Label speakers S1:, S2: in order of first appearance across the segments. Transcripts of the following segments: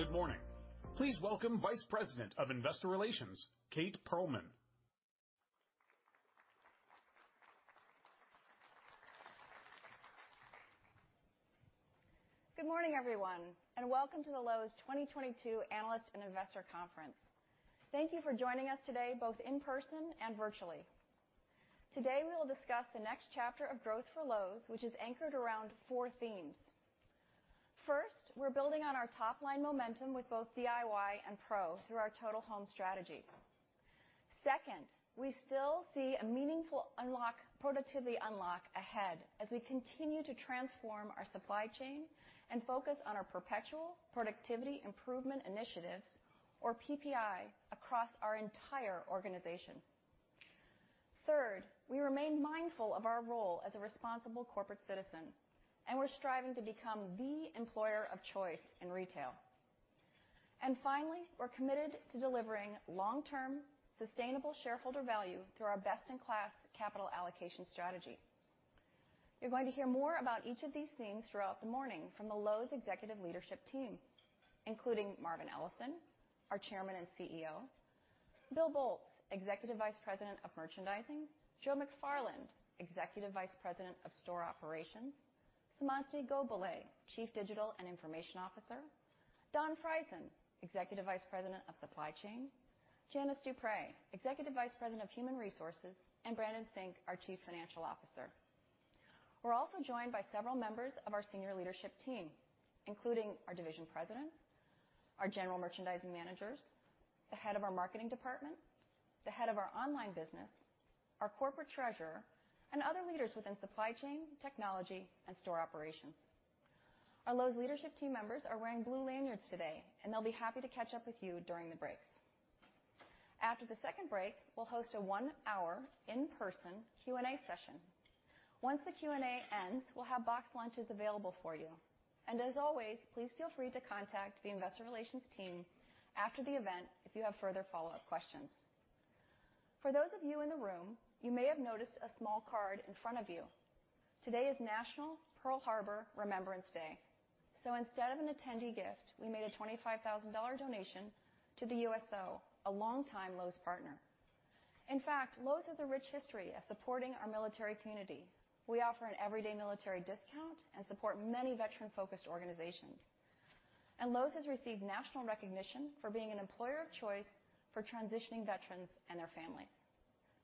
S1: Good morning. Please welcome Vice President of Investor Relations, Kate Pearlman.
S2: Good morning, everyone, and welcome to the Lowe's 2022 Analyst and Investor Conference. Thank you for joining us today, both in person and virtually. Today, we'll discuss the next chapter of growth for Lowe's, which is anchored around four themes. First, we're building on our top-line momentum with both DIY and Pro through our Total Home strategy. Second, we still see a meaningful productivity unlock ahead as we continue to transform our supply chain and focus on our perpetual productivity improvement initiatives, or PPI, across our entire organization. Third, we remain mindful of our role as a responsible corporate citizen, and we're striving to become the employer of choice in retail. Finally, we're committed to delivering long-term, sustainable shareholder value through our best-in-class capital allocation strategy. You're going to hear more about each of these themes throughout the morning from the Lowe's executive leadership team, including Marvin Ellison, our Chairman and CEO. Bill Boltz, Executive Vice President of Merchandising. Joe McFarland, Executive Vice President of Store Operations. Seemantini Godbole, Chief Digital and Information Officer. Don Frieson, Executive Vice President of Supply Chain. Janice Dupré, Executive Vice President of Human Resources, Brandon Sink, our Chief Financial Officer. We're also joined by several members of our senior leadership team, including our division presidents, our general merchandising managers, the head of our marketing department, the head of our online business, our corporate treasurer, and other leaders within supply chain, technology, and store operations. Our Lowe's leadership team members are wearing blue lanyards today, and they'll be happy to catch up with you during the breaks. After the second break, we'll host a one-hour in-person Q&A session. Once the Q&A ends, we'll have boxed lunches available for you. As always, please feel free to contact the investor relations team after the event if you have further follow-up questions. For those of you in the room, you may have noticed a small card in front of you. Today is National Pearl Harbor Remembrance Day. Instead of an attendee gift, we made a $25,000 donation to the USO, a long-time Lowe's partner. In fact, Lowe's has a rich history of supporting our military community. We offer an everyday military discount and support many veteran-focused organizations. Lowe's has received national recognition for being an employer of choice for transitioning veterans and their families.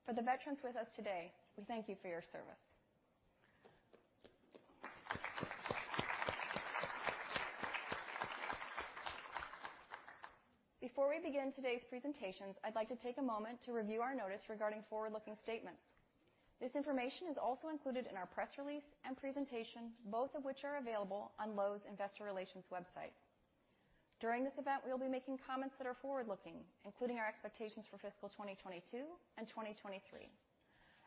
S2: For the veterans with us today, we thank you for your service. Before we begin today's presentations, I'd like to take a moment to review our notice regarding forward-looking statements. This information is also included in our press release and presentation, both of which are available on Lowe's Investor Relations website. During this event, we'll be making comments that are forward-looking, including our expectations for fiscal 2022 and 2023.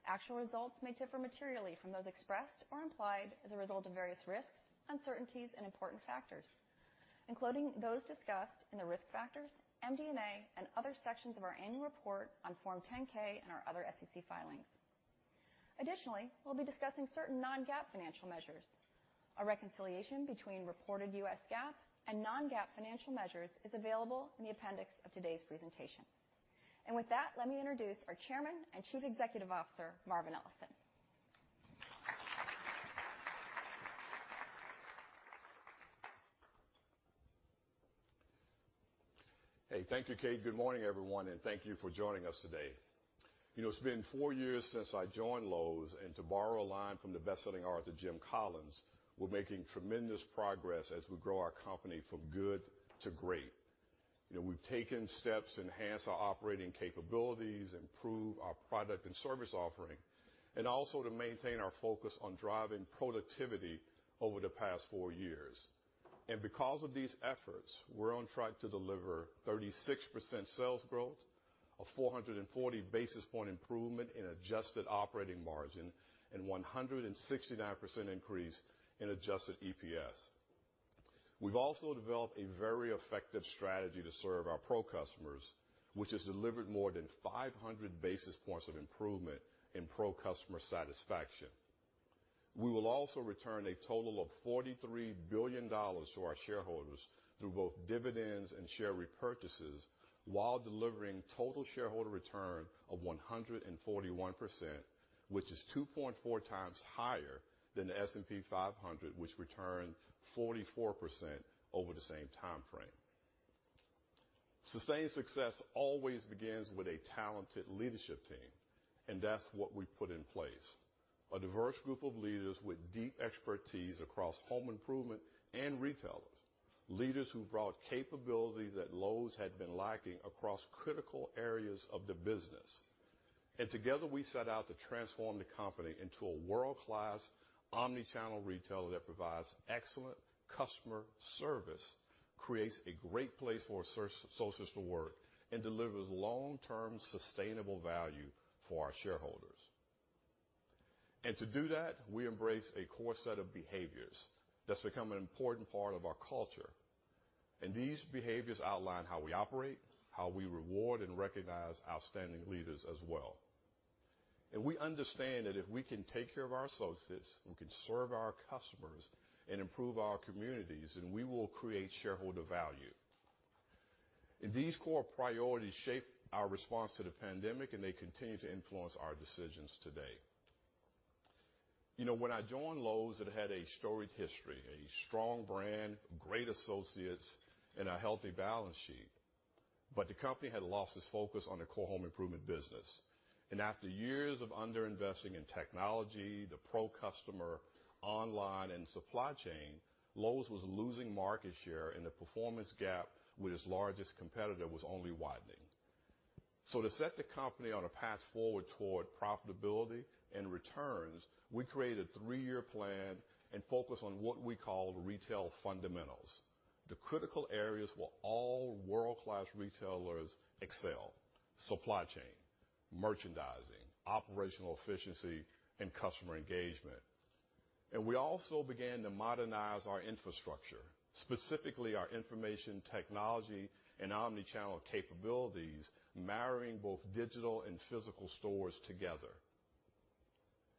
S2: Actual results may differ materially from those expressed or implied as a result of various risks, uncertainties, and important factors, including those discussed in the risk factors, MD&A, and other sections of our annual report on Form 10-K and our other SEC filings. Additionally, we'll be discussing certain non-GAAP financial measures. A reconciliation between reported U.S. GAAP and non-GAAP financial measures is available in the appendix of today's presentation. With that, let me introduce our Chairman and Chief Executive Officer, Marvin Ellison.
S3: Hey. Thank you, Kate. Good morning, everyone, thank you for joining us today. You know, it's been four years since I joined Lowe's, to borrow a line from the bestselling author, Jim Collins, we're making tremendous progress as we grow our company from good to great. You know, we've taken steps to enhance our operating capabilities, improve our product and service offering, and also to maintain our focus on driving productivity over the past four years. Because of these efforts, we're on track to deliver 36% sales growth, a 440 basis point improvement in adjusted operating margin, and 169% increase in adjusted EPS. We've also developed a very effective strategy to serve our Pro customers, which has delivered more than 500 basis points of improvement in Pro customer satisfaction. We will also return a total of $43 billion to our shareholders through both dividends and share repurchases while delivering total shareholder return of 141%, which is 2.4 times higher than the S&P 500, which returned 44% over the same timeframe. Sustained success always begins with a talented leadership team, and that's what we put in place. A diverse group of leaders with deep expertise across home improvement and retailers. Leaders who brought capabilities that Lowe's had been lacking across critical areas of the business. Together, we set out to transform the company into a world-class, omnichannel retailer that provides excellent customer service, creates a great place for associates to work, and delivers long-term sustainable value for our shareholders. To do that, we embrace a core set of behaviors that's become an important part of our culture. These behaviors outline how we operate, how we reward and recognize outstanding leaders as well. We understand that if we can take care of our associates, we can serve our customers and improve our communities, and we will create shareholder value. These core priorities shape our response to the pandemic, and they continue to influence our decisions today. You know, when I joined Lowe's, it had a storied history, a strong brand, great associates, and a healthy balance sheet. The company had lost its focus on the core home improvement business. After years of under-investing in technology, the Pro customer, online and supply chain, Lowe's was losing market share, and the performance gap with its largest competitor was only widening. To set the company on a path forward toward profitability and returns, we created a 3-year plan and focused on what we call retail fundamentals. The critical areas where all world-class retailers excel: supply chain, merchandising, operational efficiency, and customer engagement. We also began to modernize our infrastructure, specifically our information technology and omni-channel capabilities, marrying both digital and physical stores together.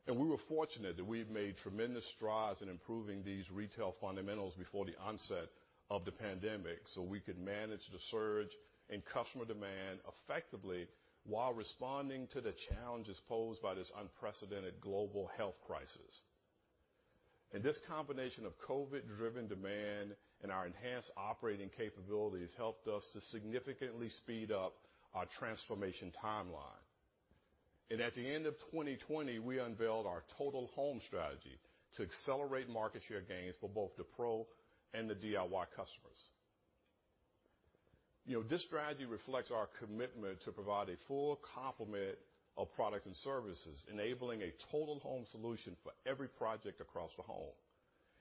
S3: We were fortunate that we've made tremendous strides in improving these retail fundamentals before the onset of the pandemic, so we could manage the surge in customer demand effectively while responding to the challenges posed by this unprecedented global health crisis. This combination of COVID-driven demand and our enhanced operating capabilities helped us to significantly speed up our transformation timeline. At the end of 2020, we unveiled our Total Home strategy to accelerate market share gains for both the Pro and the DIY customers. You know, this strategy reflects our commitment to provide a full complement of products and services, enabling a total home solution for every project across the home.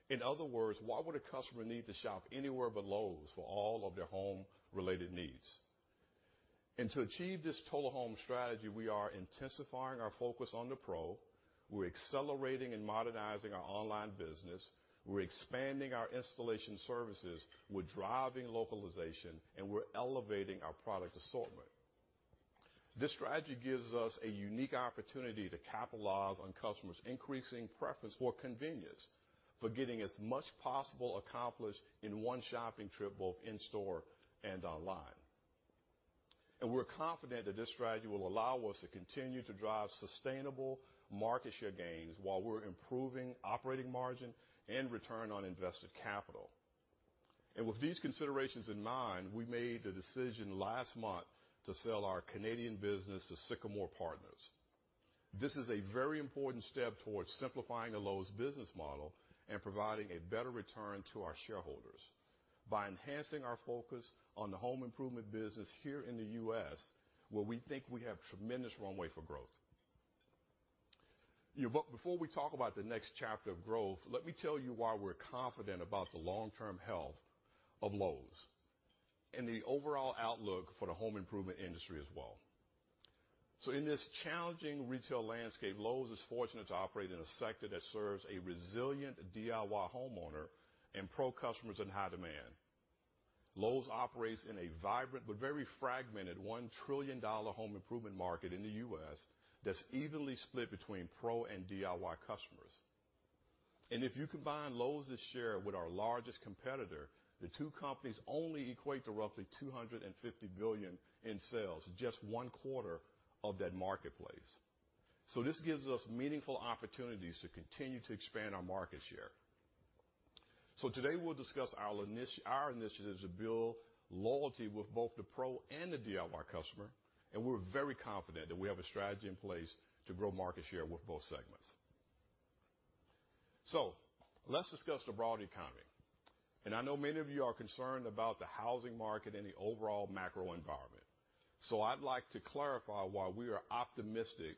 S3: In other words, why would a customer need to shop anywhere but Lowe's for all of their home-related needs? To achieve this Total Home strategy, we are intensifying our focus on the Pro, we're accelerating and modernizing our online business, we're expanding our installation services, we're driving localization, and we're elevating our product assortment. This strategy gives us a unique opportunity to capitalize on customers' increasing preference for convenience, for getting as much possible accomplished in one shopping trip, both in-store and online. We're confident that this strategy will allow us to continue to drive sustainable market share gains while we're improving operating margin and return on invested capital. With these considerations in mind, we made the decision last month to sell our Canadian business to Sycamore Partners. This is a very important step towards simplifying the Lowe's business model and providing a better return to our shareholders by enhancing our focus on the home improvement business here in the U.S., where we think we have tremendous runway for growth. You know, before we talk about the next chapter of growth, let me tell you why we're confident about the long-term health of Lowe's and the overall outlook for the home improvement industry as well. In this challenging retail landscape, Lowe's is fortunate to operate in a sector that serves a resilient DIY homeowner and Pro customers in high demand. Lowe's operates in a vibrant but very fragmented $1 trillion home improvement market in the U.S. that's evenly split between Pro and DIY customers. If you combine Lowe's share with our largest competitor, the two companies only equate to roughly $250 billion in sales, just 1/4 of that marketplace. This gives us meaningful opportunities to continue to expand our market share. Today, we'll discuss our initiatives to build loyalty with both the Pro and the DIY customer, and we're very confident that we have a strategy in place to grow market share with both segments. Let's discuss the broad economy. I know many of you are concerned about the housing market and the overall macro environment. I'd like to clarify why we are optimistic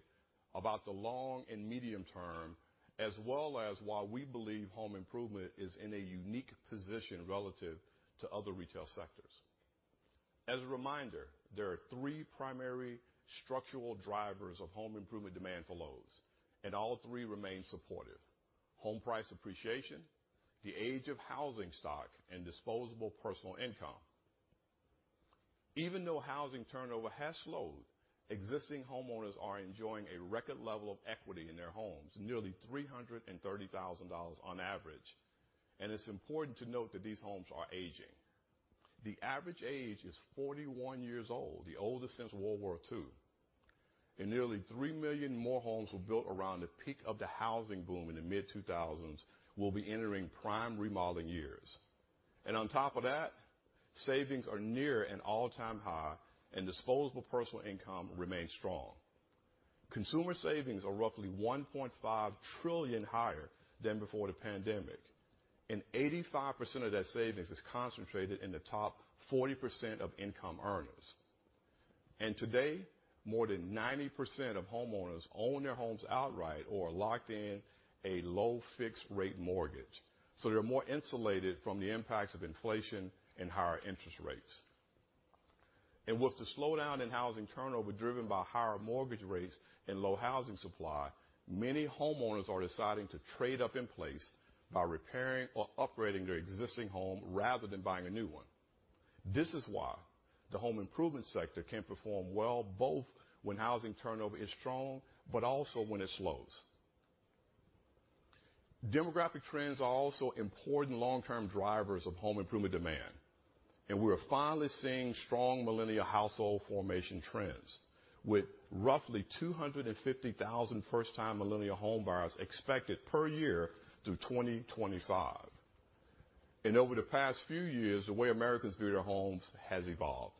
S3: about the long and medium term, as well as why we believe home improvement is in a unique position relative to other retail sectors. As a reminder, there are three primary structural drivers of home improvement demand for Lowe's. All three remain supportive: home price appreciation, the age of housing stock, and disposable personal income. Even though housing turnover has slowed, existing homeowners are enjoying a record level of equity in their homes, nearly $330,000 on average. It's important to note that these homes are aging. The average age is 41 years old, the oldest since World War II. Nearly 3 million more homes were built around the peak of the housing boom in the mid-2000s will be entering prime remodeling years. On top of that, savings are near an all-time high, and disposable personal income remains strong. Consumer savings are roughly $1.5 trillion higher than before the pandemic. 85% of that savings is concentrated in the top 40% of income earners. Today, more than 90% of homeowners own their homes outright or are locked in a low fixed rate mortgage. They're more insulated from the impacts of inflation and higher interest rates. With the slowdown in housing turnover driven by higher mortgage rates and low housing supply, many homeowners are deciding to trade up in place by repairing or upgrading their existing home rather than buying a new one. This is why the home improvement sector can perform well both when housing turnover is strong, but also when it slows. Demographic trends are also important long-term drivers of home improvement demand, and we're finally seeing strong millennial household formation trends, with roughly 250,000 first-time millennial home buyers expected per year through 2025. Over the past few years, the way Americans view their homes has evolved.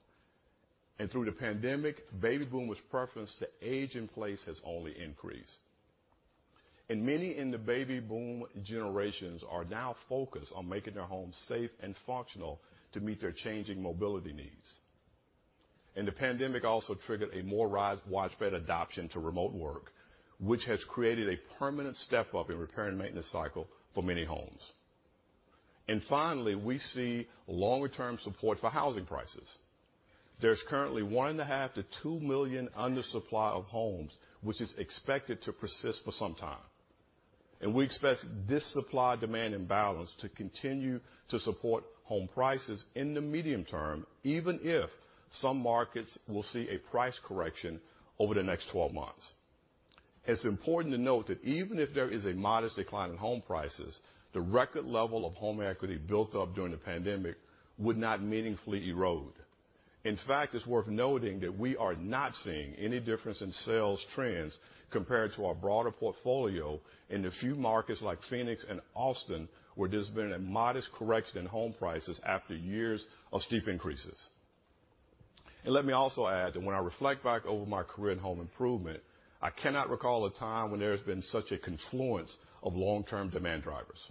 S3: Through the pandemic, baby boomers' preference to age in place has only increased. Many in the baby boom generations are now focused on making their homes safe and functional to meet their changing mobility needs. The pandemic also triggered a more widespread adoption to remote work, which has created a permanent step-up in repair and maintenance cycle for many homes. Finally, we see longer-term support for housing prices. There's currently one and a half million-2 million undersupply of homes, which is expected to persist for some time. We expect this supply-demand imbalance to continue to support home prices in the medium term, even if some markets will see a price correction over the next 12 months. It's important to note that even if there is a modest decline in home prices, the record level of home equity built up during the pandemic would not meaningfully erode. In fact, it's worth noting that we are not seeing any difference in sales trends compared to our broader portfolio in the few markets like Phoenix and Austin, where there's been a modest correction in home prices after years of steep increases. Let me also add that when I reflect back over my career in Home Improvement, I cannot recall a time when there has been such a confluence of long-term demand drivers.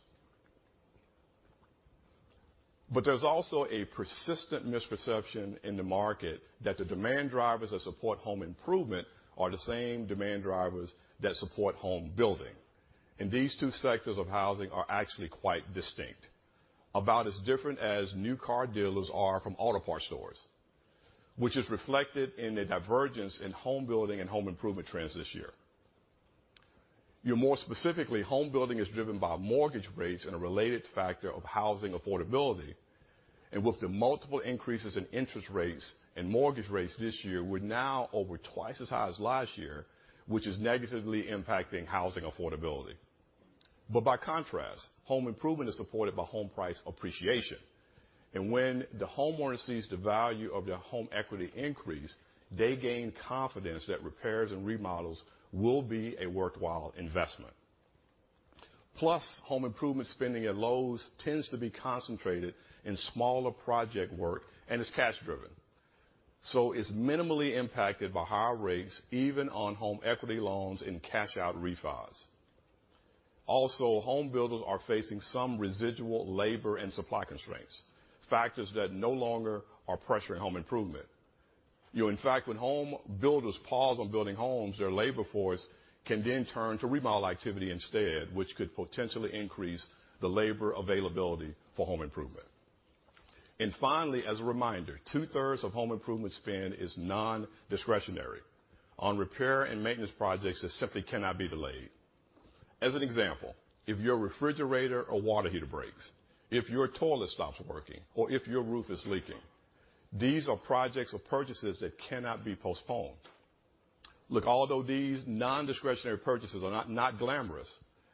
S3: There's also a persistent misperception in the market that the demand drivers that support home improvement are the same demand drivers that support home building. These two sectors of housing are actually quite distinct, about as different as new car dealers are from auto parts stores, which is reflected in the divergence in home building and home improvement trends this year. More specifically, home building is driven by mortgage rates and a related factor of housing affordability. With the multiple increases in interest rates and mortgage rates this year, we're now over twice as high as last year, which is negatively impacting housing affordability. By contrast, home improvement is supported by home price appreciation. When the homeowner sees the value of their home equity increase, they gain confidence that repairs and remodels will be a worthwhile investment. Home improvement spending at Lowe's tends to be concentrated in smaller project work and is cash driven. It's minimally impacted by higher rates even on home equity loans and cash out refis. Home builders are facing some residual labor and supply constraints, factors that no longer are pressuring home improvement. In fact, when home builders pause on building homes, their labor force can then turn to remodel activity instead, which could potentially increase the labor availability for home improvement. Finally, as a reminder, two-thirds of home improvement spend is nondiscretionary on repair and maintenance projects that simply cannot be delayed. As an example, if your refrigerator or water heater breaks, if your toilet stops working, or if your roof is leaking, these are projects or purchases that cannot be postponed. Although these nondiscretionary purchases are not glamorous,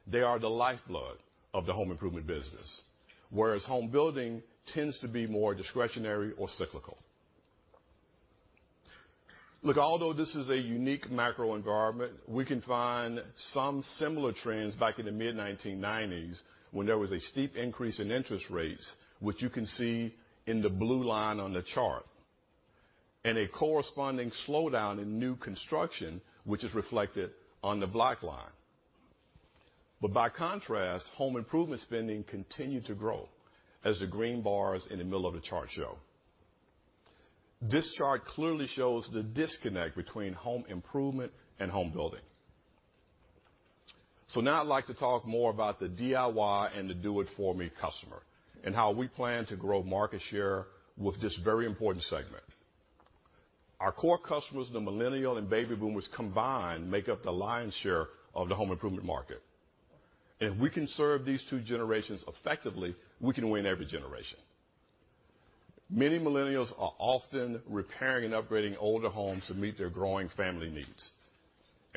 S3: they are the lifeblood of the home improvement business, whereas home building tends to be more discretionary or cyclical. Although this is a unique macro environment, we can find some similar trends back in the mid-1990s when there was a steep increase in interest rates, which you can see in the blue line on the chart, and a corresponding slowdown in new construction, which is reflected on the black line. By contrast, home improvement spending continued to grow as the green bars in the middle of the chart show. This chart clearly shows the disconnect between home improvement and home building. Now I'd like to talk more about the DIY and the do it for me customer and how we plan to grow market share with this very important segment. Our core customers, the Millennial and Baby Boomers combined, make up the lion's share of the home improvement market. If we can serve these two generations effectively, we can win every generation.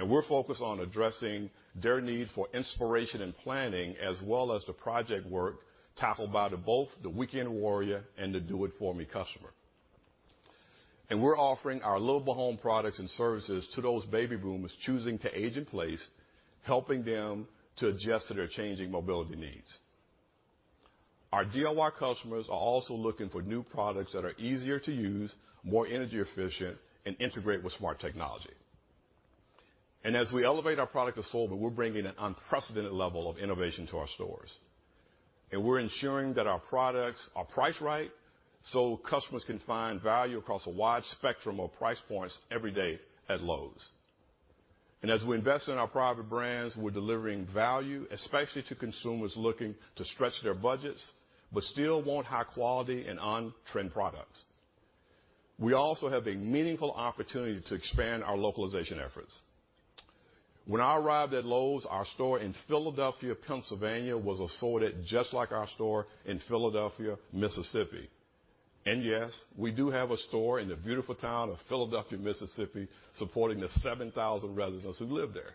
S3: We're focused on addressing their need for inspiration and planning, as well as the project work tackled by the weekend warrior and the do-it-for-me customer. We're offering our Lowe's Livable Home products and services to those Baby Boomers choosing to age-in-place, helping them to adjust to their changing mobility needs. Our DIY customers are also looking for new products that are easier to use, more energy-efficient, and integrate with smart technology. As we elevate our product assortment, we're bringing an unprecedented level of innovation to our stores. We're ensuring that our products are priced right so customers can find value across a wide spectrum of price points every day at Lowe's. As we invest in our private brands, we're delivering value, especially to consumers looking to stretch their budgets but still want high quality and on-trend products. We also have a meaningful opportunity to expand our localization efforts. When I arrived at Lowe's, our store in Philadelphia, Pennsylvania was assorted just like our store in Philadelphia, Mississippi. Yes, we do have a store in the beautiful town of Philadelphia, Mississippi, supporting the 7,000 residents who live there.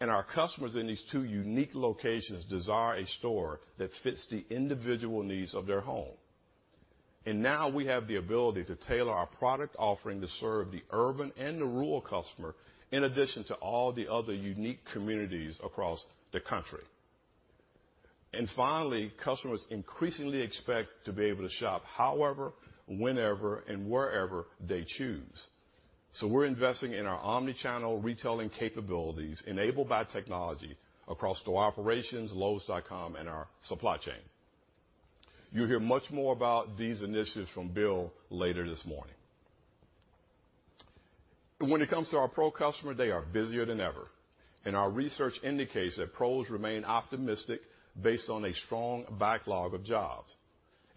S3: Our customers in these two unique locations desire a store that fits the individual needs of their home. Now we have the ability to tailor our product offering to serve the urban and the rural customer, in addition to all the other unique communities across the country. Finally, customers increasingly expect to be able to shop however, whenever, and wherever they choose. We're investing in our omni-channel retailing capabilities enabled by technology across store operations, Lowes.com, and our supply chain. You'll hear much more about these initiatives from Bill later this morning. When it comes to our Pro customer, they are busier than ever, and our research indicates that pros remain optimistic based on a strong backlog of jobs.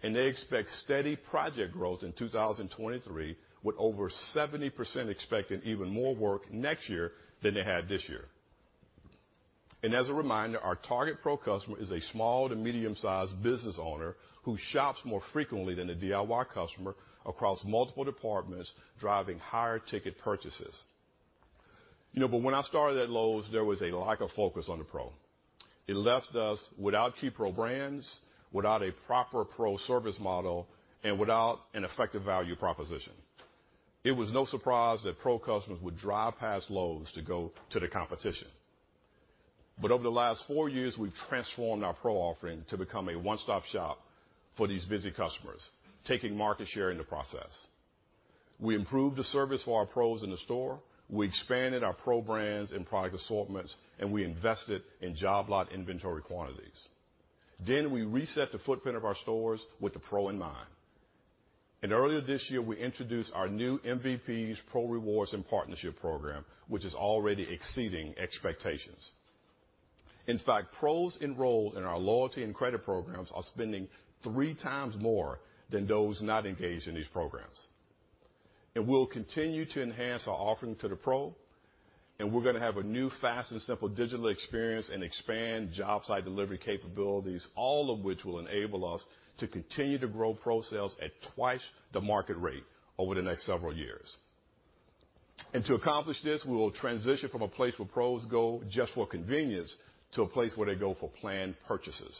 S3: They expect steady project growth in 2023, with over 70% expecting even more work next year than they had this year. As a reminder, our target Pro customer is a small to medium-sized business owner who shops more frequently than a DIY customer across multiple departments, driving higher ticket purchases. You know, when I started at Lowe's, there was a lack of focus on the pro. It left us without key Pro brands, without a proper Pro service model, and without an effective value proposition. It was no surprise that Pro customers would drive past Lowe's to go to the competition. Over the last four years, we've transformed our Pro offering to become a one-stop shop for these busy customers, taking market share in the process. We improved the service for our pros in the store. We expanded our Pro brands and product assortments, and we invested in job lot inventory quantities. We reset the footprint of our stores with the Pro in mind. Earlier this year, we introduced our new MVPs Pro Rewards and Partnership Program, which is already exceeding expectations. In fact, Pros enrolled in our loyalty and credit programs are spending three times more than those not engaged in these programs. We'll continue to enhance our offering to the Pro, and we're gonna have a new fast and simple digital experience and expand job site delivery capabilities, all of which will enable us to continue to grow Pro sales at twice the market rate over the next several years. To accomplish this, we will transition from a place where Pros go just for convenience to a place where they go for planned purchases.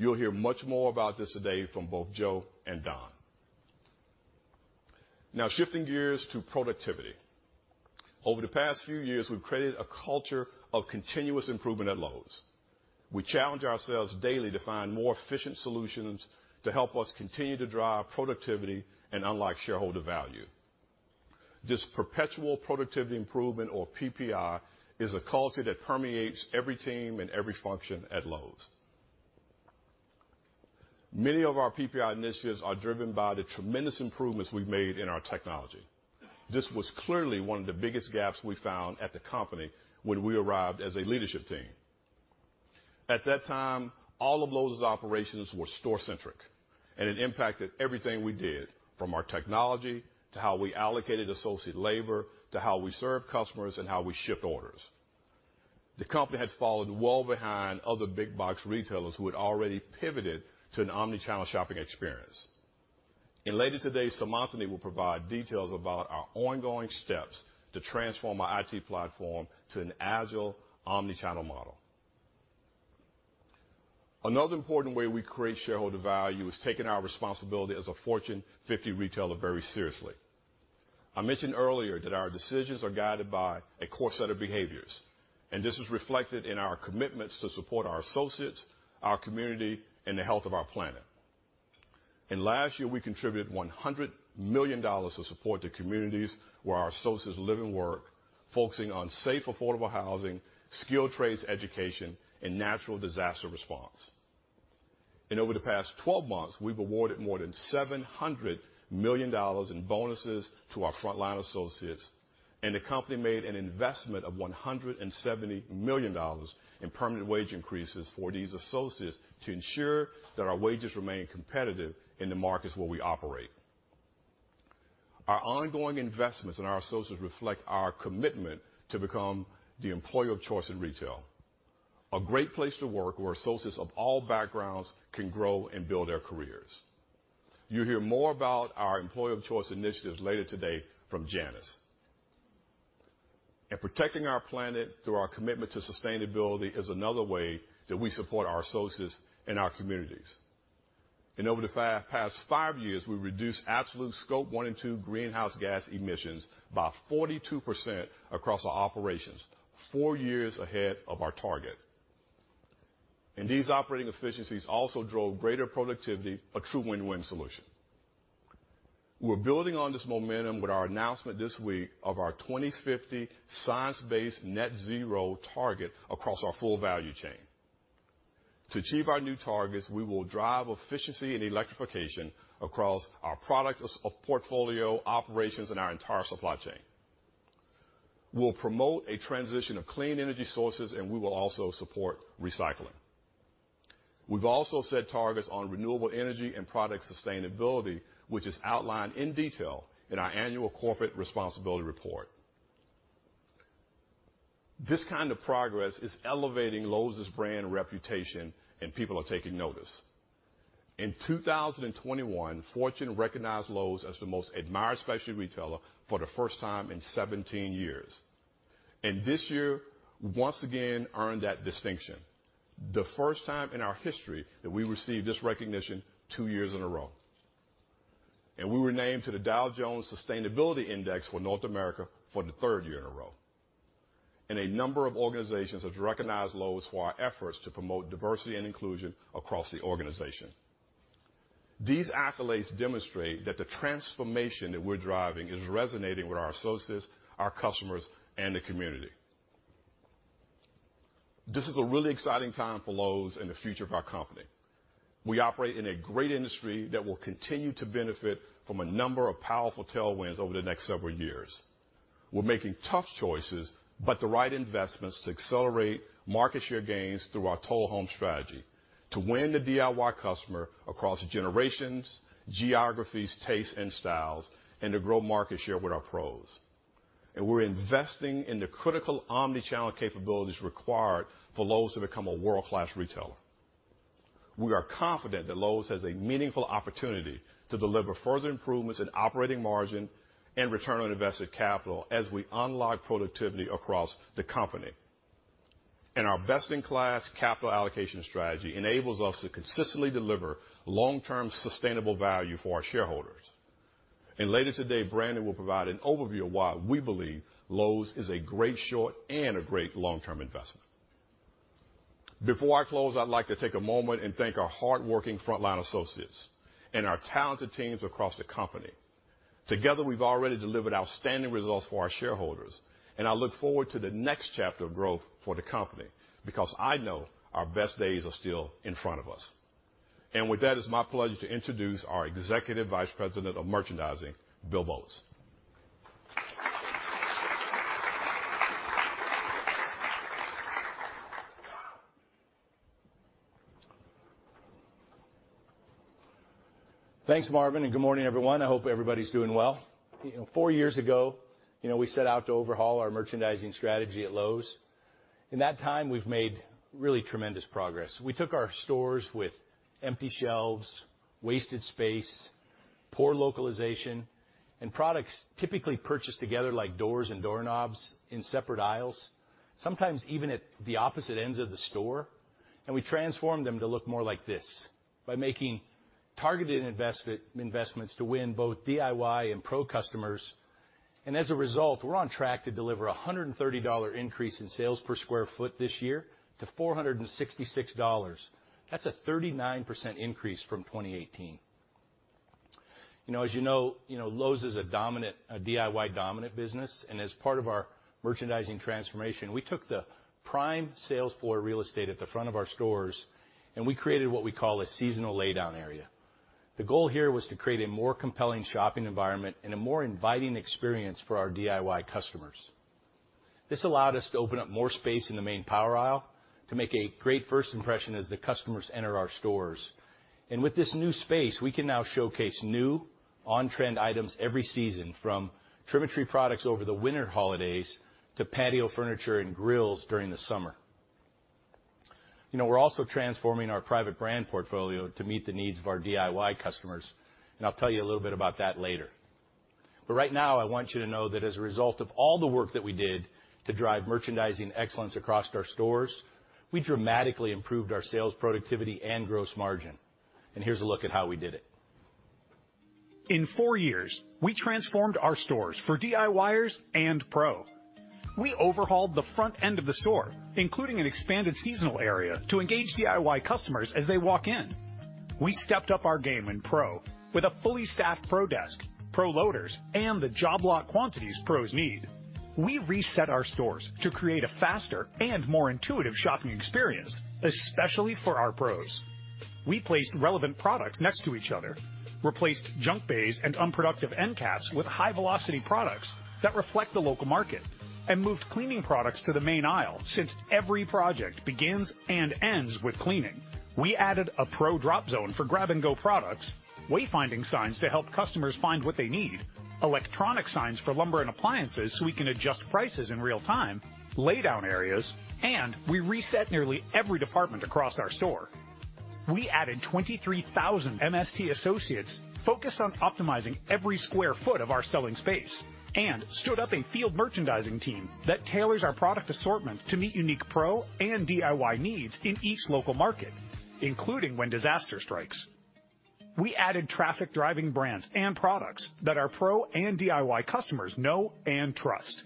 S3: You'll hear much more about this today from both Joe and Don. Now, shifting gears to productivity. Over the past few years, we've created a culture of continuous improvement at Lowe's. We challenge ourselves daily to find more efficient solutions to help us continue to drive productivity and unlock shareholder value. This perpetual productivity improvement or PPI is a culture that permeates every team and every function at Lowe's. Many of our PPI initiatives are driven by the tremendous improvements we've made in our technology. This was clearly one of the biggest gaps we found at the company when we arrived as a leadership team. At that time, all of those operations were store-centric, and it impacted everything we did, from our technology to how we allocated associate labor, to how we serve customers and how we ship orders. The company had fallen well behind other big box retailers who had already pivoted to an omni-channel shopping experience. Later today, Seemantini will provide details about our ongoing steps to transform our IT platform to an agile omni-channel model. Another important way we create shareholder value is taking our responsibility as a Fortune 50 retailer very seriously. I mentioned earlier that our decisions are guided by a core set of behaviors. This is reflected in our commitments to support our associates, our community, and the health of our planet. Last year, we contributed $100 million to support the communities where our associates live and work, focusing on safe, affordable housing, skill trades, education, and natural disaster response. Over the past 12 months, we've awarded more than $700 million in bonuses to our frontline associates. The company made an investment of $170 million in permanent wage increases for these associates to ensure that our wages remain competitive in the markets where we operate. Our ongoing investments in our associates reflect our commitment to become the employer of choice in retail. A great place to work where associates of all backgrounds can grow and build their careers. You'll hear more about our employer of choice initiatives later today from Janice. Protecting our planet through our commitment to sustainability is another way that we support our associates and our communities. Over the past five years, we've reduced absolute Scope 1 and 2 greenhouse gas emissions by 42% across our operations, four years ahead of our target. These operating efficiencies also drove greater productivity, a true win-win solution. We're building on this momentum with our announcement this week of our 2050 science-based net-zero target across our full value chain. To achieve our new targets, we will drive efficiency and electrification across our product portfolio operations and our entire supply chain. We'll promote a transition of clean energy sources. We will also support recycling. We've also set targets on renewable energy and product sustainability, which is outlined in detail in our annual corporate responsibility report. This kind of progress is elevating Lowe's brand reputation and people are taking notice. In 2021, Fortune recognized Lowe's as the most admired specialty retailer for the first time in 17 years. This year once again earned that distinction, the first time in our history that we received this recognition two years in a row. We were named to the Dow Jones Sustainability Index for North America for the third year in a row. A number of organizations have recognized Lowe's for our efforts to promote diversity and inclusion across the organization. These accolades demonstrate that the transformation that we're driving is resonating with our associates, our customers, and the community. This is a really exciting time for Lowe's and the future of our company. We operate in a great industry that will continue to benefit from a number of powerful tailwinds over the next several years. We're making tough choices, but the right investments to accelerate market share gains through our Total Home strategy to win the DIY customer across generations, geographies, tastes, and styles, and to grow market share with our Pros. We're investing in the critical omni-channel capabilities required for Lowe's to become a world-class retailer. We are confident that Lowe's has a meaningful opportunity to deliver further improvements in operating margin and return on invested capital as we unlock productivity across the company. Our best-in-class capital allocation strategy enables us to consistently deliver long-term sustainable value for our shareholders. Later today, Brandon will provide an overview of why we believe Lowe's is a great short and a great long-term investment. Before I close, I'd like to take a moment and thank our hardworking frontline associates and our talented teams across the company. Together, we've already delivered outstanding results for our shareholders, and I look forward to the next chapter of growth for the company, because I know our best days are still in front of us. With that, it's my pleasure to introduce our Executive Vice President of Merchandising, Bill Boltz.
S4: Thanks, Marvin. Good morning, everyone. I hope everybody's doing well. Four years ago, you know, we set out to overhaul our merchandising strategy at Lowe's. In that time, we've made really tremendous progress. We took our stores with empty shelves, wasted space, poor localization, and products typically purchased together, like doors and doorknobs in separate aisles, sometimes even at the opposite ends of the store, and we transformed them to look more like this by making targeted investments to win both DIY and Pro customers. As a result, we're on track to deliver a $130 increase in sales per sq ft this year to $466. That's a 39% increase from 2018. You know, as you know, you know, Lowe's is a DIY dominant business. As part of our merchandising transformation, we took the prime sales floor real estate at the front of our stores, and we created what we call a seasonal laydown area. The goal here was to create a more compelling shopping environment and a more inviting experience for our DIY customers. This allowed us to open up more space in the main power aisle to make a great first impression as the customers enter our stores. With this new space, we can now showcase new on-trend items every season, from trim a tree products over the winter holidays to patio furniture and grills during the summer. You know, we're also transforming our private brand portfolio to meet the needs of our DIY customers, and I'll tell you a little bit about that later. Right now, I want you to know that as a result of all the work that we did to drive merchandising excellence across our stores, we dramatically improved our sales productivity and gross margin. Here's a look at how we did it.
S5: In four years, we transformed our stores for DIYers and Pro. We overhauled the front end of the store, including an expanded seasonal area to engage DIY customers as they walk in. We stepped up our game in Pro with a fully staffed Pro desk, Pro loaders, and the job lot quantities Pros need. We reset our stores to create a faster and more intuitive shopping experience, especially for our Pros. We placed relevant products next to each other, replaced junk bays and unproductive end caps with high-velocity products that reflect the local market, and moved cleaning products to the main aisle since every project begins and ends with cleaning. We added a Pro drop zone for grab-and-go products, wayfinding signs to help customers find what they need, electronic signs for lumber and appliances, so we can adjust prices in real time, laydown areas, and we reset nearly every department across our store. We added 23,000 MST associates focused on optimizing every square foot of our selling space and stood up a field merchandising team that tailors our product assortment to meet unique Pro and DIY needs in each local market, including when disaster strikes. We added traffic-driving brands and products that our Pro and DIY customers know and trust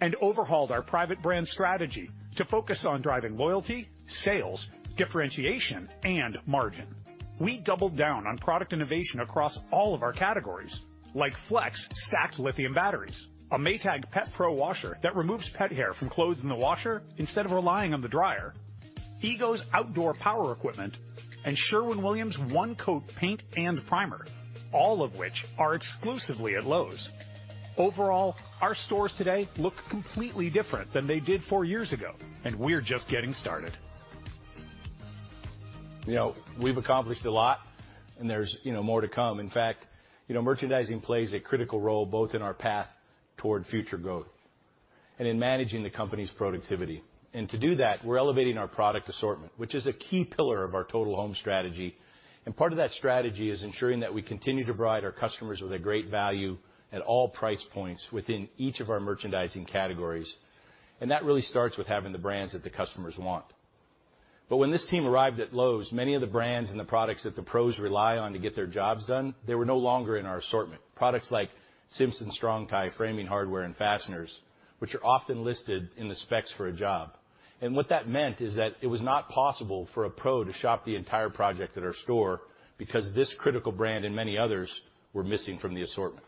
S5: and overhauled our private brand strategy to focus on driving loyalty, sales, differentiation, and margin. We doubled down on product innovation across all of our categories, like FLEX stacked lithium batteries, a Maytag Pet Pro washer that removes pet hair from clothes in the washer instead of relying on the dryer, EGO's outdoor power equipment, and Sherwin-Williams one-coat paint and primer, all of which are exclusively at Lowe's. Overall, our stores today look completely different than they did 4 years ago. We're just getting started.
S4: You know, we've accomplished a lot. There's, you know, more to come. In fact, you know, merchandising plays a critical role both in our path toward future growth and in managing the company's productivity. To do that, we're elevating our product assortment, which is a key pillar of our Total Home strategy. Part of that strategy is ensuring that we continue to provide our customers with a great value at all price points within each of our merchandising categories. That really starts with having the brands that the customers want. When this team arrived at Lowe's, many of the brands and the products that the pros rely on to get their jobs done, they were no longer in our assortment. Products like Simpson Strong-Tie framing hardware and fasteners, which are often listed in the specs for a job. What that meant is that it was not possible for a Pro to shop the entire project at our store because this critical brand and many others were missing from the assortment.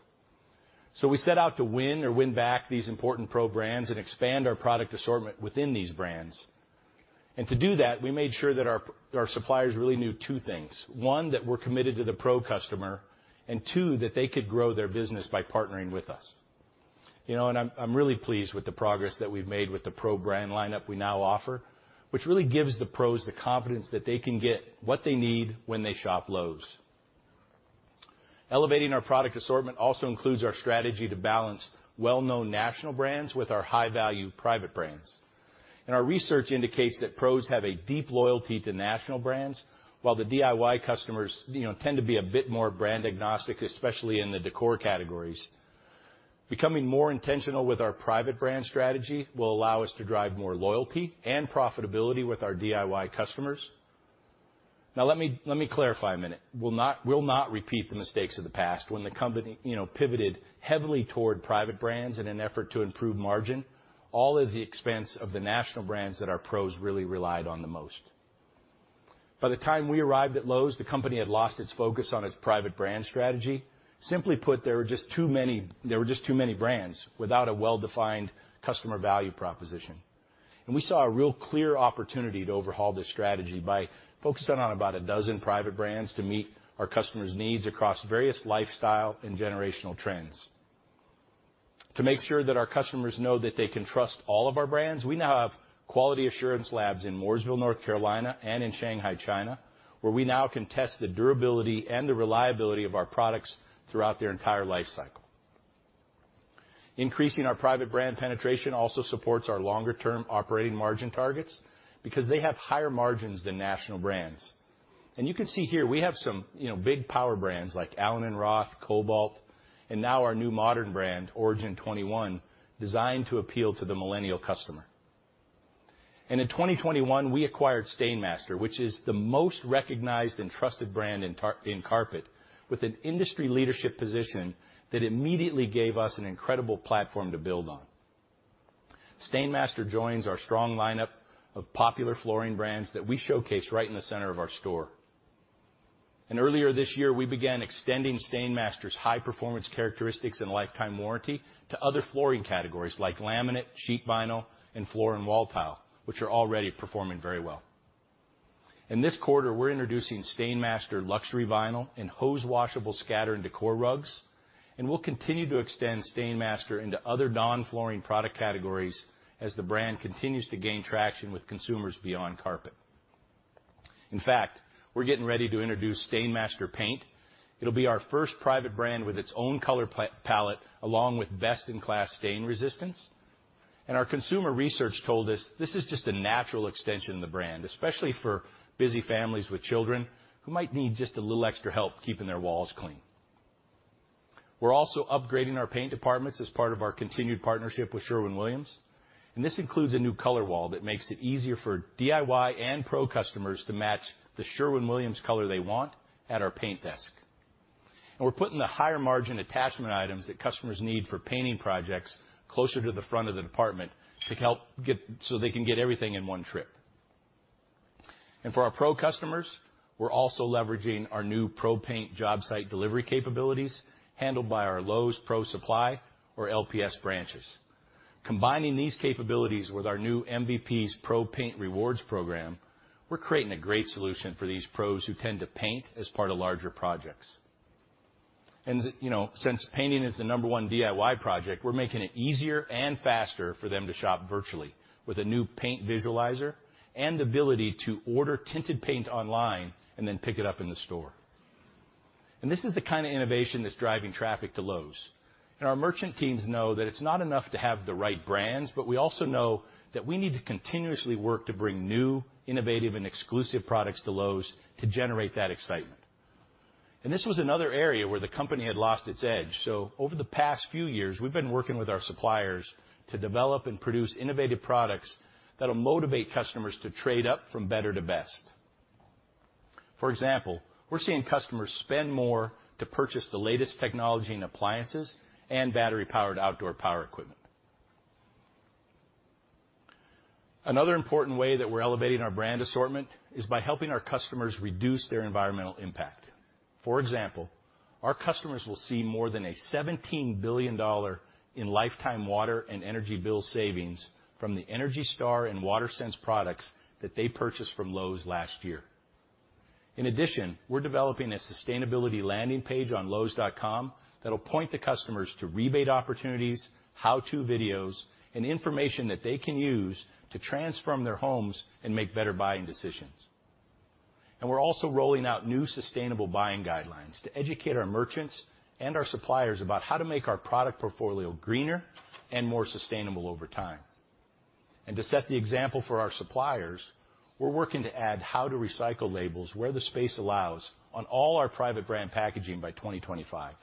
S4: We set out to win or win back these important Pro brands and expand our product assortment within these brands. To do that, we made sure that our suppliers really knew two things. One, that we're committed to the Pro customer, and two, that they could grow their business by partnering with us. You know, I'm really pleased with the progress that we've made with the Pro brand lineup we now offer, which really gives the Pros the confidence that they can get what they need when they shop Lowe's. Elevating our product assortment also includes our strategy to balance well-known national brands with our high-value private brands. Our research indicates that Pro have a deep loyalty to national brands, while the DIY customers, you know, tend to be a bit more brand-agnostic, especially in the decor categories. Becoming more intentional with our private brand strategy will allow us to drive more loyalty and profitability with our DIY customers. Now let me clarify a minute. We'll not repeat the mistakes of the past when the company, you know, pivoted heavily toward private brands in an effort to improve margin, all at the expense of the national brands that our Pro really relied on the most. By the time we arrived at Lowe's, the company had lost its focus on its private brand strategy. Simply put, there were just too many brands without a well-defined customer value proposition. We saw a real clear opportunity to overhaul this strategy by focusing on about 12 private brands to meet our customers' needs across various lifestyle and generational trends. To make sure that our customers know that they can trust all of our brands, we now have quality assurance labs in Mooresville, North Carolina, and in Shanghai, China, where we now can test the durability and the reliability of our products throughout their entire life cycle. Increasing our private brand penetration also supports our longer-term operating margin targets because they have higher margins than national brands. You can see here we have some, you know, big power brands like allen + roth, Kobalt, and now our new modern brand, Origin 21, designed to appeal to the millennial customer. In 2021, we acquired STAINMASTER, which is the most recognized and trusted brand in carpet, with an industry leadership position that immediately gave us an incredible platform to build on. STAINMASTER joins our strong lineup of popular flooring brands that we showcase right in the center of our store. Earlier this year, we began extending STAINMASTER's high-performance characteristics and lifetime warranty to other flooring categories like laminate, sheet vinyl, and floor and wall tile, which are already performing very well. In this quarter, we're introducing STAINMASTER luxury vinyl and hose-washable scatter and decor rugs, and we'll continue to extend STAINMASTER into other non-flooring product categories as the brand continues to gain traction with consumers beyond carpet. In fact, we're getting ready to introduce STAINMASTER paint. It'll be our first private brand with its own color palette, along with best-in-class stain resistance. Our consumer research told us this is just a natural extension of the brand, especially for busy families with children who might need just a little extra help keeping their walls clean. We're also upgrading our paint departments as part of our continued partnership with Sherwin-Williams, and this includes a new color wall that makes it easier for DIY and Pro customers to match the Sherwin-Williams color they want at our paint desk. We're putting the higher-margin attachment items that customers need for painting projects closer to the front of the department so they can get everything in one trip. For our Pro customers, we're also leveraging our new Pro paint job site delivery capabilities handled by our Lowe's Pro Supply or LPS branches. Combining these capabilities with our new MVPs Pro Paint Rewards program, we're creating a great solution for these pros who tend to paint as part of larger projects. You know, since painting is the number-one DIY project, we're making it easier and faster for them to shop virtually with a new paint visualizer and the ability to order tinted paint online and then pick it up in the store. This is the kind of innovation that's driving traffic to Lowe's. Our merchant teams know that it's not enough to have the right brands, but we also know that we need to continuously work to bring new, innovative, and exclusive products to Lowe's to generate that excitement. This was another area where the company had lost its edge. Over the past few years, we've been working with our suppliers to develop and produce innovative products that'll motivate customers to trade up from better to best. For example, we're seeing customers spend more to purchase the latest technology in appliances and battery-powered outdoor power equipment. Another important way that we're elevating our brand assortment is by helping our customers reduce their environmental impact. For example, our customers will see more than a $17 billion in lifetime water and energy bill savings from the ENERGY STAR and WaterSense products that they purchased from Lowe's last year. In addition, we're developing a sustainability landing page on Lowes.com that'll point the customers to rebate opportunities, how-to videos, and information that they can use to transform their homes and make better buying decisions. We're also rolling out new sustainable buying guidelines to educate our merchants and our suppliers about how to make our product portfolio greener and more sustainable over time. To set the example for our suppliers, we're working to add how-to-recycle labels, where the space allows, on all our private brand packaging by 2025.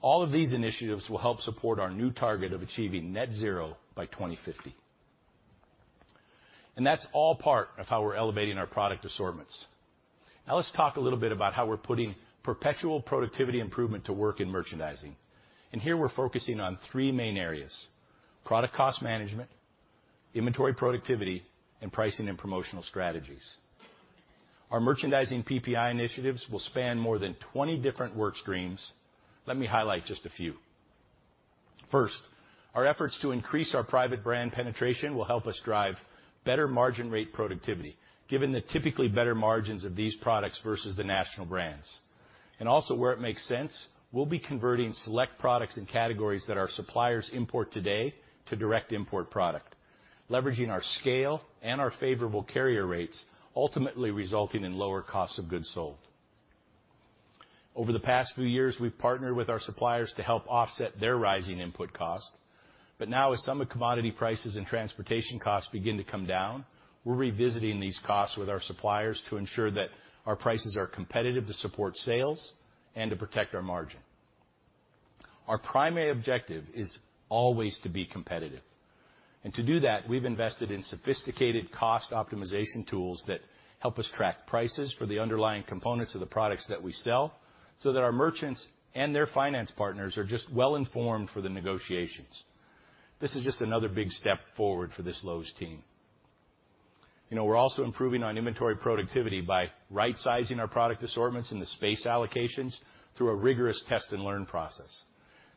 S4: All of these initiatives will help support our new target of achieving net-zero by 2050. That's all part of how we're elevating our product assortments. Now let's talk a little bit about how we're putting perpetual productivity improvement to work in merchandising. Here we're focusing on three main areas: product cost management, inventory productivity, and pricing and promotional strategies. Our merchandising PPI initiatives will span more than 20 different work streams. Let me highlight just a few. First, our efforts to increase our private brand penetration will help us drive better margin rate productivity, given the typically better margins of these products versus the national brands. Also where it makes sense, we'll be converting select products and categories that our suppliers import today to direct import product, leveraging our scale and our favorable carrier rates, ultimately resulting in lower costs of goods sold. Over the past few years, we've partnered with our suppliers to help offset their rising input costs, but now as some commodity prices and transportation costs begin to come down, we're revisiting these costs with our suppliers to ensure that our prices are competitive to support sales and to protect our margin. Our primary objective is always to be competitive. To do that, we've invested in sophisticated cost optimization tools that help us track prices for the underlying components of the products that we sell so that our merchants and their finance partners are just well informed for the negotiations. This is just another big step forward for this Lowe's team. You know, we're also improving on inventory productivity by right-sizing our product assortments in the space allocations through a rigorous test-and-learn process.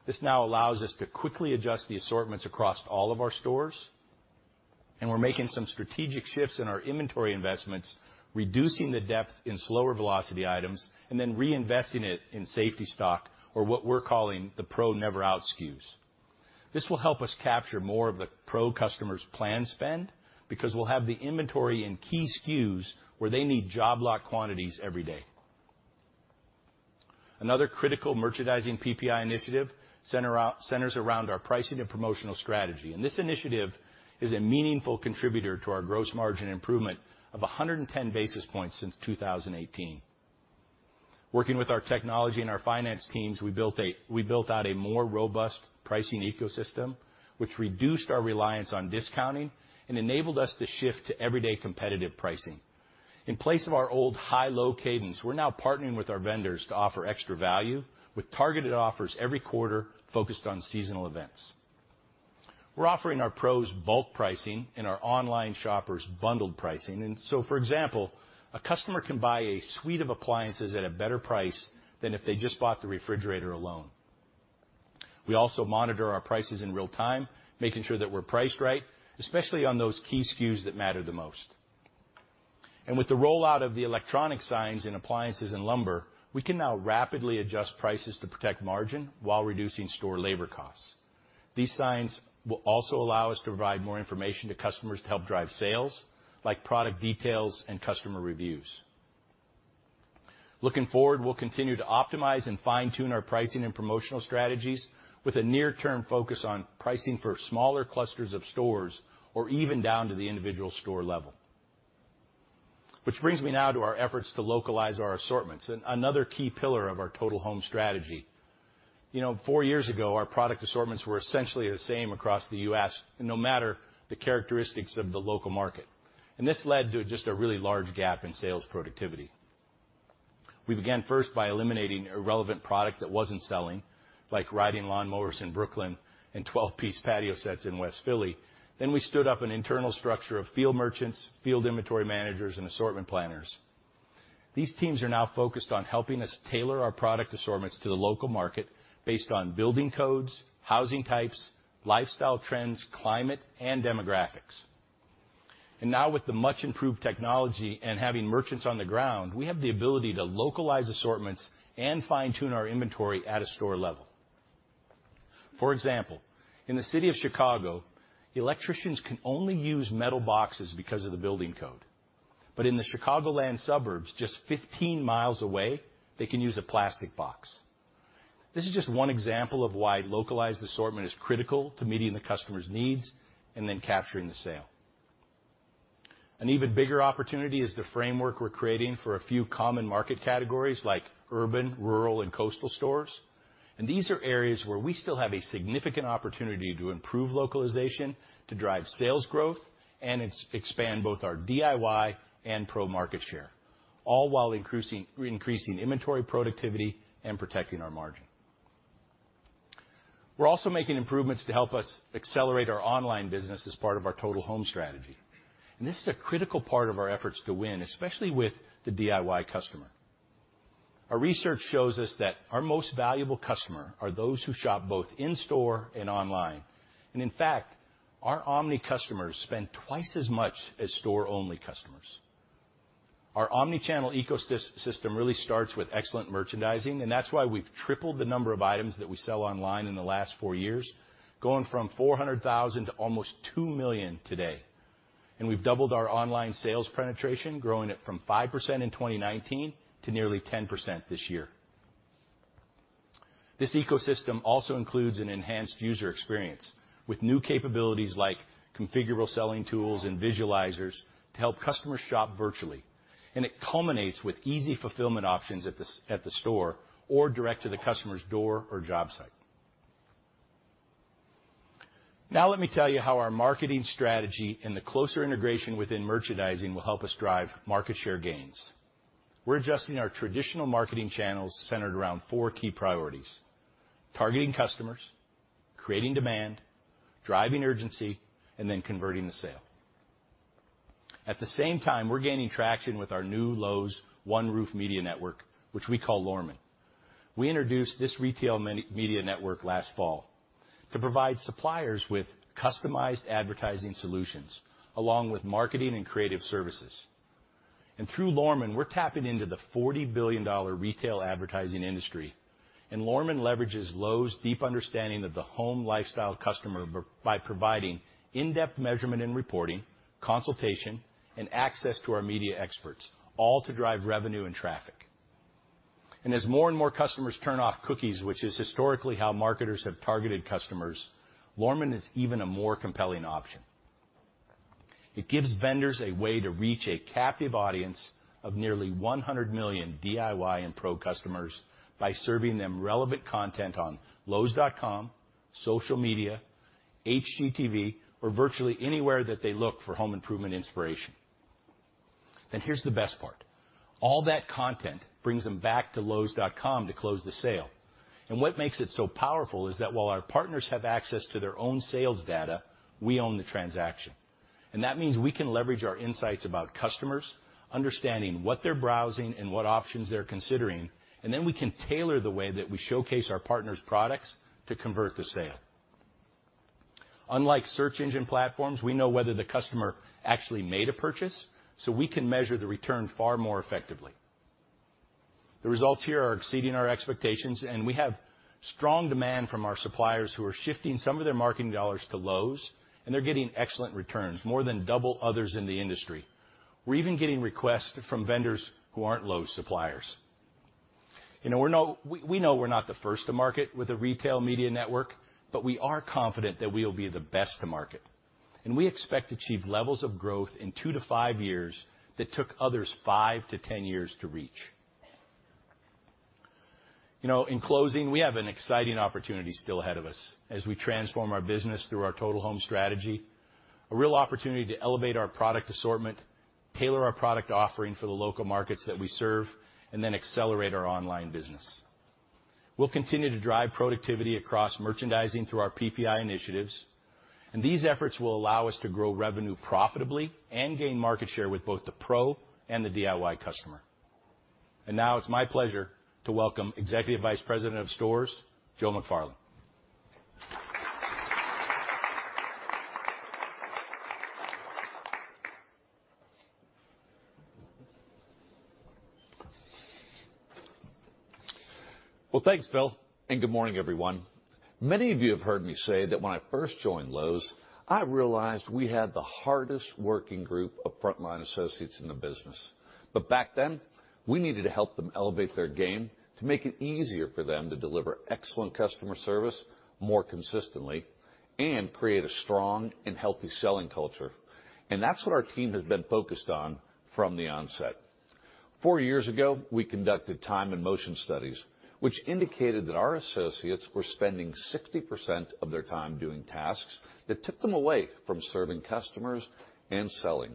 S4: This now allows us to quickly adjust the assortments across all of our stores. We're making some strategic shifts in our inventory investments, reducing the depth in slower velocity items, and then reinvesting it in safety stock or what we're calling the Pro never out SKUs. This will help us capture more of the Pro customers' planned spend because we'll have the inventory and key SKUs where they need job lock quantities every day. Another critical merchandising PPI initiative centers around our pricing and promotional strategy. This initiative is a meaningful contributor to our gross margin improvement of 110 basis points since 2018. Working with our technology and our finance teams, we built out a more robust pricing ecosystem, which reduced our reliance on discounting and enabled us to shift to everyday competitive pricing. In place of our old high-low cadence, we're now partnering with our vendors to offer extra value with targeted offers every quarter focused on seasonal events. We're offering our Pro bulk pricing and our online shoppers bundled pricing. For example, a customer can buy a suite of appliances at a better price than if they just bought the refrigerator alone. We also monitor our prices in real time, making sure that we're priced right, especially on those key SKUs that matter the most. With the rollout of the electronic signs in appliances and lumber, we can now rapidly adjust prices to protect margin while reducing store labor costs. These signs will also allow us to provide more information to customers to help drive sales, like product details and customer reviews. Looking forward, we'll continue to optimize and fine-tune our pricing and promotional strategies with a near-term focus on pricing for smaller clusters of stores or even down to the individual store level. Brings me now to our efforts to localize our assortments, another key pillar of our Total Home strategy. You know, four years ago, our product assortments were essentially the same across the U.S., no matter the characteristics of the local market. This led to just a really large gap in sales productivity. We began first by eliminating irrelevant product that wasn't selling, like riding lawnmowers in Brooklyn and 12-piece patio sets in West Philly. We stood up an internal structure of field merchants, field inventory managers, and assortment planners. These teams are now focused on helping us tailor our product assortments to the local market based on building codes, housing types, lifestyle trends, climate, and demographics. Now with the much improved technology and having merchants on the ground, we have the ability to localize assortments and fine-tune our inventory at a store level. For example, in the city of Chicago, electricians can only use metal boxes because of the building code. In the Chicagoland suburbs, just 15 miles away, they can use a plastic box. This is just one example of why localized assortment is critical to meeting the customer's needs and then capturing the sale. An even bigger opportunity is the framework we're creating for a few common market categories like urban, rural, and coastal stores. These are areas where we still have a significant opportunity to improve localization, to drive sales growth, and expand both our DIY and Pro market share, all while increasing inventory productivity and protecting our margin. We're also making improvements to help us accelerate our online business as part of our Total Home strategy. This is a critical part of our efforts to win, especially with the DIY customer. Our research shows us that our most valuable customer are those who shop both in store and online. In fact, our omni customers spend twice as much as store-only customers. Our omnichannel ecosystem really starts with excellent merchandising, that's why we've tripled the number of items that we sell online in the last 4 years, going from 400,000 to almost 2 million today. We've doubled our online sales penetration, growing it from 5% in 2019 to nearly 10% this year. This ecosystem also includes an enhanced user experience with new capabilities like configurable selling tools and visualizers to help customers shop virtually. It culminates with easy fulfillment options at the store or direct to the customer's door or job site. Let me tell you how our marketing strategy and the closer integration within merchandising will help us drive market share gains. We're adjusting our traditional marketing channels centered around four key priorities: targeting customers, creating demand, driving urgency, converting the sale. At the same time, we're gaining traction with our new Lowe's One Roof Media Network, which we call LORMEN. We introduced this retail media network last fall to provide suppliers with customized advertising solutions, along with marketing and creative services. Through LORMEN, we're tapping into the $40 billion retail advertising industry, and LORMEN leverages Lowe's deep understanding of the home lifestyle customer by providing in-depth measurement and reporting, consultation, and access to our media experts, all to drive revenue and traffic. As more and more customers turn off cookies, which is historically how marketers have targeted customers, LORMEN is even a more compelling option. It gives vendors a way to reach a captive audience of nearly 100 million DIY and Pro customers by serving them relevant content on Lowes.com, social media, HDTV, or virtually anywhere that they look for home improvement inspiration. Here's the best part, all that content brings them back to Lowes.com to close the sale. What makes it so powerful is that while our partners have access to their own sales data, we own the transaction. That means we can leverage our insights about customers, understanding what they're browsing and what options they're considering, and then we can tailor the way that we showcase our partners' products to convert the sale. Unlike search engine platforms, we know whether the customer actually made a purchase, so we can measure the return far more effectively. The results here are exceeding our expectations, and we have strong demand from our suppliers who are shifting some of their marketing dollars to Lowe's, and they're getting excellent returns, more than double others in the industry. We're even getting requests from vendors who aren't Lowe's suppliers. You know, we know we're not the first to market with a retail media network, but we are confident that we will be the best to market. We expect to achieve levels of growth in 2 to 5 years that took others 5 to 10 years to reach. You know, in closing, we have an exciting opportunity still ahead of us as we transform our business through our Total Home strategy, a real opportunity to elevate our product assortment, tailor our product offering for the local markets that we serve, and then accelerate our online business. We'll continue to drive productivity across merchandising through our PPI initiatives, these efforts will allow us to grow revenue profitably and gain market share with both the Pro and the DIY customer. Now it's my pleasure to welcome Executive Vice President of Stores, Joe McFarland.
S6: Thanks, Bill, and good morning, everyone. Many of you have heard me say that when I first joined Lowe's, I realized we had the hardest-working group of frontline associates in the business. Back then, we needed to help them elevate their game to make it easier for them to deliver excellent customer service more consistently and create a strong and healthy selling culture. That's what our team has been focused on from the onset. 4 years ago, we conducted time and motion studies, which indicated that our associates were spending 60% of their time doing tasks that took them away from serving customers and selling.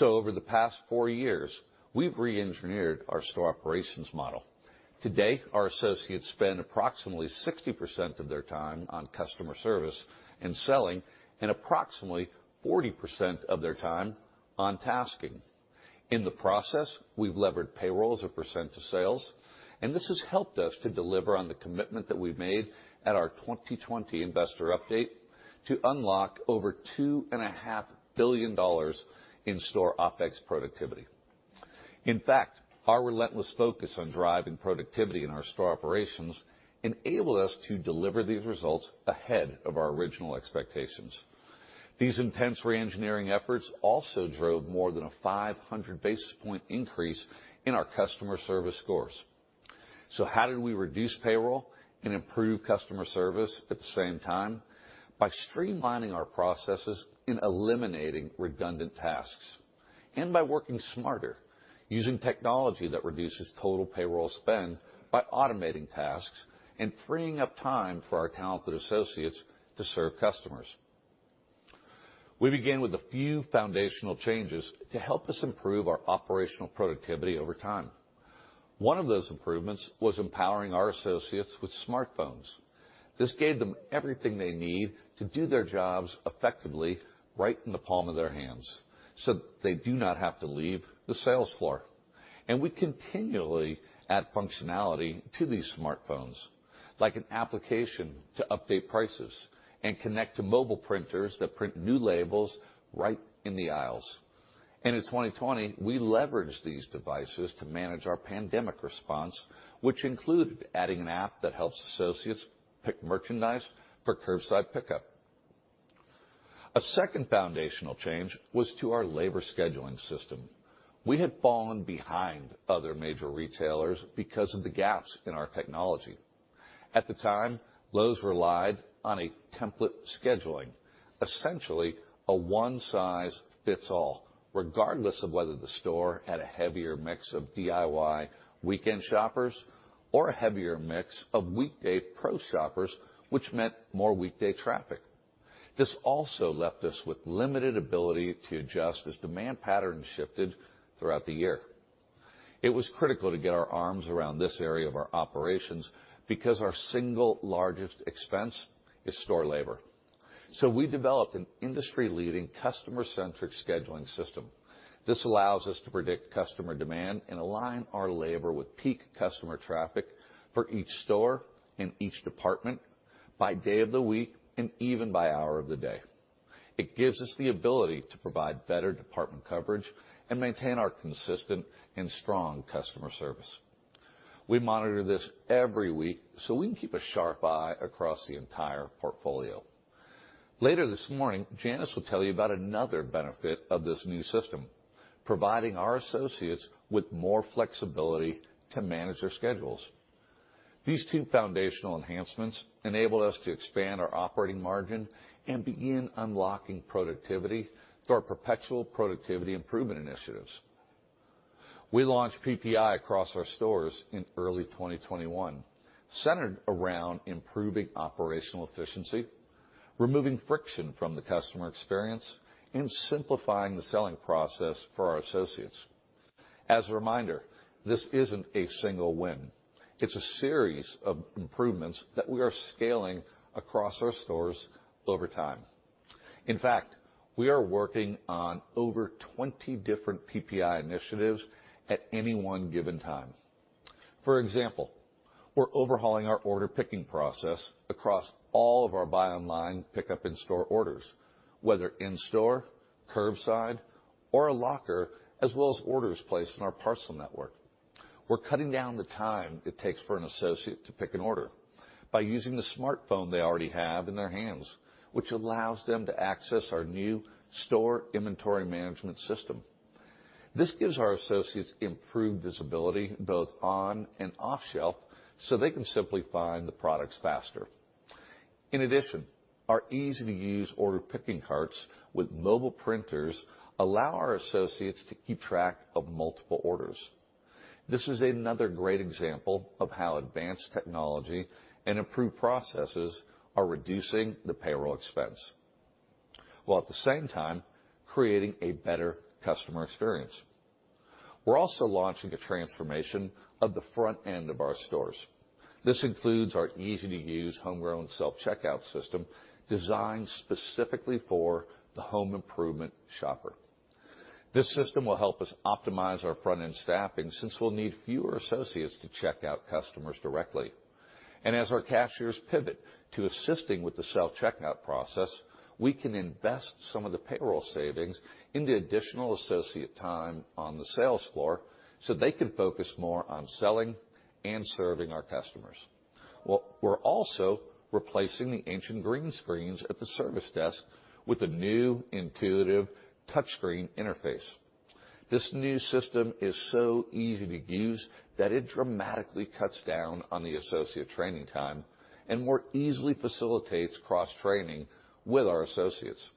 S6: Over the past 4 years, we've reengineered our store operations model. Today, our associates spend approximately 60% of their time on customer service and selling and approximately 40% of their time on tasking. In the process, we've levered payroll as a percent of sales, and this has helped us to deliver on the commitment that we made at our 2020 investor update to unlock over $2.5 billion in store OPEX productivity. In fact, our relentless focus on driving productivity in our store operations enabled us to deliver these results ahead of our original expectations. These intense reengineering efforts also drove more than a 500 basis point increase in our customer service scores. How did we reduce payroll and improve customer service at the same time? By streamlining our processes and eliminating redundant tasks, and by working smarter, using technology that reduces total payroll spend by automating tasks and freeing up time for our talented associates to serve customers. We began with a few foundational changes to help us improve our operational productivity over time. One of those improvements was empowering our associates with smartphones. This gave them everything they need to do their jobs effectively right in the palm of their hands, so they do not have to leave the sales floor. We continually add functionality to these smartphones, like an application to update prices and connect to mobile printers that print new labels right in the aisles. In 2020, we leveraged these devices to manage our pandemic response, which included adding an app that helps associates pick merchandise for curbside pickup. A second foundational change was to our labor scheduling system. We had fallen behind other major retailers because of the gaps in our technology. At the time, Lowe's relied on a template scheduling, essentially a one-size-fits-all, regardless of whether the store had a heavier mix of DIY weekend shoppers or a heavier mix of weekday Pro shoppers, which meant more weekday traffic. This also left us with limited ability to adjust as demand patterns shifted throughout the year. It was critical to get our arms around this area of our operations because our single largest expense is store labor. We developed an industry-leading customer-centric scheduling system. This allows us to predict customer demand and align our labor with peak customer traffic for each store and each department by day of the week and even by hour of the day. It gives us the ability to provide better department coverage and maintain our consistent and strong customer service. We monitor this every week, so we can keep a sharp eye across the entire portfolio. Later this morning, Janice will tell you about another benefit of this new system, providing our associates with more flexibility to manage their schedules. These two foundational enhancements enable us to expand our operating margin and begin unlocking productivity through our perpetual productivity improvement initiatives. We launched PPI across our stores in early 2021, centered around improving operational efficiency, removing friction from the customer experience, and simplifying the selling process for our associates. As a reminder, this isn't a single win. It's a series of improvements that we are scaling across our stores over time. In fact, we are working on over 20 different PPI initiatives at any one given time. For example, we're overhauling our order picking process across all of our Buy Online, Pick Up In-Store orders, whether in-store, curbside, or a locker, as well as orders placed in our parcel network. We're cutting down the time it takes for an associate to pick an order by using the smartphone they already have in their hands, which allows them to access our new store inventory management system. This gives our associates improved visibility both on and off shelf so they can simply find the products faster. In addition, our easy-to-use order picking carts with mobile printers allow our associates to keep track of multiple orders. This is another great example of how advanced technology and improved processes are reducing the payroll expense, while at the same time creating a better customer experience. We're also launching a transformation of the front end of our stores. This includes our easy-to-use homegrown self-checkout system designed specifically for the home improvement shopper. This system will help us optimize our front-end staffing since we'll need fewer associates to check out customers directly. As our cashiers pivot to assisting with the self-checkout process, we can invest some of the payroll savings in the additional associate time on the sales floor so they can focus more on selling and serving our customers. We're also replacing the ancient green screens at the service desk with a new intuitive touchscreen interface. This new system is so easy to use that it dramatically cuts down on the associate training time and more easily facilitates cross-training with our associates.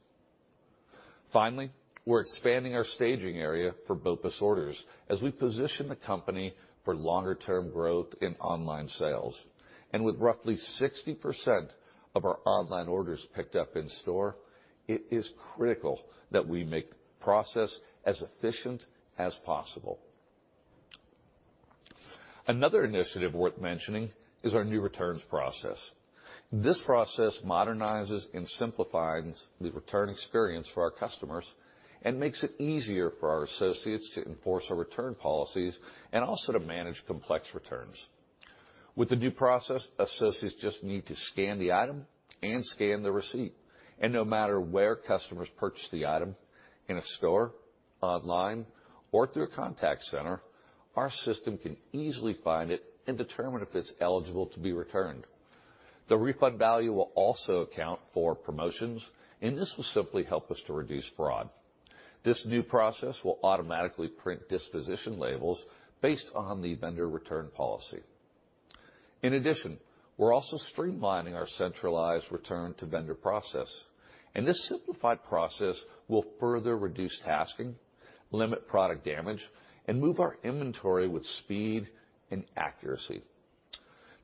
S6: Finally, we're expanding our staging area for BOPUS orders as we position the company for longer-term growth in online sales. With roughly 60% of our online orders picked up in store, it is critical that we make the process as efficient as possible. Another initiative worth mentioning is our new returns process. This process modernizes and simplifies the return experience for our customers and makes it easier for our associates to enforce our return policies and also to manage complex returns. With the new process, associates just need to scan the item and scan the receipt. No matter where customers purchase the item, in a store, online, or through a contact center, our system can easily find it and determine if it's eligible to be returned. The refund value will also account for promotions. This will simply help us to reduce fraud. This new process will automatically print disposition labels based on the vendor return policy. In addition, we're also streamlining our centralized return to vendor process. This simplified process will further reduce tasking, limit product damage, and move our inventory with speed and accuracy.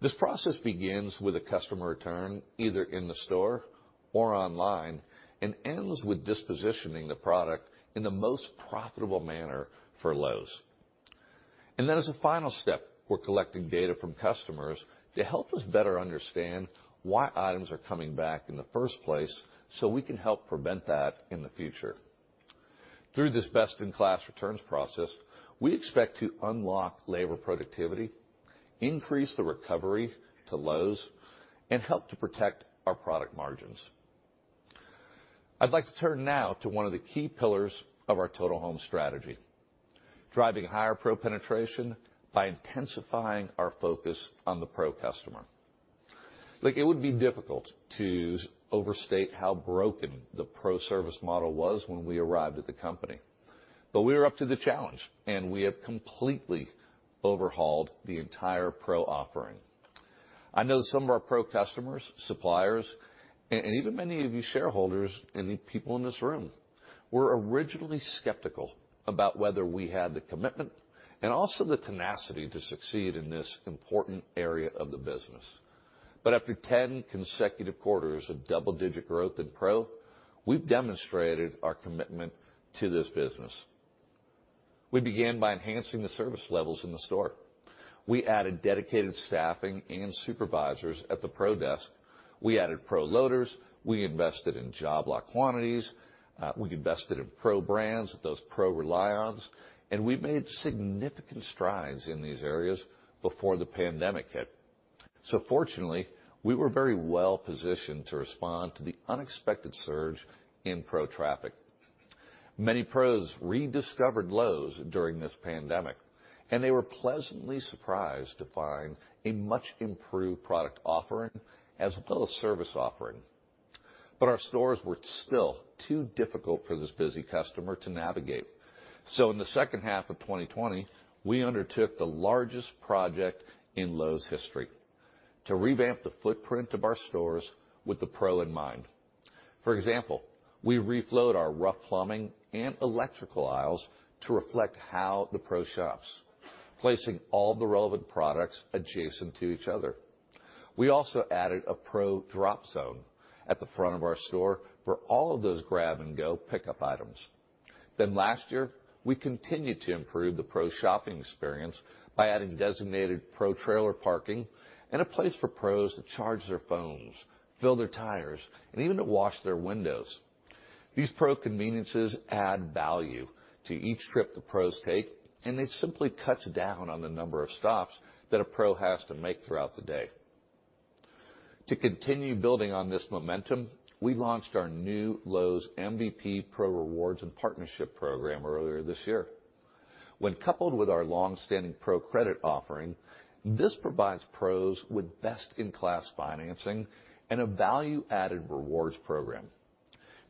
S6: This process begins with a customer return either in the store or online and ends with dispositioning the product in the most profitable manner for Lowe's. Then as a final step, we're collecting data from customers to help us better understand why items are coming back in the first place so we can help prevent that in the future. Through this best-in-class returns process, we expect to unlock labor productivity, increase the recovery to Lowe's, and help to protect our product margins. I'd like to turn now to one of the key pillars of our Total Home strategy, driving higher Pro penetration by intensifying our focus on the Pro customer. It would be difficult to overstate how broken the Pro service model was when we arrived at the company. We were up to the challenge, and we have completely overhauled the entire Pro offering. I know some of our Pro customers, suppliers, even many of you shareholders and the people in this room were originally skeptical about whether we had the commitment and also the tenacity to succeed in this important area of the business. After 10 consecutive quarters of double-digit growth in pro, we've demonstrated our commitment to this business. We began by enhancing the service levels in the store. We added dedicated staffing and supervisors at the Pro desk. We added Pro loaders. We invested in job lock quantities. We invested in Pro brands with those Pro rely-ons, and we made significant strides in these areas before the pandemic hit. Fortunately, we were very well positioned to respond to the unexpected surge in Pro traffic. Many pros rediscovered Lowe's during this pandemic, and they were pleasantly surprised to find a much-improved product offering as well as service offering. Our stores were still too difficult for this busy customer to navigate. In the second half of 2020, we undertook the largest project in Lowe's history, to revamp the footprint of our stores with the Pro in mind. For example, we reflowed our rough plumbing and electrical aisles to reflect how the Pro shops, placing all the relevant products adjacent to each other. We also added a Pro drop zone at the front of our store for all of those grab-and-go pickup items. Last year, we continued to improve the Pro shopping experience by adding designated Pro trailer parking and a place for pros to charge their phones, fill their tires, and even to wash their windows. These Pro conveniences add value to each trip the Pros take, and it simply cuts down on the number of stops that a Pro has to make throughout the day. To continue building on this momentum, we launched our new Lowe's MVPs Pro Rewards and Partnership Program earlier this year. When coupled with our long-standing Pro credit offering, this provides Pros with best-in-class financing and a value-added rewards program.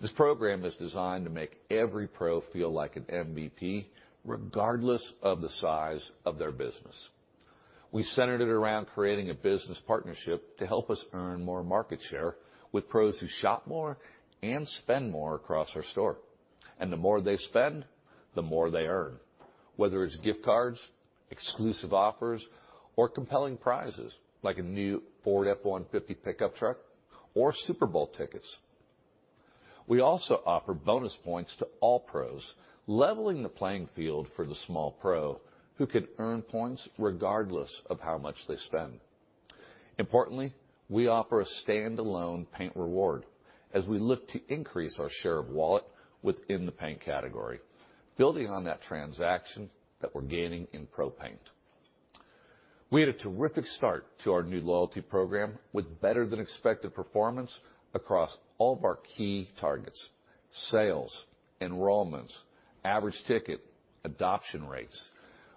S6: This program is designed to make every Pro feel like an MVP, regardless of the size of their business. We centered it around creating a business partnership to help us earn more market share with Pros who shop more and spend more across our store. The more they spend, the more they earn, whether it's gift cards, exclusive offers, or compelling prizes like a new Ford F-150 pickup truck or Super Bowl tickets. We also offer bonus points to all Pros, leveling the playing field for the small Pro who could earn points regardless of how much they spend. Importantly, we offer a stand-alone paint reward as we look to increase our share of wallet within the paint category, building on that transaction that we're gaining in Pro paint. We had a terrific start to our new loyalty program with better-than-expected performance across all of our key targets: sales, enrollments, average ticket, adoption rates.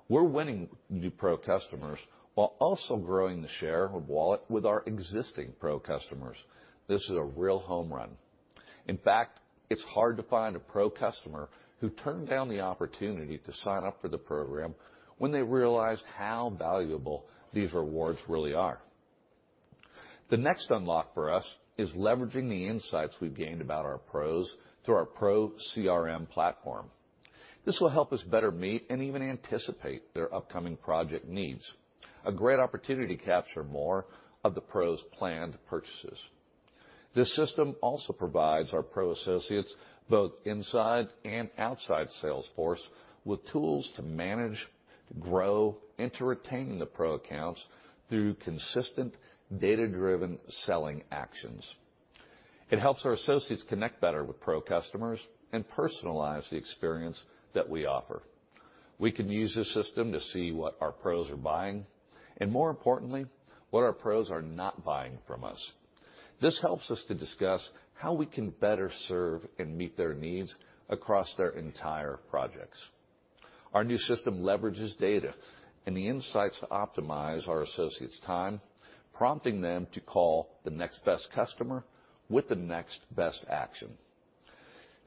S6: We're winning new Pro customers while also growing the share of wallet with our existing Pro customers. This is a real home run. In fact, it's hard to find a Pro customer who turned down the opportunity to sign up for the program when they realized how valuable these rewards really are. The next unlock for us is leveraging the insights we've gained about our Pros through our Pro CRM platform. This will help us better meet and even anticipate their upcoming project needs, a great opportunity to capture more of the Pros' planned purchases. This system also provides our Pro associates, both inside and outside Salesforce, with tools to manage, grow, and to retain the Pro accounts through consistent, data-driven selling actions. It helps our associates connect better with Pro customers and personalize the experience that we offer. We can use this system to see what our pros are buying and, more importantly, what our pros are not buying from us. This helps us to discuss how we can better serve and meet their needs across their entire projects. Our new system leverages data and the insights to optimize our associates' time, prompting them to call the next best customer with the next best action.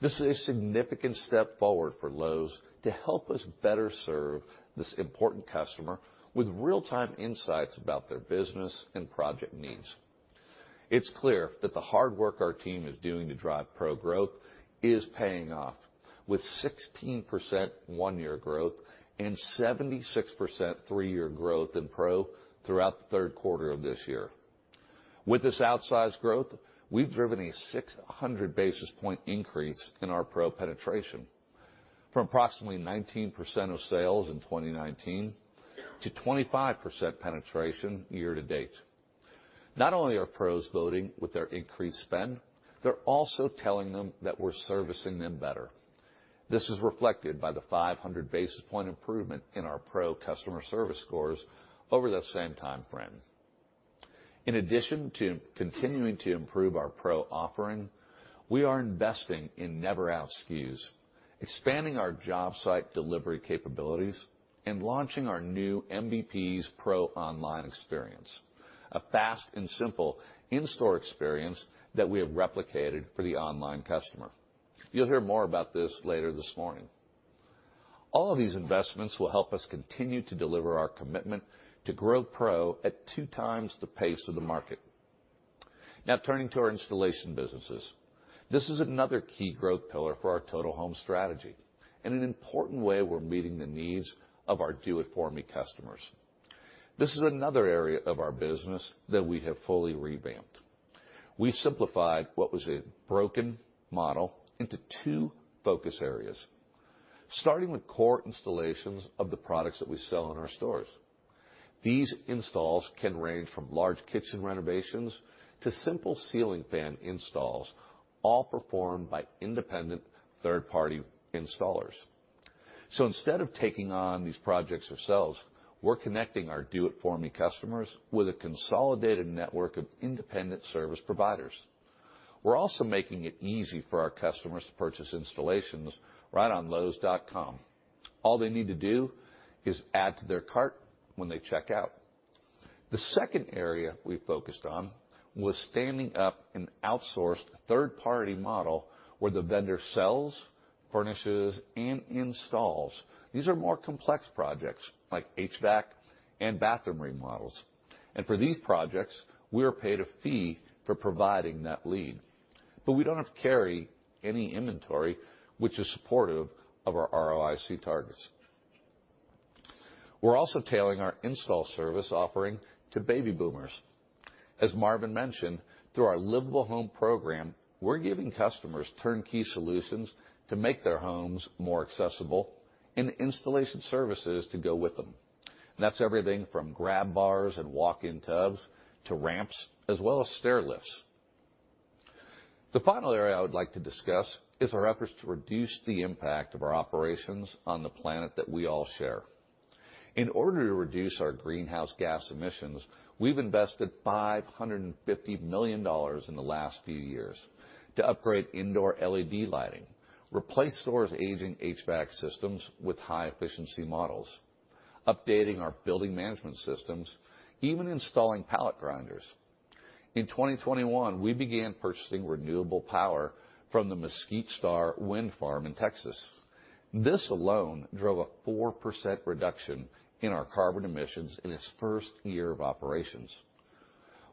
S6: This is a significant step forward for Lowe's to help us better serve this important customer with real-time insights about their business and project needs. It's clear that the hard work our team is doing to drive Pro growth is paying off with 16% one-year growth and 76% three-year growth in Pro throughout the third quarter of this year. With this outsized growth, we've driven a 600 basis point increase in our Pro penetration from approximately 19% of sales in 2019 to 25% penetration year to date. Not only are Pros voting with their increased spend, they're also telling them that we're servicing them better. This is reflected by the 500 basis point improvement in our Pro customer service scores over that same timeframe. In addition to continuing to improve our Pro offering, we are investing in never out SKUs, expanding our job site delivery capabilities, and launching our new MVPs Pro Online Experience, a fast and simple in-store experience that we have replicated for the online customer. You'll hear more about this later this morning. All of these investments will help us continue to deliver our commitment to grow Pro at two times the pace of the market. Turning to our installation businesses. This is another key growth pillar for our Total Home strategy, and an important way we're meeting the needs of our Do It For Me customers. This is another area of our business that we have fully revamped. We simplified what was a broken model into two focus areas, starting with core installations of the products that we sell in our stores. These installs can range from large kitchen renovations to simple ceiling fan installs, all performed by independent third-party installers. Instead of taking on these projects ourselves, we're connecting our Do It For Me customers with a consolidated network of independent service providers. We're also making it easy for our customers to purchase installations right on Lowes.com. All they need to do is add to their cart when they check out. The second area we focused on was standing up an outsourced third-party model where the vendor sells, furnishes, and installs. These are more complex projects like HVAC and bathroom remodels. For these projects, we are paid a fee for providing that lead, but we don't have to carry any inventory, which is supportive of our ROIC targets. We're also tailoring our install service offering to baby boomers. As Marvin mentioned, through our Livable Home program, we're giving customers turnkey solutions to make their homes more accessible and installation services to go with them. That's everything from grab bars and walk-in tubs to ramps, as well as stair lifts. The final area I would like to discuss is our efforts to reduce the impact of our operations on the planet that we all share. In order to reduce our greenhouse gas emissions, we've invested $550 million in the last few years to upgrade indoor LED lighting, replace stores' aging HVAC systems with high-efficiency models, updating our building management systems, even installing pallet grinders. In 2021, we began purchasing renewable power from the Mesquite Star Wind Farm in Texas. This alone drove a 4% reduction in our carbon emissions in its first year of operations.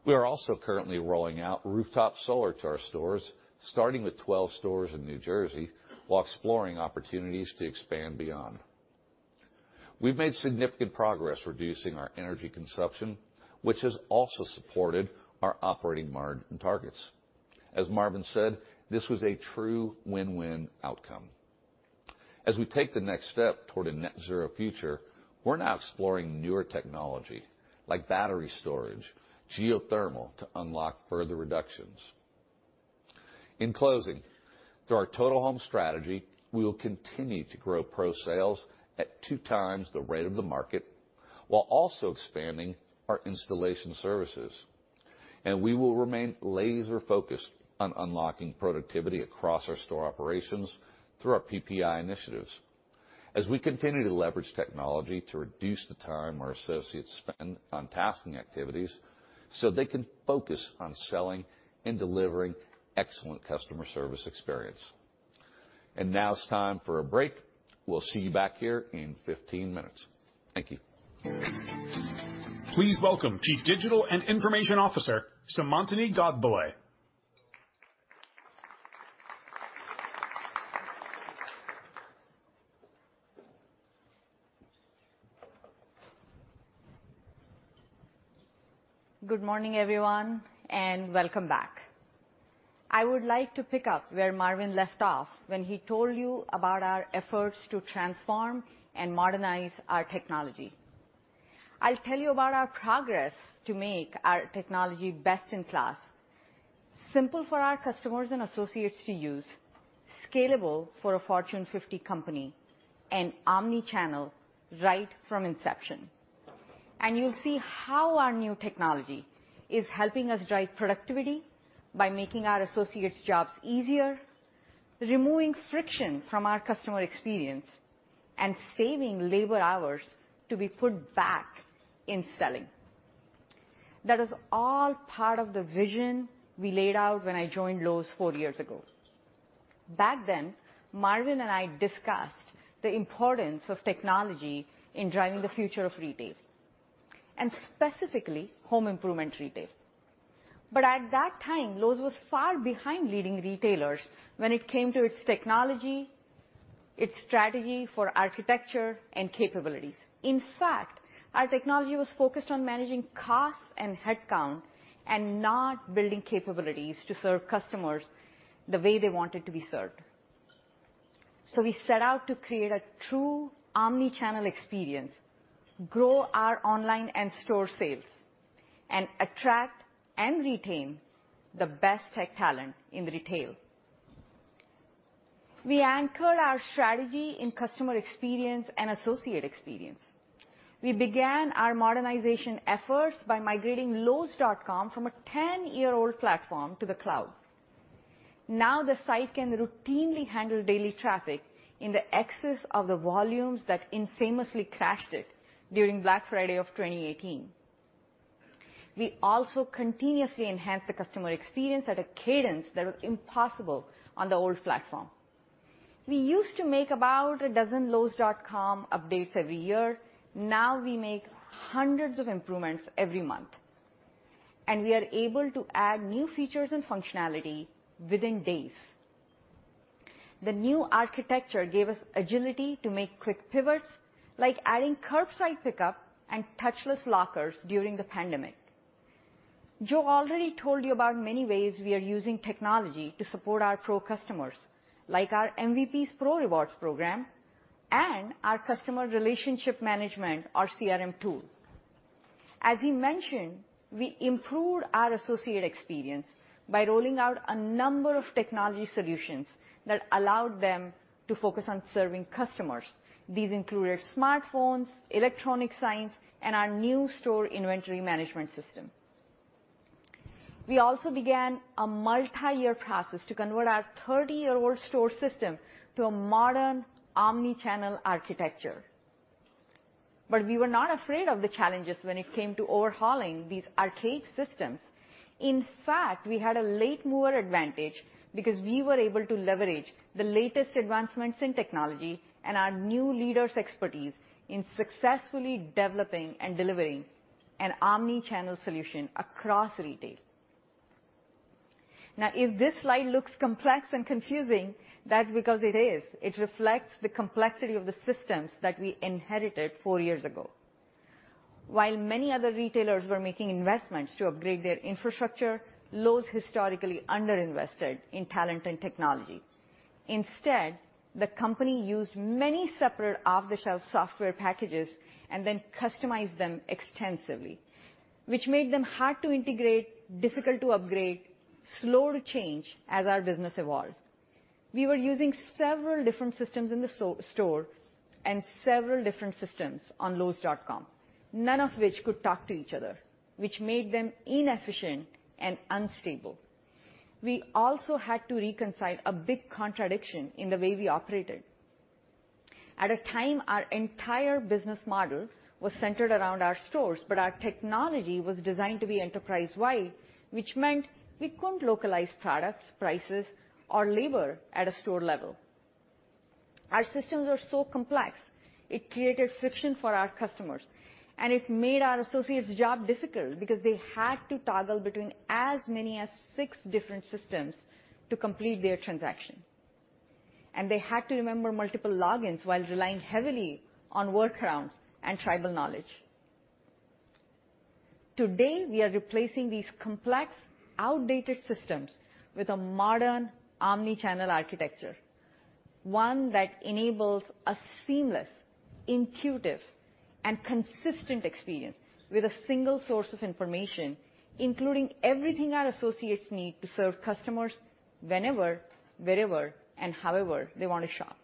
S6: We are also currently rolling out rooftop solar to our stores, starting with 12 stores in New Jersey, while exploring opportunities to expand beyond. As Marvin said, this was a true win-win outcome. As we take the next step toward a net-zero future, we're now exploring newer technology like battery storage, geothermal, to unlock further reductions. In closing, through our Total Home strategy, we will continue to grow Pro sales at two times the rate of the market while also expanding our installation services, we will remain laser-focused on unlocking productivity across our store operations through our PPI initiatives as we continue to leverage technology to reduce the time our associates spend on tasking activities so they can focus on selling and delivering excellent customer service experience. Now it's time for a break. We'll see you back here in 15 minutes. Thank you.
S1: Please welcome Chief Digital and Information Officer, Seemantini Godbole.
S7: Good morning, everyone, and welcome back. I would like to pick up where Marvin left off when he told you about our efforts to transform and modernize our technology. I'll tell you about our progress to make our technology best in class, simple for our customers and associates to use, scalable for a Fortune 50 company, and omnichannel right from inception. You'll see how our new technology is helping us drive productivity by making our associates' jobs easier, removing friction from our customer experience, and saving labor hours to be put back in selling. That is all part of the vision we laid out when I joined Lowe's four years ago. Back then, Marvin and I discussed the importance of technology in driving the future of retail, and specifically home improvement retail. At that time, Lowe's was far behind leading retailers when it came to its technology, its strategy for architecture and capabilities. In fact, our technology was focused on managing costs and headcount and not building capabilities to serve customers the way they wanted to be served. We set out to create a true omnichannel experience, grow our online and store sales, and attract and retain the best tech talent in retail. We anchored our strategy in customer experience and associate experience. We began our modernization efforts by migrating Lowes.com from a 10-year-old platform to the cloud. The site can routinely handle daily traffic in the excess of the volumes that infamously crashed it during Black Friday of 2018. We also continuously enhance the customer experience at a cadence that was impossible on the old platform. We used to make about dozen Lowes.com updates every year. Now we make hundreds of improvements every month. We are able to add new features and functionality within days. The new architecture gave us agility to make quick pivots, like adding curbside pickup and touchless lockers during the pandemic. Joe already told you about many ways we are using technology to support our Pro customers, like our MVPs Pro Rewards program and our customer relationship management, our CRM tool. As he mentioned, we improved our associate experience by rolling out a number of technology solutions that allowed them to focus on serving customers. These included smartphones, electronic signs, and our new store inventory management system. We also began a multi-year process to convert our 30-year-old store system to a modern omni-channel architecture. We were not afraid of the challenges when it came to overhauling these archaic systems. In fact, we had a late mover advantage because we were able to leverage the latest advancements in technology and our new leaders' expertise in successfully developing and delivering an omni-channel solution across retail. If this slide looks complex and confusing, that's because it is. It reflects the complexity of the systems that we inherited four years ago. While many other retailers were making investments to upgrade their infrastructure, Lowe's historically under-invested in talent and technology. Instead, the company used many separate off-the-shelf software packages and then customized them extensively, which made them hard to integrate, difficult to upgrade, slow to change as our business evolved. We were using several different systems in the store and several different systems on Lowes.com, none of which could talk to each other, which made them inefficient and unstable. We also had to reconcile a big contradiction in the way we operated. At the time, our entire business model was centered around our stores, our technology was designed to be enterprise-wide, which meant we couldn't localize products, prices, or labor at a store level. Our systems were so complex it created friction for our customers, and it made our associates' job difficult because they had to toggle between as many as six different systems to complete their transaction. They had to remember multiple logins while relying heavily on workarounds and tribal knowledge. Today, we are replacing these complex, outdated systems with a modern omni-channel architecture, one that enables a seamless, intuitive, and consistent experience with a single source of information, including everything our associates need to serve customers whenever, wherever, and however they want to shop.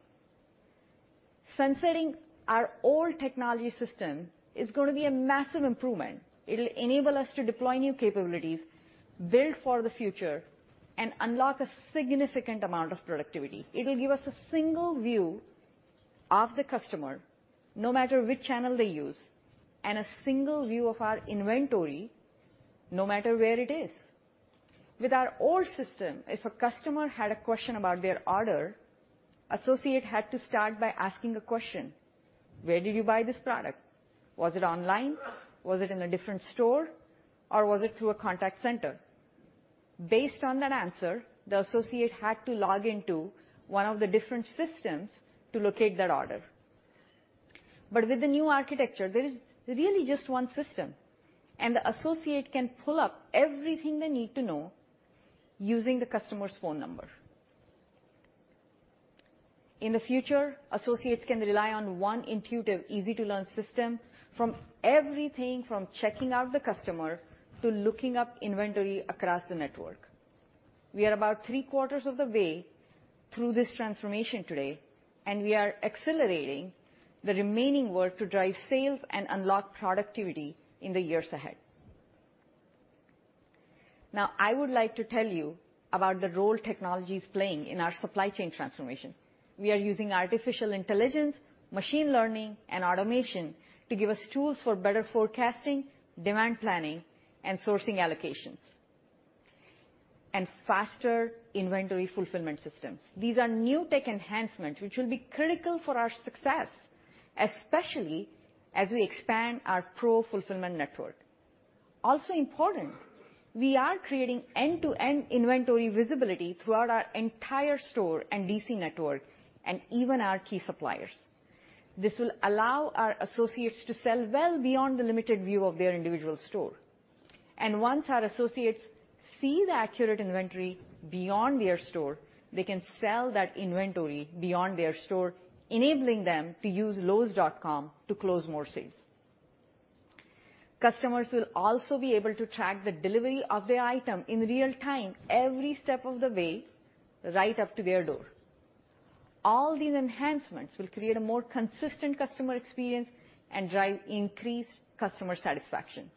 S7: Sunsetting our old technology system is gonna be a massive improvement. It'll enable us to deploy new capabilities built for the future and unlock a significant amount of productivity. It'll give us a single view of the customer no matter which channel they use, and a single view of our inventory no matter where it is. With our old system, if a customer had a question about their order, associate had to start by asking a question: "Where did you buy this product? Was it online? Was it in a different store? Or was it through a contact center?" Based on that answer, the associate had to log into one of the different systems to locate that order. With the new architecture, there is really just one system, and the associate can pull up everything they need to know using the customer's phone number. In the future, associates can rely on one intuitive, easy-to-learn system from everything from checking out the customer to looking up inventory across the network. We are about three-quarters of the way through this transformation today. We are accelerating the remaining work to drive sales and unlock productivity in the years ahead. I would like to tell you about the role technology is playing in our supply chain transformation. We are using artificial intelligence, machine learning, and automation to give us tools for better forecasting, demand planning, and sourcing allocations, and faster inventory fulfillment systems. These are new tech enhancements which will be critical for our success, especially as we expand our Pro fulfillment network. Also important, we are creating end-to-end inventory visibility throughout our entire store and DC network, and even our key suppliers. This will allow our associates to sell well beyond the limited view of their individual store. Once our associates see the accurate inventory beyond their store, they can sell that inventory beyond their store, enabling them to use Lowes.com to close more sales. Customers will also be able to track the delivery of their item in real time every step of the way right up to their door. All these enhancements will create a more consistent customer experience and drive increased customer satisfaction.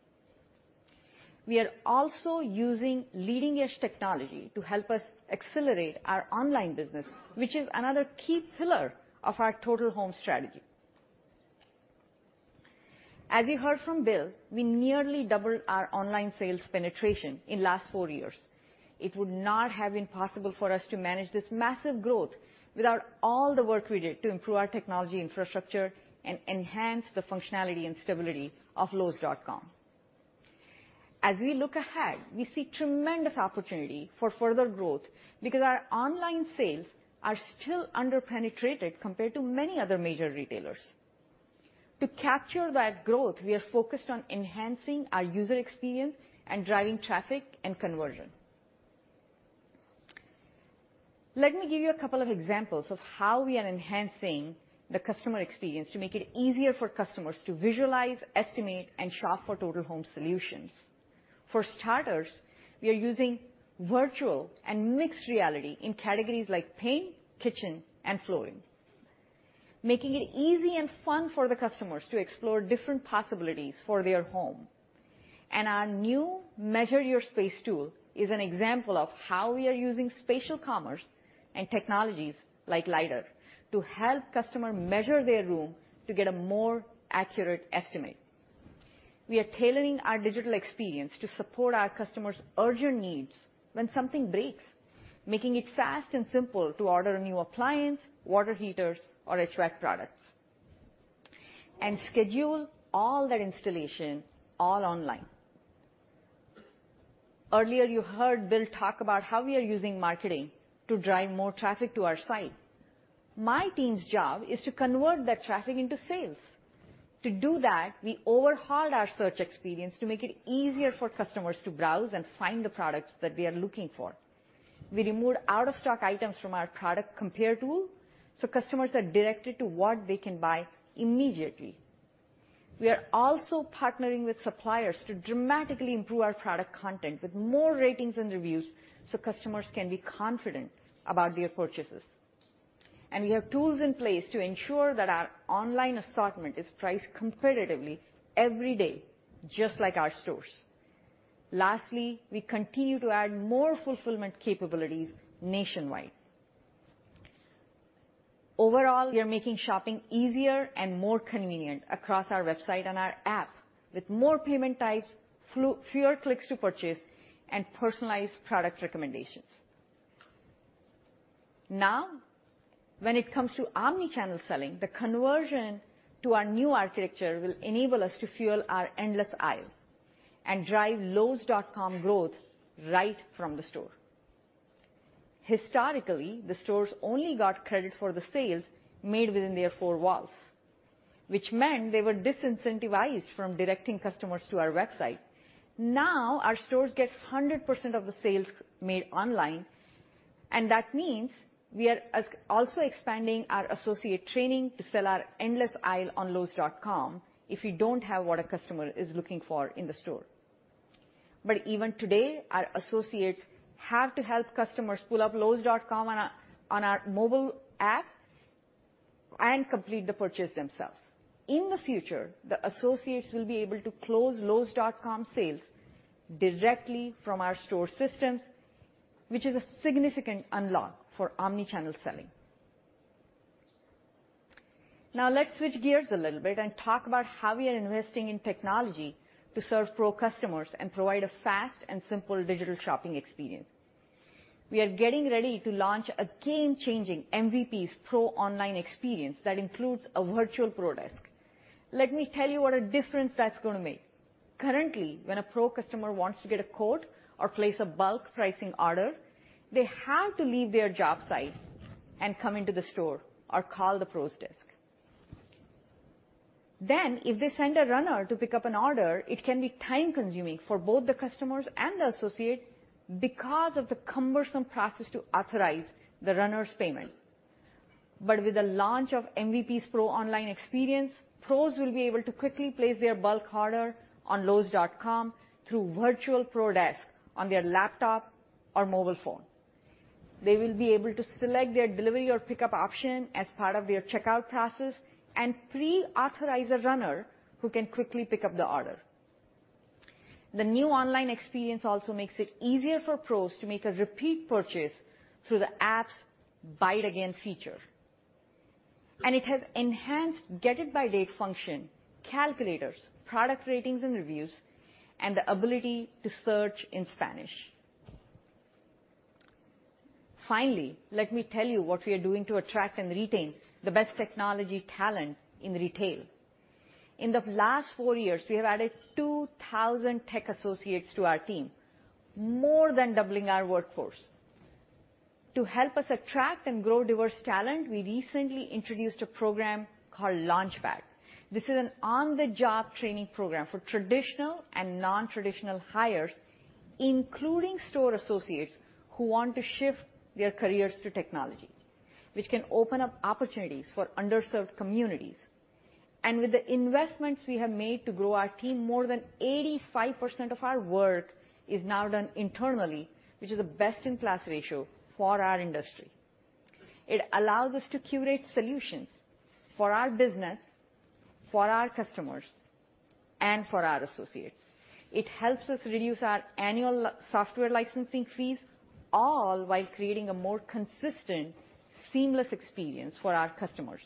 S7: We are also using leading-edge technology to help us accelerate our online business, which is another key pillar of our Total Home strategy. As you heard from Bill, we nearly doubled our online sales penetration in last four years. It would not have been possible for us to manage this massive growth without all the work we did to improve our technology infrastructure and enhance the functionality and stability of Lowes.com. As we look ahead, we see tremendous opportunity for further growth because our online sales are still under-penetrated compared to many other major retailers. To capture that growth, we are focused on enhancing our user experience and driving traffic and conversion. Let me give you a couple of examples of how we are enhancing the customer experience to make it easier for customers to visualize, estimate, and shop for Total Home solutions. For starters, we are using virtual and mixed reality in categories like paint, kitchen, and flooring, making it easy and fun for the customers to explore different possibilities for their home. Our new Measure Your Space tool is an example of how we are using spatial commerce and technologies like LiDAR to help customer measure their room to get a more accurate estimate. We are tailoring our digital experience to support our customers' urgent needs when something breaks, making it fast and simple to order a new appliance, water heaters or HVAC products, and schedule all that installation all online. Earlier, you heard Bill talk about how we are using marketing to drive more traffic to our site. My team's job is to convert that traffic into sales. To do that, we overhauled our search experience to make it easier for customers to browse and find the products that they are looking for. We removed out-of-stock items from our product compare tool, so customers are directed to what they can buy immediately. We are also partnering with suppliers to dramatically improve our product content with more ratings and reviews, so customers can be confident about their purchases. We have tools in place to ensure that our online assortment is priced competitively every day, just like our stores. Lastly, we continue to add more fulfillment capabilities nationwide. Overall, we are making shopping easier and more convenient across our website and our app with more payment types, fewer clicks to purchase, and personalized product recommendations. Now, when it comes to omnichannel selling, the conversion to our new architecture will enable us to fuel our endless aisle and drive Lowes.com growth right from the store. Historically, the stores only got credit for the sales made within their four walls, which meant they were disincentivized from directing customers to our website. Our stores get 100% of the sales made online, and that means we are also expanding our associate training to sell our endless aisle on Lowes.com if we don't have what a customer is looking for in the store. Even today, our associates have to help customers pull up Lowes.com on our, on our mobile app and complete the purchase themselves. In the future, the associates will be able to close Lowes.com sales directly from our store systems, which is a significant unlock for omnichannel selling. Let's switch gears a little bit and talk about how we are investing in technology to serve Pro customers and provide a fast and simple digital shopping experience. We are getting ready to launch a game-changing MVPs Pro Online Experience that includes a virtual Pro desk. Let me tell you what a difference that's gonna make. Currently, when a Pro customer wants to get a quote or place a bulk pricing order, they have to leave their job site and come into the store or call the Pro desk. If they send a runner to pick up an order, it can be time-consuming for both the customers and the associate because of the cumbersome process to authorize the runner's payment. With the launch of MVPs Pro Online Experience, pros will be able to quickly place their bulk order on Lowes.com through virtual Pro desk on their laptop or mobile phone. They will be able to select their delivery or pickup option as part of their checkout process and pre-authorize a runner who can quickly pick up the order. The new online experience also makes it easier for pros to make a repeat purchase through the app's Buy It Again feature. It has enhanced Get It By date function, calculators, product ratings and reviews, and the ability to search in Spanish. Finally, let me tell you what we are doing to attract and retain the best technology talent in retail. In the last four years, we have added 2,000 tech associates to our team, more than doubling our workforce. To help us attract and grow diverse talent, we recently introduced a program called Launchpad. This is an on-the-job training program for traditional and non-traditional hires, including store associates who want to shift their careers to technology, which can open up opportunities for underserved communities. With the investments we have made to grow our team, more than 85% of our work is now done internally, which is the best in class ratio for our industry. It allows us to curate solutions for our business, for our customers, and for our associates. It helps us reduce our annual software licensing fees, all while creating a more consistent, seamless experience for our customers.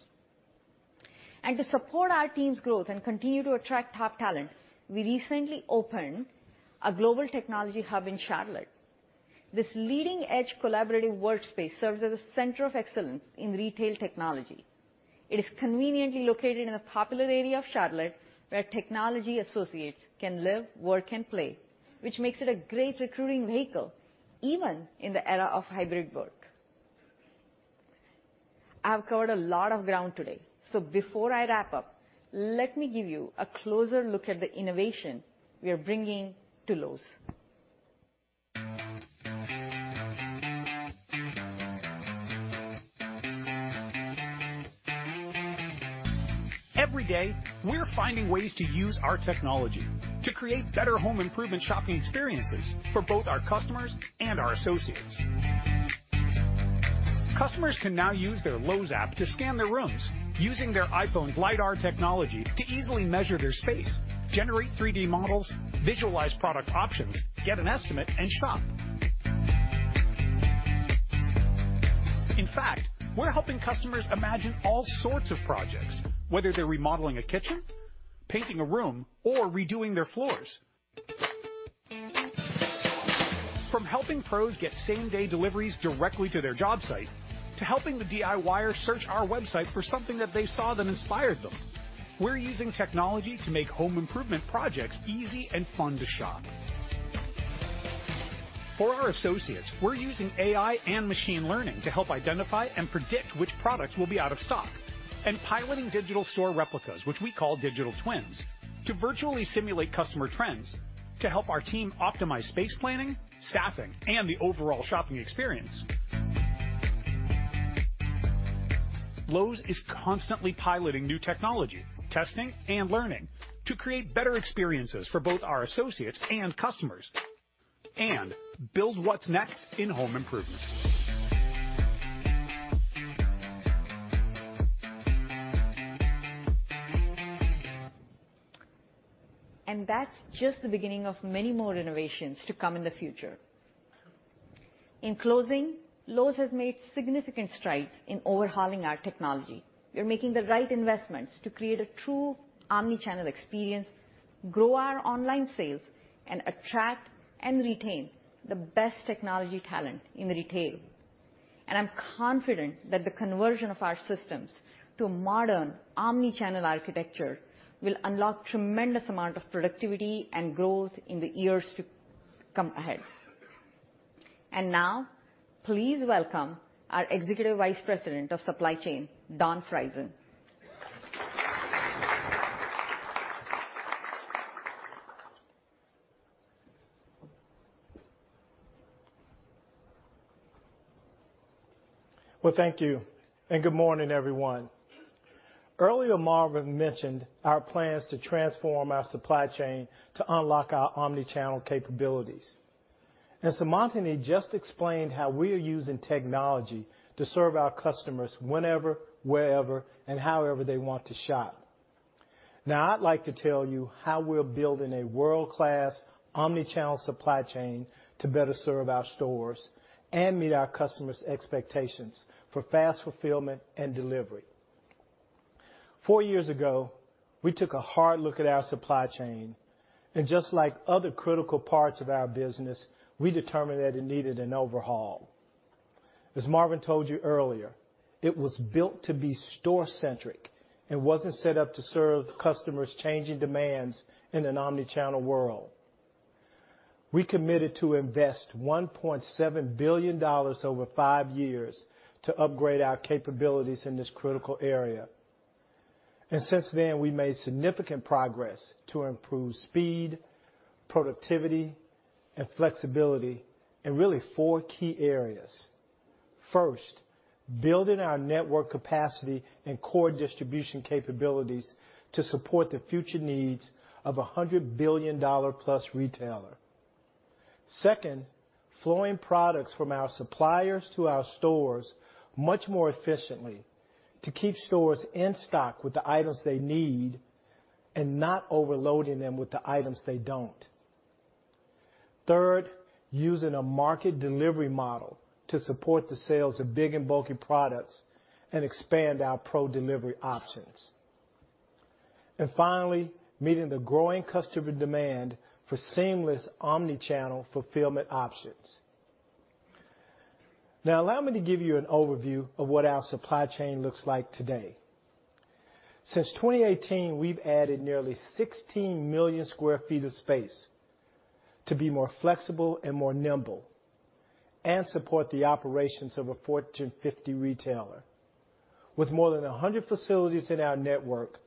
S7: To support our team's growth and continue to attract top talent, we recently opened a global technology hub in Charlotte. This leading-edge collaborative workspace serves as a center of excellence in retail technology. It is conveniently located in a popular area of Charlotte where technology associates can live, work, and play, which makes it a great recruiting vehicle even in the era of hybrid work. I've covered a lot of ground today, so before I wrap up, let me give you a closer look at the innovation we are bringing to Lowe's.
S5: Every day we're finding ways to use our technology to create better home improvement shopping experiences for both our customers and our associates. Customers can now use their Lowe's app to scan their rooms using their iPhone's LiDAR technology to easily measure their space, generate 3D models, visualize product options, get an estimate, and shop. In fact, we're helping customers imagine all sorts of projects, whether they're remodeling a kitchen, painting a room, or redoing their floors. From helping pros get same-day deliveries directly to their job site, to helping the DIYer search our website for something that they saw that inspired them, we're using technology to make home improvement projects easy and fun to shop. For our associates, we're using AI and machine learning to help identify and predict which products will be out of stock. Piloting digital store replicas, which we call Digital Twins, to virtually simulate customer trends to help our team optimize space planning, staffing, and the overall shopping experience. Lowe's is constantly piloting new technology, testing and learning to create better experiences for both our associates and customers, and build what's next in home improvement.
S7: That's just the beginning of many more innovations to come in the future. In closing, Lowe's has made significant strides in overhauling our technology. We're making the right investments to create a true omnichannel experience, grow our online sales, and attract and retain the best technology talent in retail. I'm confident that the conversion of our systems to a modern omnichannel architecture will unlock tremendous amount of productivity and growth in the years to come ahead. Now, please welcome our Executive Vice President of Supply Chain, Don Friesen.
S8: Well, thank you. Good morning, everyone. Earlier, Marvin mentioned our plans to transform our supply chain to unlock our omnichannel capabilities. Seemantini just explained how we are using technology to serve our customers whenever, wherever, and however they want to shop. Now, I'd like to tell you how we're building a world-class omnichannel supply chain to better serve our stores and meet our customers' expectations for fast fulfillment and delivery. Four years ago, we took a hard look at our supply chain, and just like other critical parts of our business, we determined that it needed an overhaul. As Marvin told you earlier, it was built to be store-centric and wasn't set up to serve customers' changing demands in an omnichannel world. We committed to invest $1.7 billion over five years to upgrade our capabilities in this critical area. Since then, we made significant progress to improve speed, productivity, and flexibility in really four key areas. First, building our network capacity and core distribution capabilities to support the future needs of a $100 billion+ retailer. Second, flowing products from our suppliers to our stores much more efficiently to keep stores in stock with the items they need and not overloading them with the items they don't. Third, using a market delivery model to support the sales of big and bulky products and expand our Pro delivery options. Finally, meeting the growing customer demand for seamless omnichannel fulfillment options. Now, allow me to give you an overview of what our supply chain looks like today. Since 2018, we've added nearly 16 million sq ft of space to be more flexible and more nimble and support the operations of a Fortune 50 retailer. With more than 100 facilities in our network,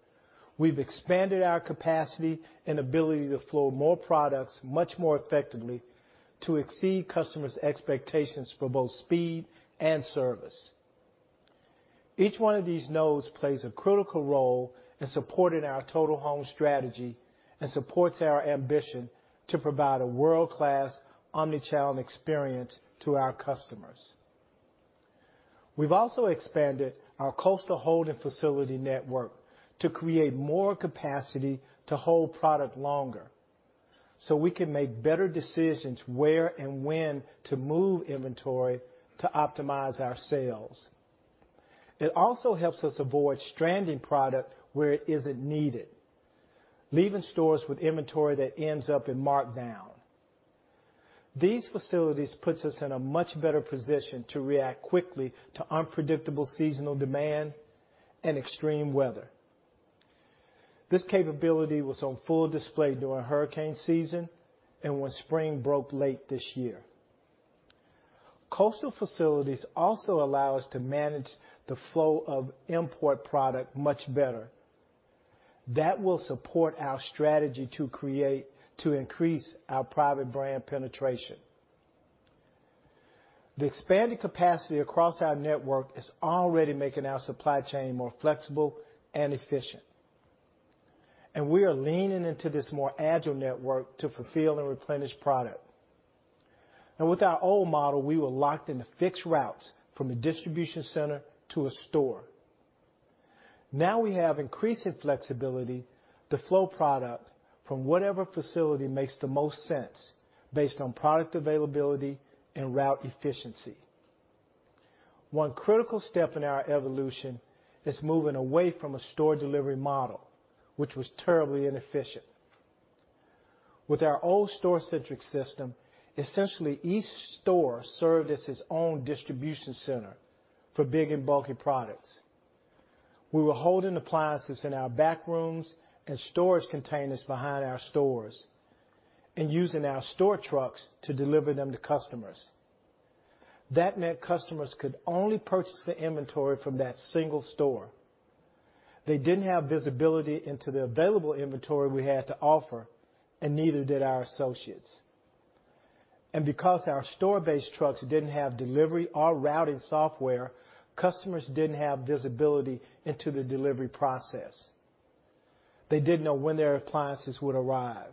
S8: we've expanded our capacity and ability to flow more products much more effectively to exceed customers' expectations for both speed and service. Each one of these nodes plays a critical role in supporting our Total Home strategy and supports our ambition to provide a world-class omni-channel experience to our customers. We've also expanded our coastal holding facility network to create more capacity to hold product longer so we can make better decisions where and when to move inventory to optimize our sales. It also helps us avoid stranding product where it isn't needed, leaving stores with inventory that ends up in markdown. These facilities puts us in a much better position to react quickly to unpredictable seasonal demand and extreme weather. This capability was on full display during hurricane season and when spring broke late this year. Coastal facilities also allow us to manage the flow of import product much better. That will support our strategy to increase our private brand penetration. The expanded capacity across our network is already making our supply chain more flexible and efficient, and we are leaning into this more agile network to fulfill and replenish product. With our old model, we were locked into fixed routes from a distribution center to a store. We have increasing flexibility to flow product from whatever facility makes the most sense based on product availability and route efficiency. One critical step in our evolution is moving away from a store delivery model which was terribly inefficient. With our old store-centric system, essentially each store served as its own distribution center for big and bulky products. We were holding appliances in our back rooms and storage containers behind our stores and using our store trucks to deliver them to customers. That meant customers could only purchase the inventory from that single store. They didn't have visibility into the available inventory we had to offer, and neither did our associates. Because our store-based trucks didn't have delivery or routing software, customers didn't have visibility into the delivery process. They didn't know when their appliances would arrive.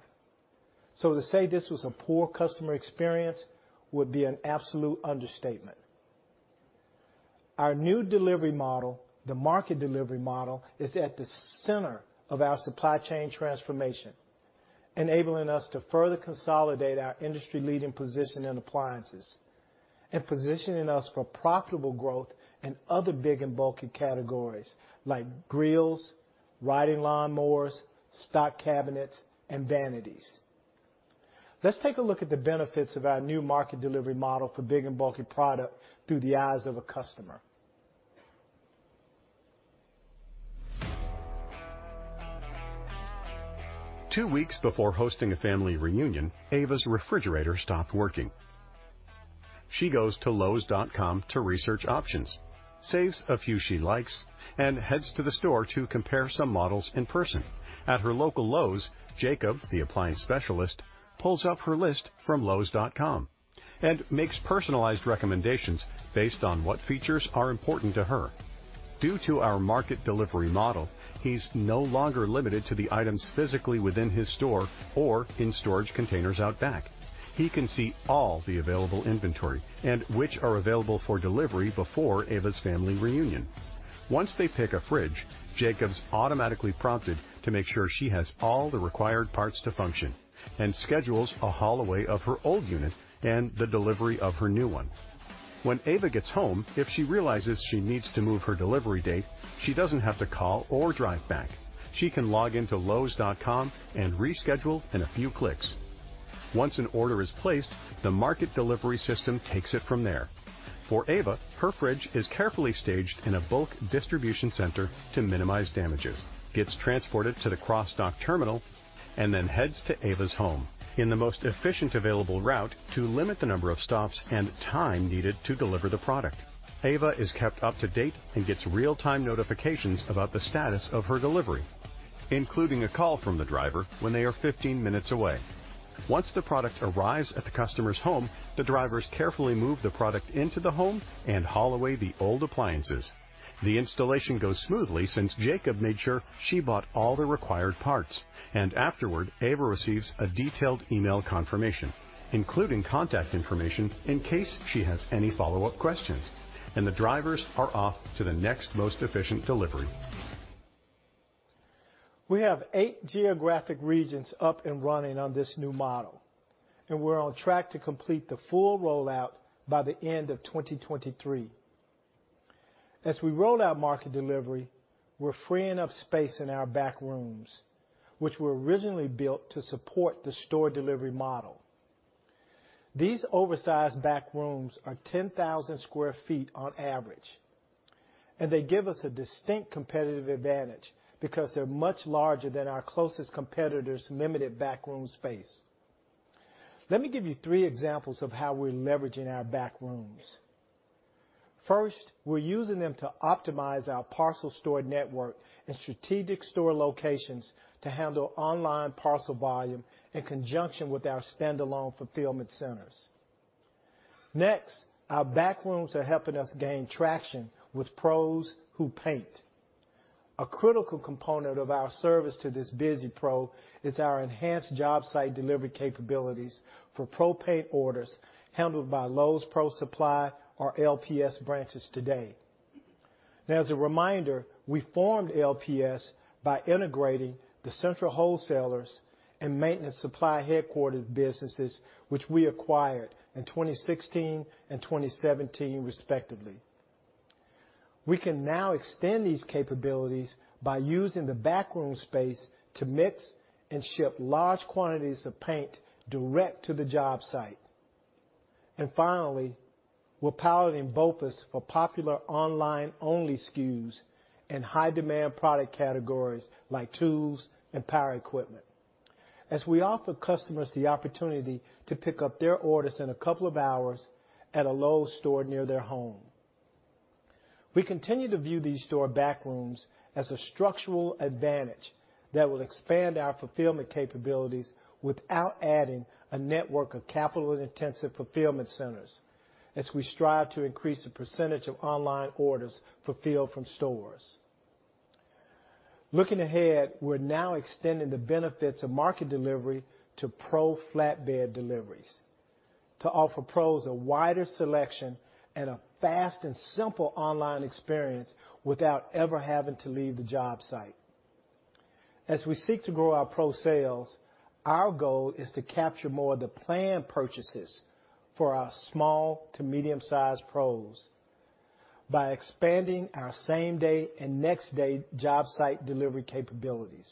S8: To say this was a poor customer experience would be an absolute understatement. Our new delivery model, the market delivery model, is at the center of our supply chain transformation, enabling us to further consolidate our industry leading position in appliances and positioning us for profitable growth in other big and bulky categories like grills, riding lawn mowers, stock cabinets, and vanities. Let's take a look at the benefits of our new market delivery model for big and bulky product through the eyes of a customer.
S5: Two weeks before hosting a family reunion, Ava's refrigerator stopped working. She goes to Lowes.com to research options, saves a few she likes, and heads to the store to compare some models in person. At her local Lowe's, Jacob, the appliance specialist, pulls up her list from Lowes.com and makes personalized recommendations based on what features are important to her. Due to our market delivery model, he's no longer limited to the items physically within his store or in storage containers out back. He can see all the available inventory and which are available for delivery before Ava's family reunion. Once they pick a fridge, Jacob's automatically prompted to make sure she has all the required parts to function and schedules a haul away of her old unit and the delivery of her new one. When Ava gets home, if she realizes she needs to move her delivery date, she doesn't have to call or drive back. She can log in to Lowes.com and reschedule in a few clicks. Once an order is placed, the market delivery system takes it from there. For Ava, her fridge is carefully staged in a bulk distribution center to minimize damages, gets transported to the cross-dock terminal, and then heads to Ava's home in the most efficient available route to limit the number of stops and time needed to deliver the product. Ava is kept up to date and gets real-time notifications about the status of her delivery, including a call from the driver when they are 15 minutes away. Once the product arrives at the customer's home, the drivers carefully move the product into the home and haul away the old appliances. The installation goes smoothly since Jacob made sure she bought all the required parts. Afterward, Ava receives a detailed email confirmation, including contact information in case she has any follow-up questions. The drivers are off to the next most efficient delivery.
S8: We have eight geographic regions up and running on this new model, and we're on track to complete the full rollout by the end of 2023. As we roll out market delivery, we're freeing up space in our backrooms, which were originally built to support the store delivery model. These oversized backrooms are 10,000 sq ft on average, and they give us a distinct competitive advantage because they're much larger than our closest competitors' limited backroom space. Let me give you three examples of how we're leveraging our backrooms. First, we're using them to optimize our parcel store network and strategic store locations to handle online parcel volume in conjunction with our standalone fulfillment centers. Next, our backrooms are helping us gain traction with Pros who paint. A critical component of our service to this busy Pro is our enhanced job site delivery capabilities for Pro paint orders handled by Lowe's Pro Supply, or LPS branches today. As a reminder, we formed LPS by integrating the Central Wholesalers and Maintenance Supply Headquarters businesses which we acquired in 2016 and 2017 respectively. We can now extend these capabilities by using the backroom space to mix and ship large quantities of paint direct to the job site. Finally, we're piloting BOPUS for popular online only SKUs and high demand product categories like tools and power equipment as we offer customers the opportunity to pick up their orders in a couple of hours at a Lowe's store near their home. We continue to view these store backrooms as a structural advantage that will expand our fulfillment capabilities without adding a network of capital-intensive fulfillment centers as we strive to increase the percentage of online orders fulfilled from stores. Looking ahead, we're now extending the benefits of market delivery to Pro flatbed deliveries to offer Pros a wider selection at a fast and simple online experience without ever having to leave the job site. As we seek to grow our Pro sales, our goal is to capture more of the planned purchases for our small to medium-sized Pros by expanding our same-day and next-day job site delivery capabilities.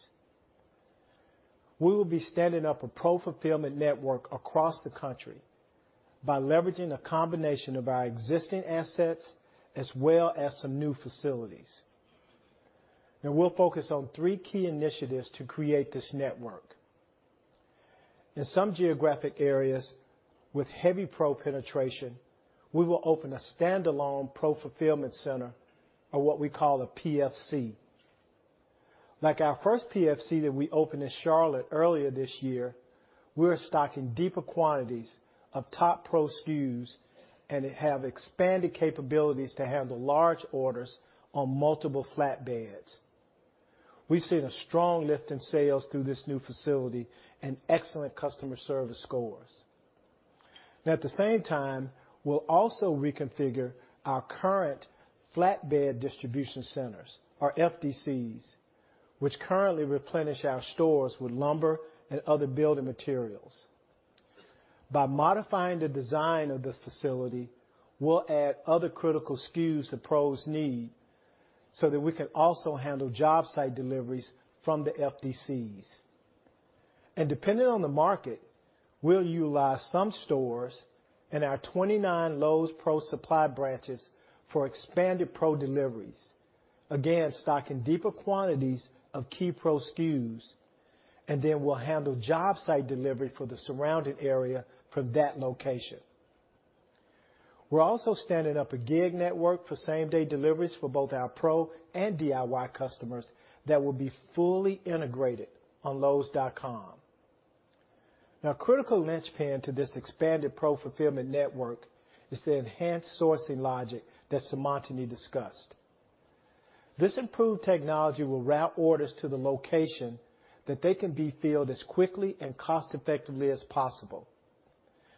S8: We will be standing up a Pro fulfillment network across the country by leveraging a combination of our existing assets as well as some new facilities. We'll focus on 3 key initiatives to create this network. In some geographic areas with heavy Pro penetration, we will open a standalone Pro fulfillment center or what we call a PFC. Like our first PFC that we opened in Charlotte earlier this year, we're stocking deeper quantities of top Pro SKUs and it have expanded capabilities to handle large orders on multiple flatbeds. We've seen a strong lift in sales through this new facility and excellent customer service scores. At the same time, we'll also reconfigure our current flatbed distribution centers, or FDCs, which currently replenish our stores with lumber and other building materials. By modifying the design of the facility, we'll add other critical SKUs the pros need so that we can also handle job site deliveries from the FDCs. Depending on the market, we'll utilize some stores and our 29 Lowe's Pro Supply branches for expanded Pro deliveries, again, stocking deeper quantities of key Pro SKUs, and then we'll handle job site delivery for the surrounding area from that location. We're also standing up a gig network for same-day deliveries for both our Pro and DIY customers that will be fully integrated on Lowes.com. Critical linchpin to this expanded Pro fulfillment network is the enhanced sourcing logic that Seemantini discussed. This improved technology will route orders to the location that they can be filled as quickly and cost effectively as possible.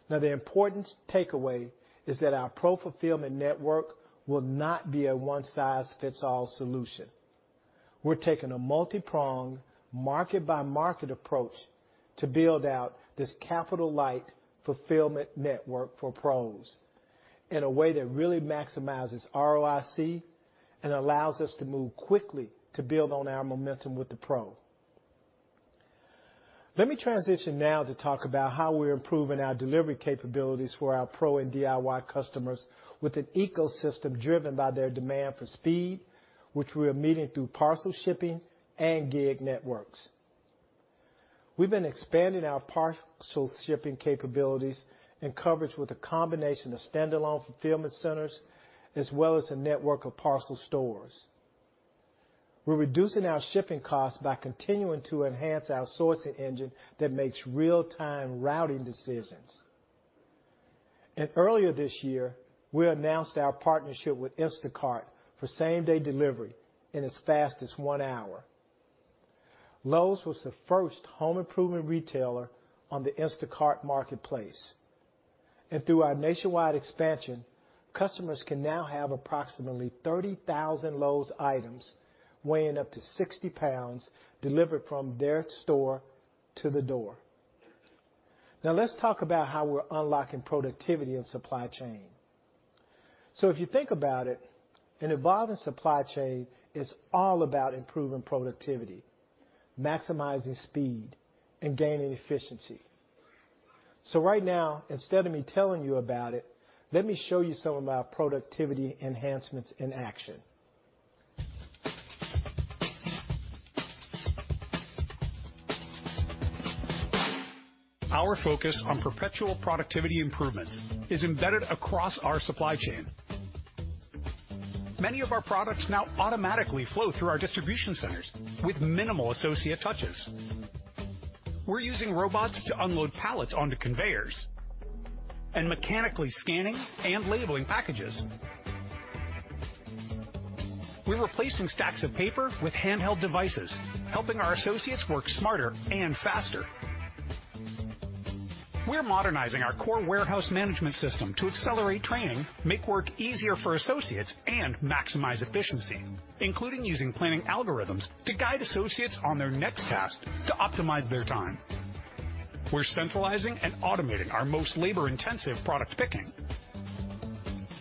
S8: The important takeaway is that our Pro fulfillment network will not be a one-size-fits-all solution. We're taking a multipronged market-by-market approach to build out this capital light fulfillment network for pros in a way that really maximizes ROIC and allows us to move quickly to build on our momentum with the pro. Let me transition now to talk about how we're improving our delivery capabilities for our Pro and DIY customers with an ecosystem driven by their demand for speed, which we are meeting through parcel shipping and gig networks. We've been expanding our parcel shipping capabilities and coverage with a combination of standalone fulfillment centers as well as a network of parcel stores. We're reducing our shipping costs by continuing to enhance our sourcing engine that makes real-time routing decisions. Earlier this year, we announced our partnership with Instacart for same-day delivery in as fast as 1 hour. Lowe's was the first home improvement retailer on the Instacart marketplace. Through our nationwide expansion, customers can now have approximately 30,000 Lowe's items weighing up to 60 pounds delivered from their store to the door. Now let's talk about how we're unlocking productivity in supply chain. If you think about it, an evolving supply chain is all about improving productivity, maximizing speed, and gaining efficiency. Right now, instead of me telling you about it, let me show you some of our productivity enhancements in action. Our focus on perpetual productivity improvements is embedded across our supply chain. Many of our products now automatically flow through our distribution centers with minimal associate touches. We're using robots to unload pallets onto conveyors and mechanically scanning and labeling packages. We're replacing stacks of paper with handheld devices, helping our associates work smarter and faster. We're modernizing our core warehouse management system to accelerate training, make work easier for associates, and maximize efficiency, including using planning algorithms to guide associates on their next task to optimize their time. We're centralizing and automating our most labor-intensive product picking.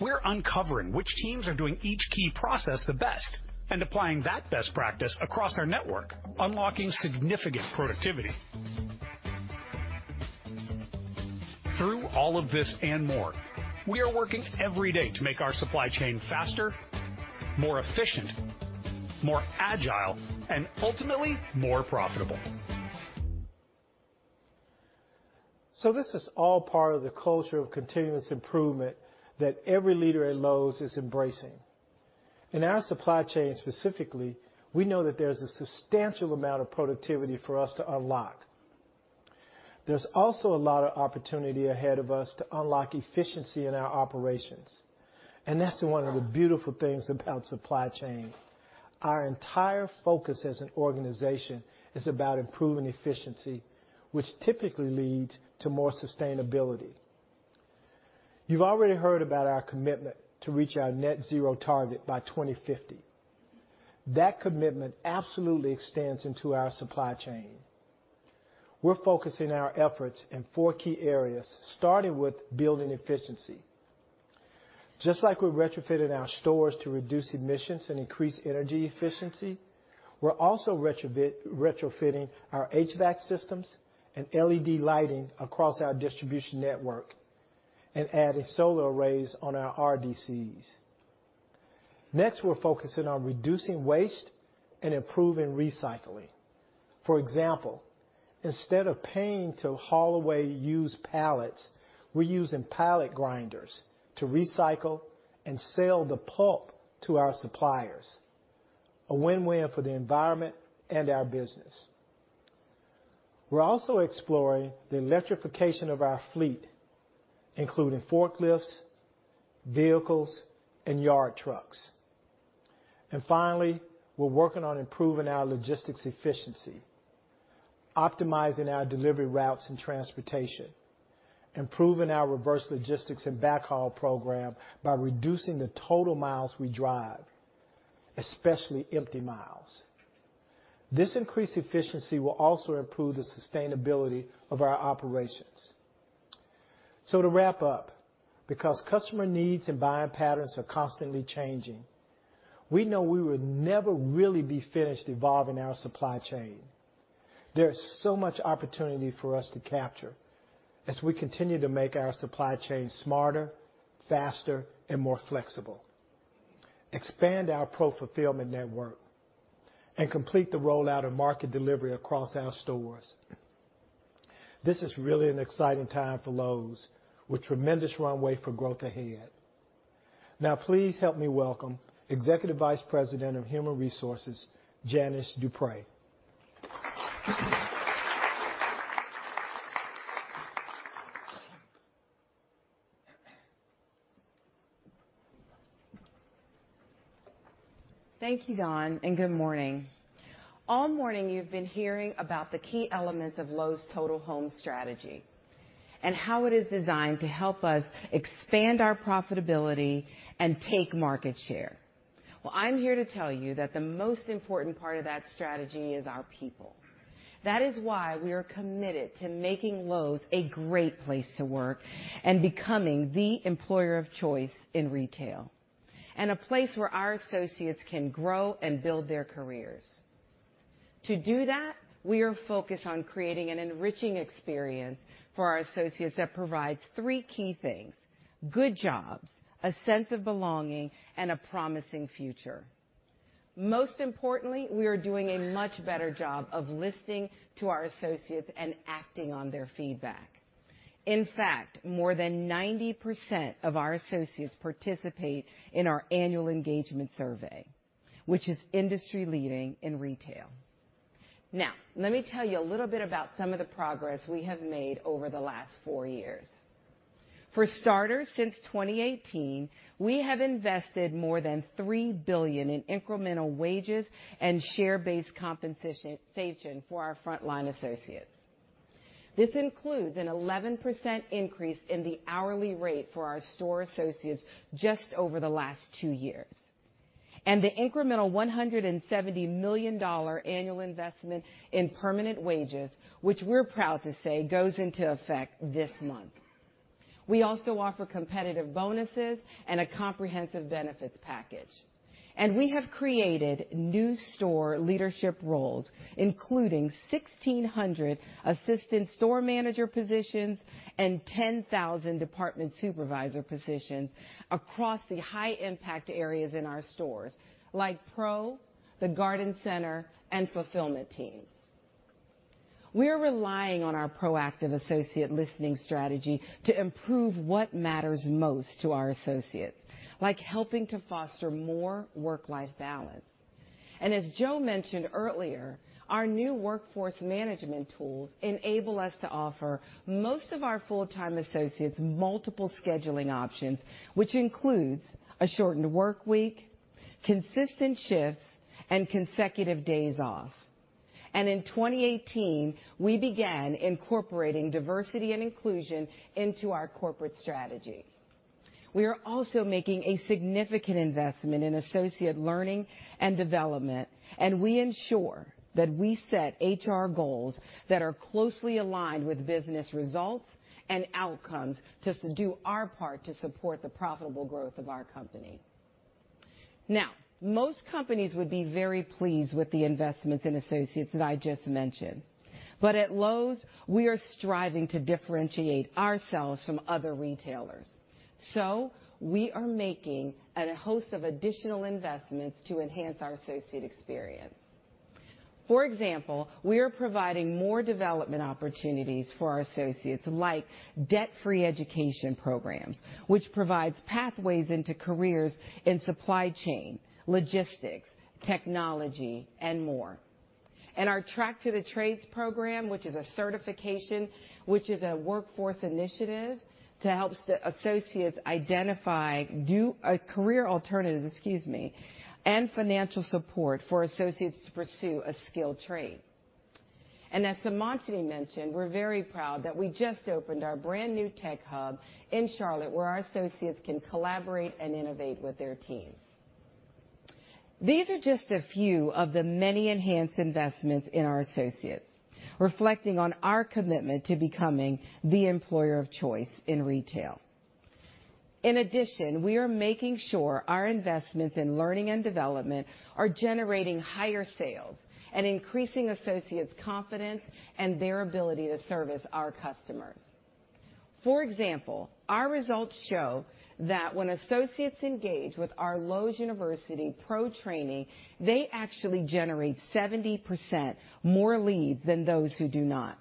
S8: We're uncovering which teams are doing each key process the best and applying that best practice across our network, unlocking significant productivity. Through all of this and more, we are working every day to make our supply chain faster, more efficient, more agile, and ultimately, more profitable. This is all part of the culture of continuous improvement that every leader at Lowe's is embracing. In our supply chain specifically, we know that there's a substantial amount of productivity for us to unlock. There's also a lot of opportunity ahead of us to unlock efficiency in our operations, and that's one of the beautiful things about supply chain. Our entire focus as an organization is about improving efficiency, which typically leads to more sustainability. You've already heard about our commitment to reach our net-zero target by 2050. That commitment absolutely extends into our supply chain. We're focusing our efforts in four key areas, starting with building efficiency. Just like we're retrofitting our stores to reduce emissions and increase energy efficiency, we're also retrofitting our HVAC systems and LED lighting across our distribution network and adding solar arrays on our RDCs. Next, we're focusing on reducing waste and improving recycling. For example, instead of paying to haul away used pallets, we're using pallet grinders to recycle and sell the pulp to our suppliers. A win-win for the environment and our business. We're also exploring the electrification of our fleet, including forklifts, vehicles, and yard trucks. Finally, we're working on improving our logistics efficiency, optimizing our delivery routes and transportation, improving our reverse logistics and backhaul program by reducing the total miles we drive, especially empty miles. This increased efficiency will also improve the sustainability of our operations. To wrap up, because customer needs and buying patterns are constantly changing, we know we will never really be finished evolving our supply chain. There's so much opportunity for us to capture as we continue to make our supply chain smarter, faster, and more flexible, expand our pro-fulfillment network, and complete the rollout of market delivery across our stores. This is really an exciting time for Lowe's with tremendous runway for growth ahead. Please help me welcome Executive Vice President of Human Resources, Janice Dupré.
S9: Thank you, Don, and good morning. All morning you've been hearing about the key elements of Lowe's Total Home strategy and how it is designed to help us expand our profitability and take market share. Well, I'm here to tell you that the most important part of that strategy is our people. That is why we are committed to making Lowe's a great place to work and becoming the employer of choice in retail, and a place where our associates can grow and build their careers. To do that, we are focused on creating an enriching experience for our associates that provides three key things, good jobs, a sense of belonging, and a promising future. Most importantly, we are doing a much better job of listening to our associates and acting on their feedback. In fact, more than 90% of our associates participate in our annual engagement survey, which is industry-leading in retail. Let me tell you a little bit about some of the progress we have made over the last four years. For starters, since 2018, we have invested more than $3 billion in incremental wages and share-based compensation for our frontline associates. This includes an 11% increase in the hourly rate for our store associates just over the last two years. The incremental $170 million annual investment in permanent wages, which we're proud to say goes into effect this month. We also offer competitive bonuses and a comprehensive benefits package. We have created new store leadership roles, including 1,600 assistant store manager positions and 10,000 department supervisor positions across the high-impact areas in our stores, like Pro, the Garden Center, and fulfillment teams. We're relying on our proactive associate listening strategy to improve what matters most to our associates, like helping to foster more work-life balance. As Joe mentioned earlier, our new workforce management tools enable us to offer most of our full-time associates multiple scheduling options, which includes a shortened workweek, consistent shifts, and consecutive days off. In 2018, we began incorporating diversity and inclusion into our corporate strategy. We are also making a significant investment in associate learning and development, and we ensure that we set HR goals that are closely aligned with business results and outcomes to do our part to support the profitable growth of our company. Most companies would be very pleased with the investments in associates that I just mentioned. At Lowe's, we are striving to differentiate ourselves from other retailers. We are making a host of additional investments to enhance our associate experience. For example, we are providing more development opportunities for our associates, like debt-free education programs, which provides pathways into careers in supply chain, logistics, technology, and more. Our Track to the Trades program, which is a certification, which is a workforce initiative to help associates identify career alternatives, excuse me, and financial support for associates to pursue a skilled trade. As Seemantini mentioned, we're very proud that we just opened our brand new tech hub in Charlotte, where our associates can collaborate and innovate with their teams. These are just a few of the many enhanced investments in our associates, reflecting on our commitment to becoming the employer of choice in retail. In addition, we are making sure our investments in learning and development are generating higher sales and increasing associates' confidence and their ability to service our customers. For example, our results show that when associates engage with our Lowe's University Pro training, they actually generate 70% more leads than those who do not.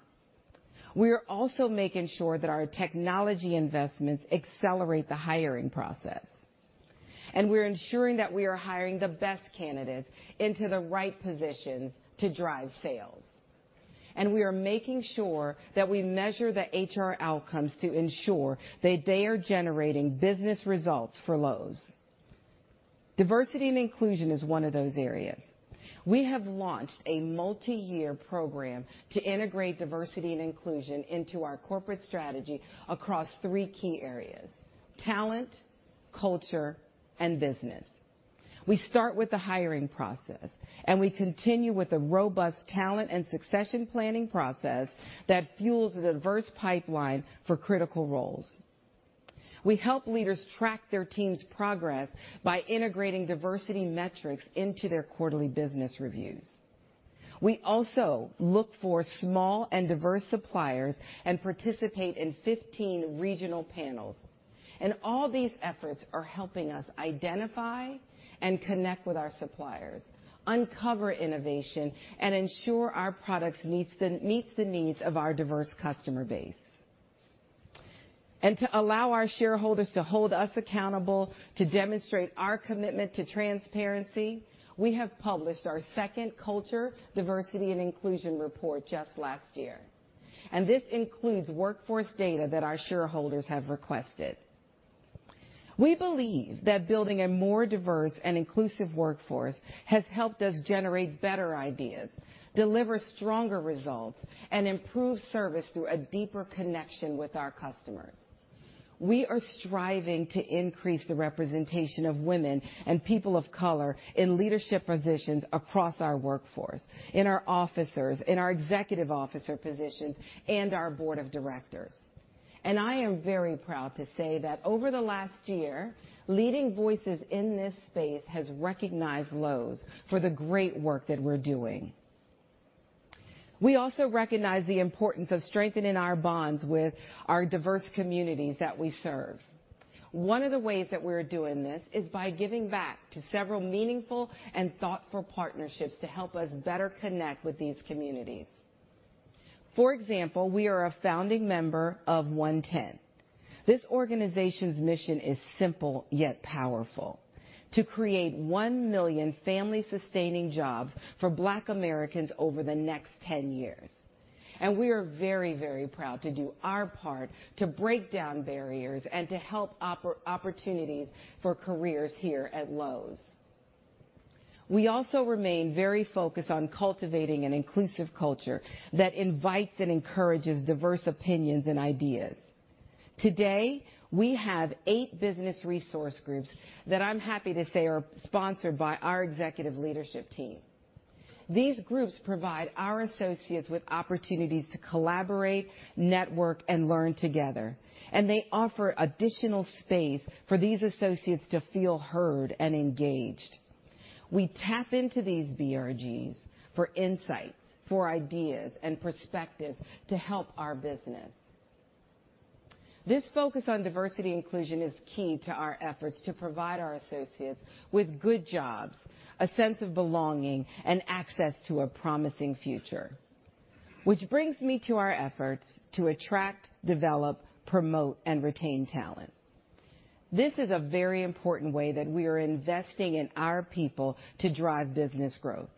S9: We're ensuring that we are hiring the best candidates into the right positions to drive sales. We are making sure that we measure the HR outcomes to ensure that they are generating business results for Lowe's. Diversity and inclusion is one of those areas. We have launched a multiyear program to integrate diversity and inclusion into our corporate strategy across three key areas: talent, culture, and business. We start with the hiring process. We continue with a robust talent and succession planning process that fuels a diverse pipeline for critical roles. We help leaders track their team's progress by integrating diversity metrics into their quarterly business reviews. We also look for small and diverse suppliers and participate in 15 regional panels. All these efforts are helping us identify and connect with our suppliers, uncover innovation, and ensure our products meets the needs of our diverse customer base. To allow our shareholders to hold us accountable to demonstrate our commitment to transparency, we have published our second Culture, Diversity, and Inclusion Report just last year. This includes workforce data that our shareholders have requested. We believe that building a more diverse and inclusive workforce has helped us generate better ideas, deliver stronger results, and improve service through a deeper connection with our customers. We are striving to increase the representation of women and people of color in leadership positions across our workforce, in our officers, in our executive officer positions, and our board of directors. I am very proud to say that over the last year, leading voices in this space has recognized Lowe's for the great work that we're doing. We also recognize the importance of strengthening our bonds with our diverse communities that we serve. One of the ways that we're doing this is by giving back to several meaningful and thoughtful partnerships to help us better connect with these communities. For example, we are a founding member of OneTen. This organization's mission is simple yet powerful: to create 1 million family-sustaining jobs for Black Americans over the next 10 years, and we are very proud to do our part to break down barriers and to help opportunities for careers here at Lowe's. We also remain very focused on cultivating an inclusive culture that invites and encourages diverse opinions and ideas. Today, we have eight business resource groups that I'm happy to say are sponsored by our executive leadership team. These groups provide our associates with opportunities to collaborate, network, and learn together, and they offer additional space for these associates to feel heard and engaged. We tap into these BRGs for insights, for ideas, and perspectives to help our business. This focus on diversity inclusion is key to our efforts to provide our associates with good jobs, a sense of belonging, and access to a promising future. Which brings me to our efforts to attract, develop, promote, and retain talent. This is a very important way that we are investing in our people to drive business growth,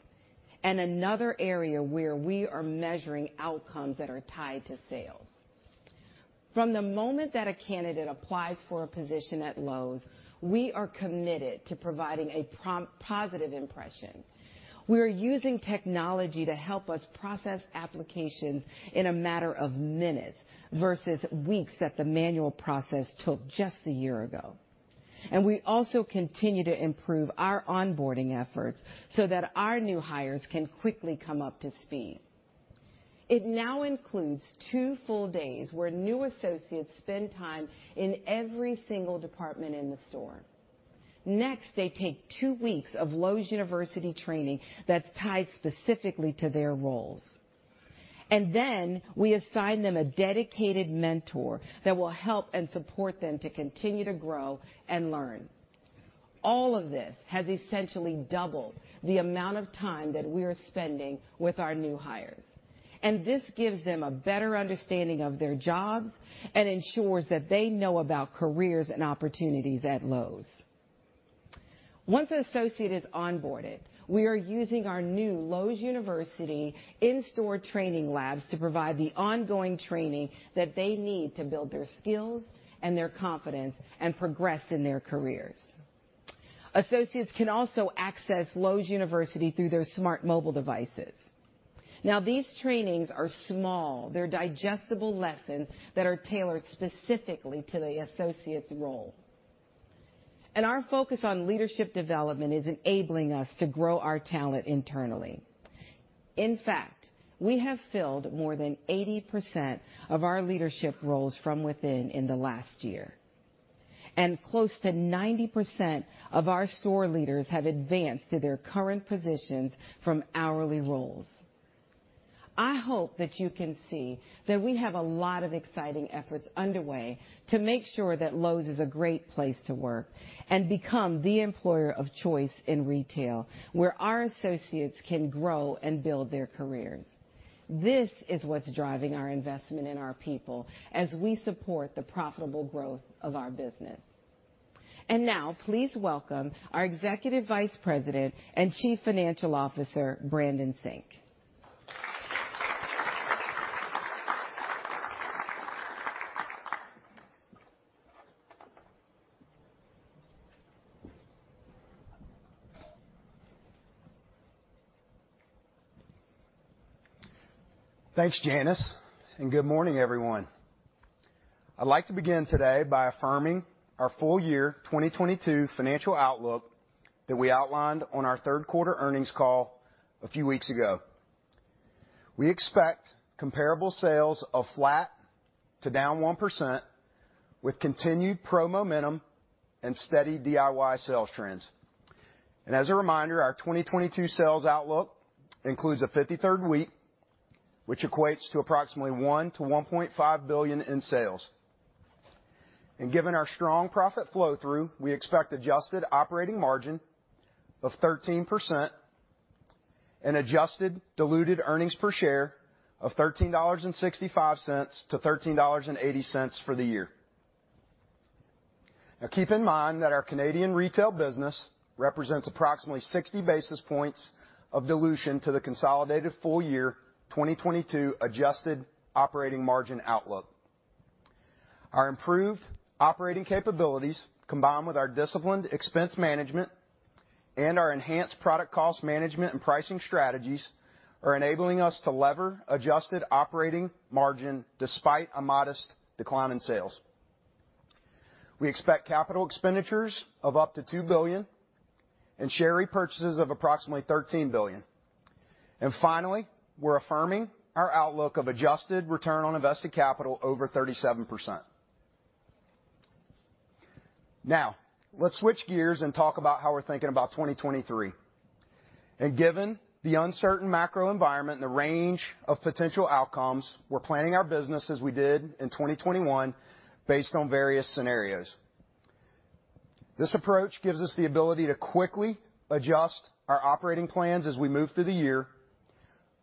S9: and another area where we are measuring outcomes that are tied to sales. From the moment that a candidate applies for a position at Lowe's, we are committed to providing a positive impression. We're using technology to help us process applications in a matter of minutes versus weeks that the manual process took just a year ago. We also continue to improve our onboarding efforts so that our new hires can quickly come up to speed. It now includes two full days where new associates spend time in every single department in the store. Next, they take two weeks of Lowe's University training that's tied specifically to their roles. We assign them a dedicated mentor that will help and support them to continue to grow and learn. All of this has essentially doubled the amount of time that we are spending with our new hires, and this gives them a better understanding of their jobs and ensures that they know about careers and opportunities at Lowe's. Once an associate is onboarded, we are using our new Lowe's University in-store training labs to provide the ongoing training that they need to build their skills and their confidence and progress in their careers. Associates can also access Lowe's University through their smart mobile devices. These trainings are small. They're digestible lessons that are tailored specifically to the associate's role. Our focus on leadership development is enabling us to grow our talent internally. In fact, we have filled more than 80% of our leadership roles from within in the last year, and close to 90% of our store leaders have advanced to their current positions from hourly roles. I hope that you can see that we have a lot of exciting efforts underway to make sure that Lowe's is a great place to work and become the employer of choice in retail, where our associates can grow and build their careers. This is what's driving our investment in our people as we support the profitable growth of our business. Now please welcome our Executive Vice President and Chief Financial Officer, Brandon Sink.
S10: Thanks, Janice. Good morning, everyone. I'd like to begin today by affirming our full year 2022 financial outlook that we outlined on our third quarter earnings call a few weeks ago. We expect comparable sales of flat to down 1% with continued Pro momentum and steady DIY sales trends. As a reminder, our 2022 sales outlook includes a 53rd week, which equates to approximately $1 billion-$1.5 billion in sales. Given our strong profit flow through, we expect adjusted operating margin of 13% and adjusted diluted earnings per share of $13.65-$13.80 for the year. Now, keep in mind that our Canadian retail business represents approximately 60 basis points of dilution to the consolidated full year 2022 adjusted operating margin outlook. Our improved operating capabilities, combined with our disciplined expense management and our enhanced product cost management and pricing strategies, are enabling us to lever adjusted operating margin despite a modest decline in sales. We expect capital expenditures of up to $2 billion and share repurchases of approximately $13 billion. Finally, we're affirming our outlook of adjusted return on invested capital over 37%. Now, let's switch gears and talk about how we're thinking about 2023. Given the uncertain macro environment and the range of potential outcomes, we're planning our business as we did in 2021 based on various scenarios. This approach gives us the ability to quickly adjust our operating plans as we move through the year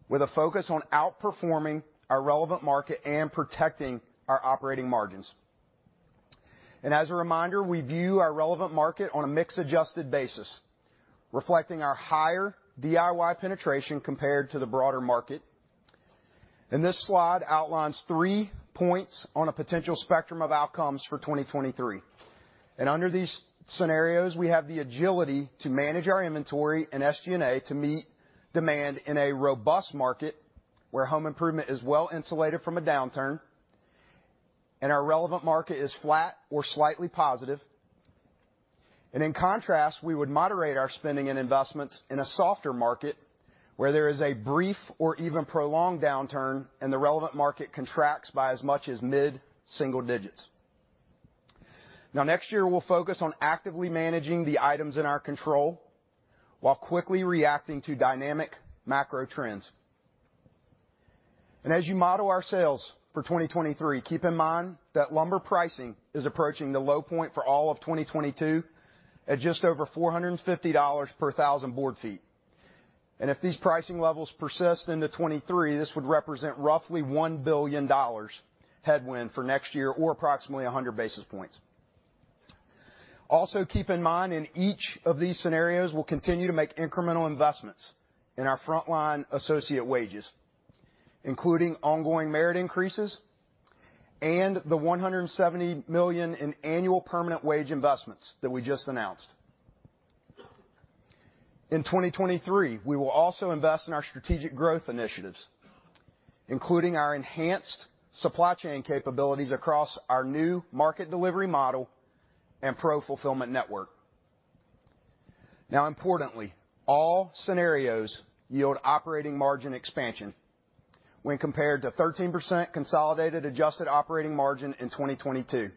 S10: with a focus on outperforming our relevant market and protecting our operating margins. As a reminder, we view our relevant market on a mix adjusted basis, reflecting our higher DIY penetration compared to the broader market. This slide outlines three points on a potential spectrum of outcomes for 2023. Under these scenarios, we have the agility to manage our inventory and SG&A to meet demand in a robust market where home improvement is well-insulated from a downturn and our relevant market is flat or slightly positive. In contrast, we would moderate our spending and investments in a softer market where there is a brief or even prolonged downturn and the relevant market contracts by as much as mid-single digits. Next year, we'll focus on actively managing the items in our control while quickly reacting to dynamic macro trends. As you model our sales for 2023, keep in mind that lumber pricing is approaching the low point for all of 2022 at just over $450 per thousand board feet. If these pricing levels persist into 2023, this would represent roughly $1 billion headwind for next year or approximately 100 basis points. Also, keep in mind, in each of these scenarios, we'll continue to make incremental investments in our frontline associate wages, including ongoing merit increases and the $170 million in annual permanent wage investments that we just announced. In 2023, we will also invest in our strategic growth initiatives, including our enhanced supply chain capabilities across our new market delivery model and Pro-fulfillment network. Importantly, all scenarios yield operating margin expansion when compared to 13% consolidated adjusted operating margin in 2022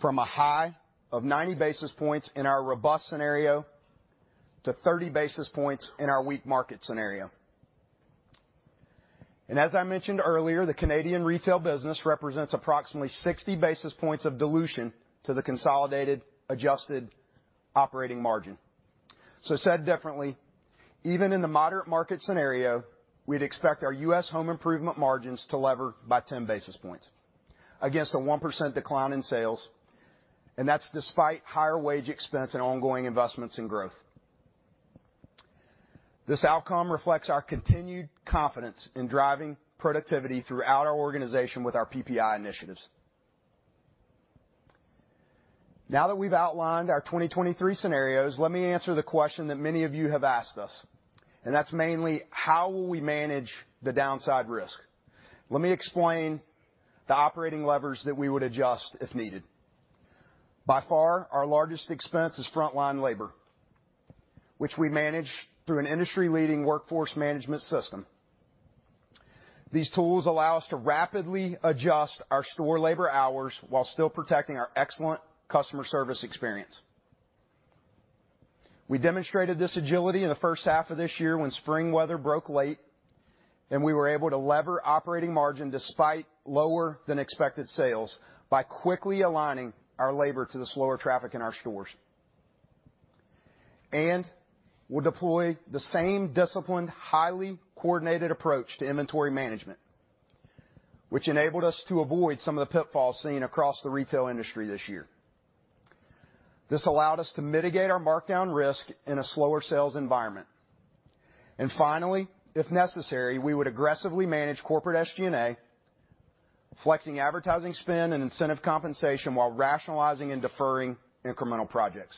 S10: from a high of 90 basis points in our robust scenario to 30 basis points in our weak market scenario. As I mentioned earlier, the Canadian retail business represents approximately 60 basis points of dilution to the consolidated adjusted operating margin. Said differently, even in the moderate market scenario, we'd expect our U.S. home improvement margins to lever by 10 basis points against a 1% decline in sales, and that's despite higher wage expense and ongoing investments in growth. This outcome reflects our continued confidence in driving productivity throughout our organization with our PPI initiatives. We've outlined our 2023 scenarios, let me answer the question that many of you have asked us, and that's mainly how will we manage the downside risk? Let me explain the operating levers that we would adjust if needed. By far, our largest expense is frontline labor, which we manage through an industry-leading workforce management system. These tools allow us to rapidly adjust our store labor hours while still protecting our excellent customer service experience. We demonstrated this agility in the first half of this year when spring weather broke late, and we were able to lever operating margin despite lower than expected sales by quickly aligning our labor to the slower traffic in our stores. We'll deploy the same disciplined, highly coordinated approach to inventory management, which enabled us to avoid some of the pitfalls seen across the retail industry this year. This allowed us to mitigate our markdown risk in a slower sales environment. Finally, if necessary, we would aggressively manage corporate SG&A, flexing advertising spend and incentive compensation while rationalizing and deferring incremental projects.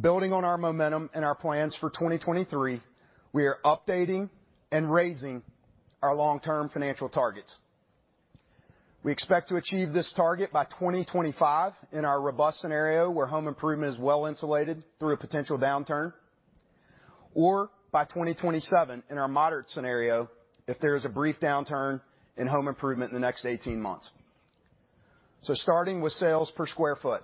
S10: Building on our momentum and our plans for 2023, we are updating and raising our long-term financial targets. We expect to achieve this target by 2025 in our robust scenario, where home improvement is well-insulated through a potential downturn, or by 2027 in our moderate scenario if there is a brief downturn in home improvement in the next 18 months. Starting with sales per square foot.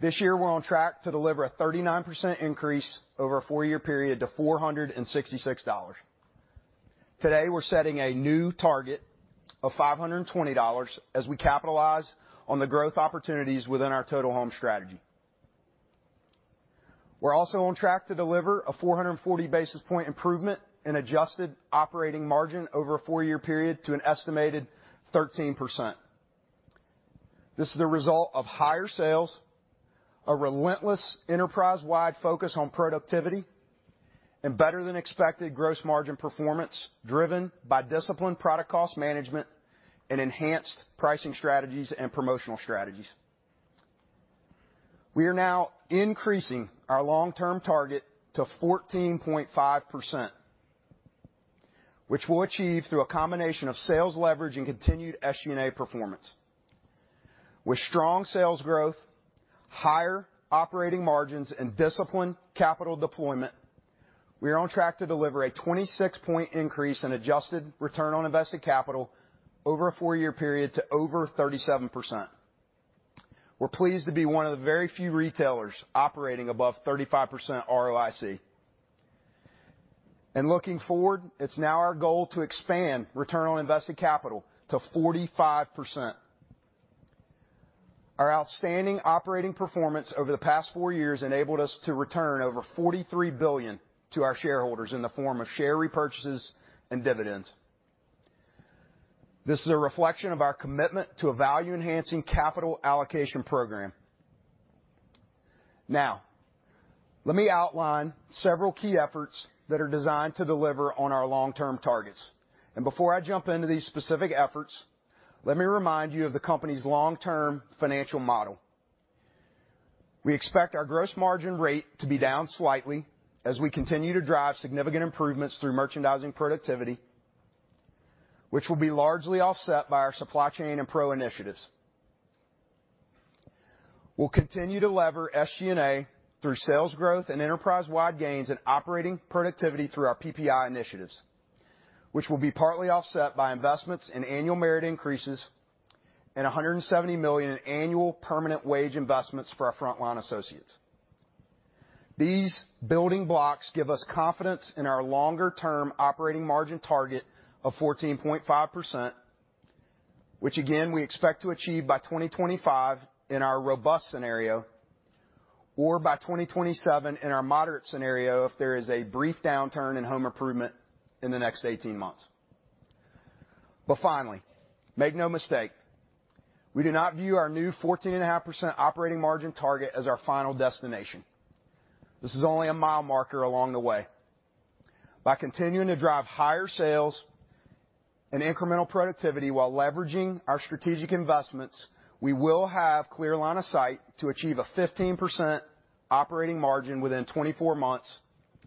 S10: This year, we're on track to deliver a 39% increase over a 4-year period to $466. Today, we're setting a new target of $520 as we capitalize on the growth opportunities within our Total Home strategy. We're also on track to deliver a 440 basis point improvement in adjusted operating margin over a four-year period to an estimated 13%. This is a result of higher sales, a relentless enterprise-wide focus on productivity, and better than expected gross margin performance driven by disciplined product cost management and enhanced pricing strategies and promotional strategies. We are now increasing our long-term target to 14.5%, which we'll achieve through a combination of sales leverage and continued SG&A performance. With strong sales growth, higher operating margins, and disciplined capital deployment, we are on track to deliver a 26-point increase in adjusted return on invested capital over a four-year period to over 37%. We're pleased to be one of the very few retailers operating above 35% ROIC. Looking forward, it's now our goal to expand return on invested capital to 45%. Our outstanding operating performance over the past four years enabled us to return over $43 billion to our shareholders in the form of share repurchases and dividends. This is a reflection of our commitment to a value-enhancing capital allocation program. Now, let me outline several key efforts that are designed to deliver on our long-term targets. Before I jump into these specific efforts, let me remind you of the company's long-term financial model. We expect our gross margin rate to be down slightly as we continue to drive significant improvements through merchandising productivity, which will be largely offset by our supply chain and Pro initiatives. We'll continue to lever SG&A through sales growth and enterprise-wide gains in operating productivity through our PPI initiatives, which will be partly offset by investments in annual merit increases and $170 million in annual permanent wage investments for our frontline associates. These building blocks give us confidence in our longer-term operating margin target of 14.5%, which again, we expect to achieve by 2025 in our robust scenario or by 2027 in our moderate scenario if there is a brief downturn in home improvement in the next 18 months. Finally, make no mistake, we do not view our new 14.5% operating margin target as our final destination. This is only a mile marker along the way. By continuing to drive higher sales and incremental productivity while leveraging our strategic investments, we will have clear line of sight to achieve a 15% operating margin within 24 months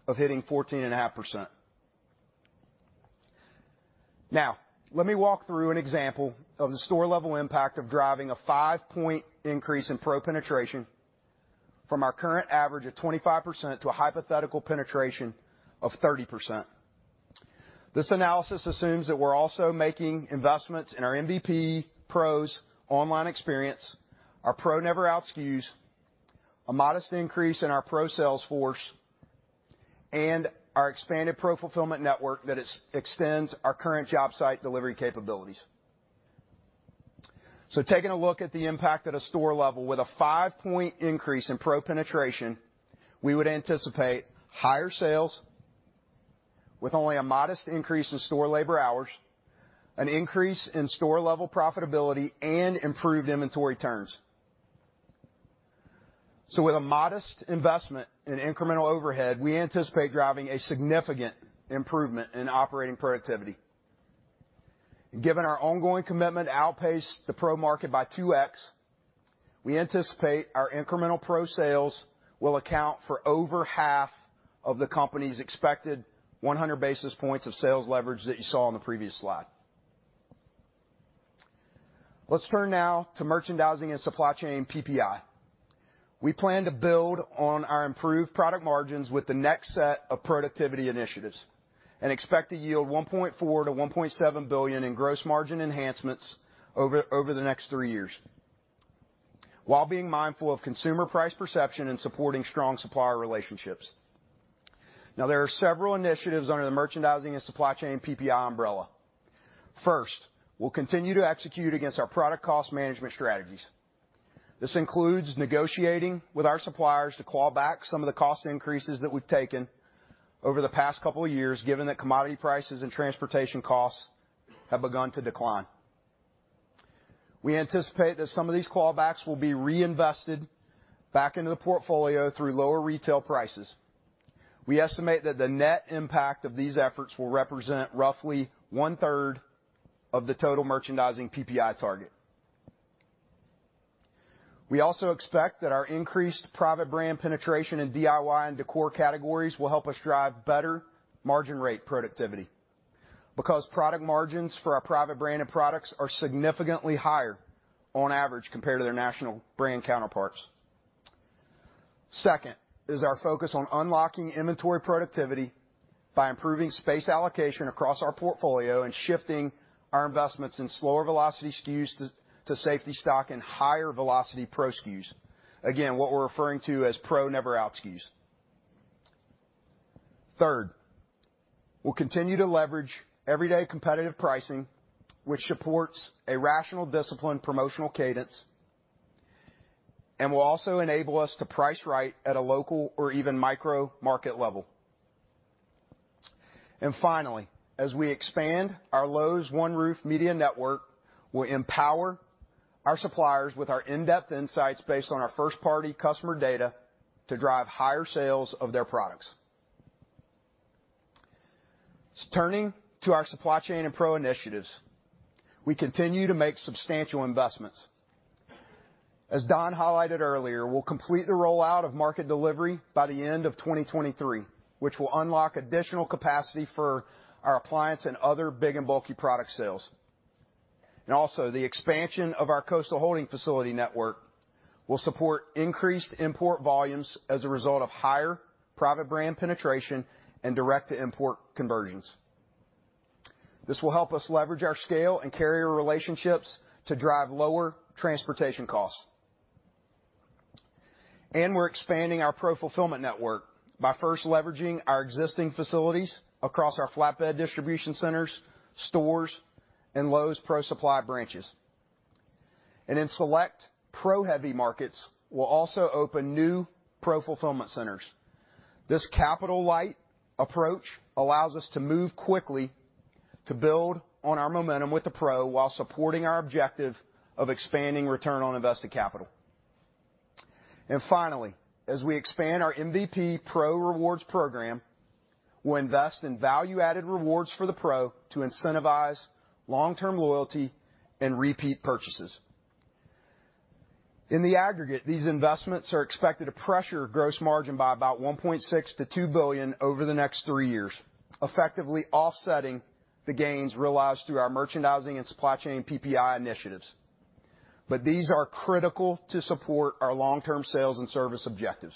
S10: of hitting 14.5%. Let me walk through an example of the store-level impact of driving a five-point increase in Pro penetration from our current average of 25% to a hypothetical penetration of 30%. This analysis assumes that we're also making investments in our MVPs Pro Online Experience, our Pro never out SKUs, a modest increase in our Pro sales force, and our expanded Pro fulfillment network that extends our current job site delivery capabilities. Taking a look at the impact at a store level with a five-point increase in Pro penetration, we would anticipate higher sales with only a modest increase in store labor hours, an increase in store-level profitability and improved inventory turns. With a modest investment in incremental overhead, we anticipate driving a significant improvement in operating productivity. Given our ongoing commitment to outpace the Pro market by 2x, we anticipate our incremental Pro sales will account for over half of the company's expected 100 basis points of sales leverage that you saw on the previous slide. Let's turn now to merchandising and supply chain PPI. We plan to build on our improved product margins with the next set of productivity initiatives and expect to yield $1.4 billion-$1.7 billion in gross margin enhancements over the next three years while being mindful of consumer price perception and supporting strong supplier relationships. There are several initiatives under the merchandising and supply chain PPI umbrella. First, we'll continue to execute against our product cost management strategies. This includes negotiating with our suppliers to claw back some of the cost increases that we've taken over the past couple of years, given that commodity prices and transportation costs have begun to decline. We anticipate that some of these clawbacks will be reinvested back into the portfolio through lower retail prices. We estimate that the net impact of these efforts will represent roughly one-third of the total merchandising PPI target. We also expect that our increased private brand penetration in DIY and decor categories will help us drive better margin rate productivity, because product margins for our private brand of products are significantly higher on average compared to their national brand counterparts. Second is our focus on unlocking inventory productivity by improving space allocation across our portfolio and shifting our investments in slower velocity SKUs to safety stock and higher velocity Pro SKUs. Again, what we're referring to as Pro never out SKUs. Third, we'll continue to leverage everyday competitive pricing, which supports a rational discipline promotional cadence and will also enable us to price right at a local or even micro-market level. Finally, as we expand our Lowe's One Roof Media Network, we'll empower our suppliers with our in-depth insights based on our first-party customer data to drive higher sales of their products. Turning to our supply chain and Pro initiatives, we continue to make substantial investments. As Don highlighted earlier, we'll complete the rollout of market delivery by the end of 2023, which will unlock additional capacity for our appliance and other big and bulky product sales. Also, the expansion of our coastal holding facility network will support increased import volumes as a result of higher private brand penetration and direct-to-import conversions. This will help us leverage our scale and carrier relationships to drive lower transportation costs. We're expanding our Lowe's Pro Supply fulfillment network by first leveraging our existing facilities across our flatbed distribution centers, stores, and Lowe's Pro Supply branches. In select pro-heavy markets, we'll also open new Pro fulfillment centers. This capital light approach allows us to move quickly to build on our momentum with the Pro while supporting our objective of expanding return on invested capital. Finally, as we expand our MVPs Pro Rewards program, we'll invest in value-added rewards for the Pro to incentivize long-term loyalty and repeat purchases. In the aggregate, these investments are expected to pressure gross margin by about $1.6 billion-$2 billion over the next three years, effectively offsetting the gains realized through our merchandising and supply chain PPI initiatives. These are critical to support our long-term sales and service objectives.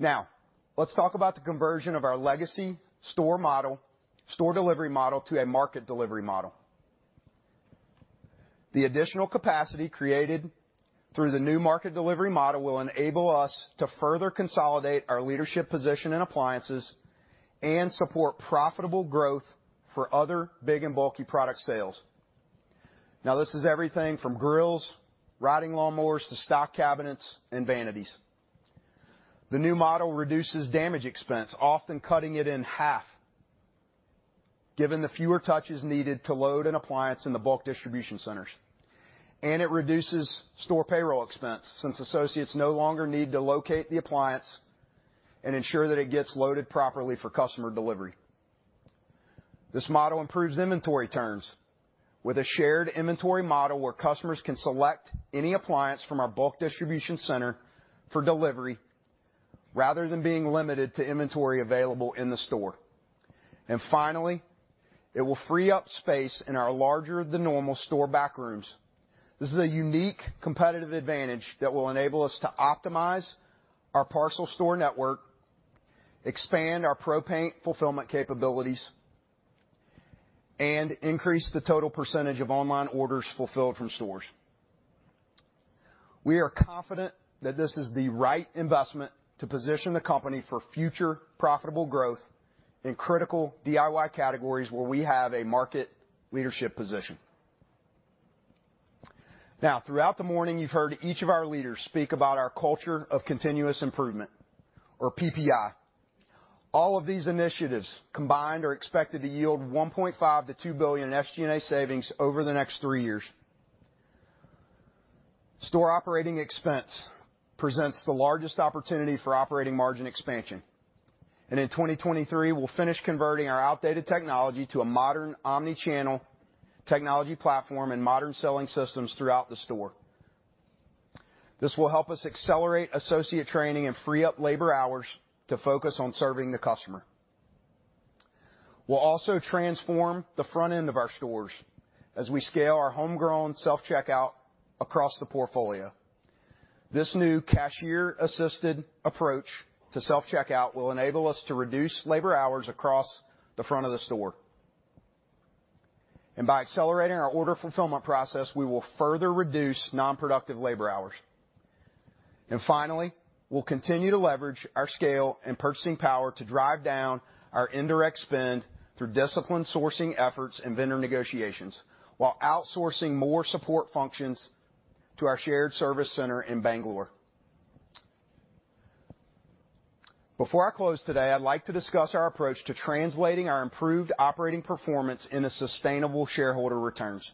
S10: Let's talk about the conversion of our legacy store delivery model to a market delivery model. The additional capacity created through the new market delivery model will enable us to further consolidate our leadership position in appliances and support profitable growth for other big and bulky product sales. This is everything from grills, riding lawn mowers to stock cabinets and vanities. The new model reduces damage expense, often cutting it in half, given the fewer touches needed to load an appliance in the bulk distribution centers. It reduces store payroll expense since associates no longer need to locate the appliance and ensure that it gets loaded properly for customer delivery. This model improves inventory turns with a shared inventory model where customers can select any appliance from our bulk distribution center for delivery rather than being limited to inventory available in the store. Finally, it will free up space in our larger than normal store back rooms. This is a unique competitive advantage that will enable us to optimize our parcel store network, expand our Pro paint fulfillment capabilities, and increase the total % of online orders fulfilled from stores. We are confident that this is the right investment to position the company for future profitable growth in critical DIY categories where we have a market leadership position. Throughout the morning, you've heard each of our leaders speak about our culture of continuous improvement or PPI. All of these initiatives combined are expected to yield $1.5 billion-$2 billion in SG&A savings over the next 3 years. Store operating expense presents the largest opportunity for operating margin expansion. In 2023, we'll finish converting our outdated technology to a modern omni-channel technology platform and modern selling systems throughout the store. This will help us accelerate associate training and free up labor hours to focus on serving the customer. We'll also transform the front end of our stores as we scale our homegrown self-checkout across the portfolio. This new cashier-assisted approach to self-checkout will enable us to reduce labor hours across the front of the store. By accelerating our order fulfillment process, we will further reduce non-productive labor hours. Finally, we'll continue to leverage our scale and purchasing power to drive down our indirect spend through disciplined sourcing efforts and vendor negotiations while outsourcing more support functions to our shared service center in Bangalore. Before I close today, I'd like to discuss our approach to translating our improved operating performance into sustainable shareholder returns.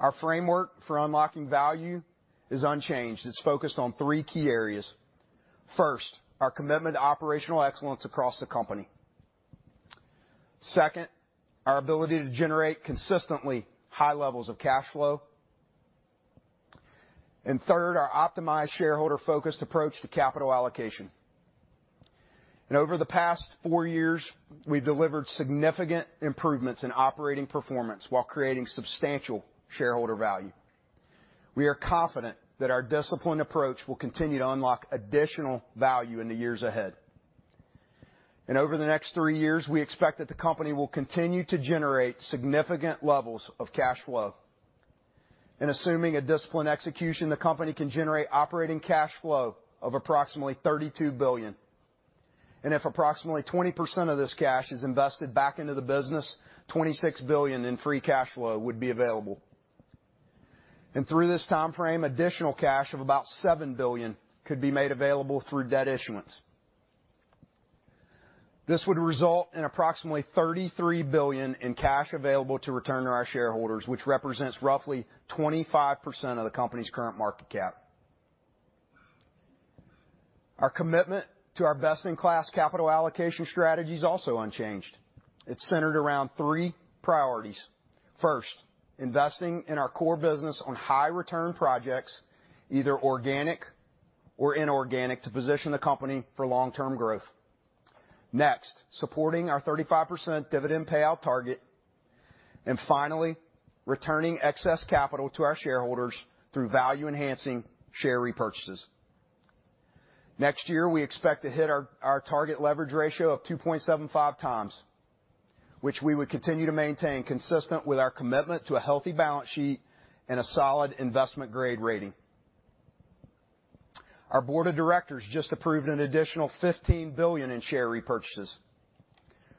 S10: Our framework for unlocking value is unchanged. It's focused on three key areas. First, our commitment to operational excellence across the company. Second, our ability to generate consistently high levels of cash flow. Third, our optimized shareholder-focused approach to capital allocation. Over the past four years, we've delivered significant improvements in operating performance while creating substantial shareholder value. We are confident that our disciplined approach will continue to unlock additional value in the years ahead. Over the next Three years, we expect that the company will continue to generate significant levels of cash flow. Assuming a disciplined execution, the company can generate operating cash flow of approximately $32 billion. If approximately 20% of this cash is invested back into the business, $26 billion in free cash flow would be available. Through this time frame, additional cash of about $7 billion could be made available through debt issuance. This would result in approximately $33 billion in cash available to return to our shareholders, which represents roughly 25% of the company's current market cap. Our commitment to our best-in-class capital allocation strategy is also unchanged. It's centered around 3 priorities. First, investing in our core business on high return projects, either organic or inorganic, to position the company for long-term growth. Next, supporting our 35% dividend payout target. Finally, returning excess capital to our shareholders through value-enhancing share repurchases. Next year, we expect to hit our target leverage ratio of 2.75 times, which we would continue to maintain consistent with our commitment to a healthy balance sheet and a solid investment grade rating. Our board of directors just approved an additional $15 billion in share repurchases,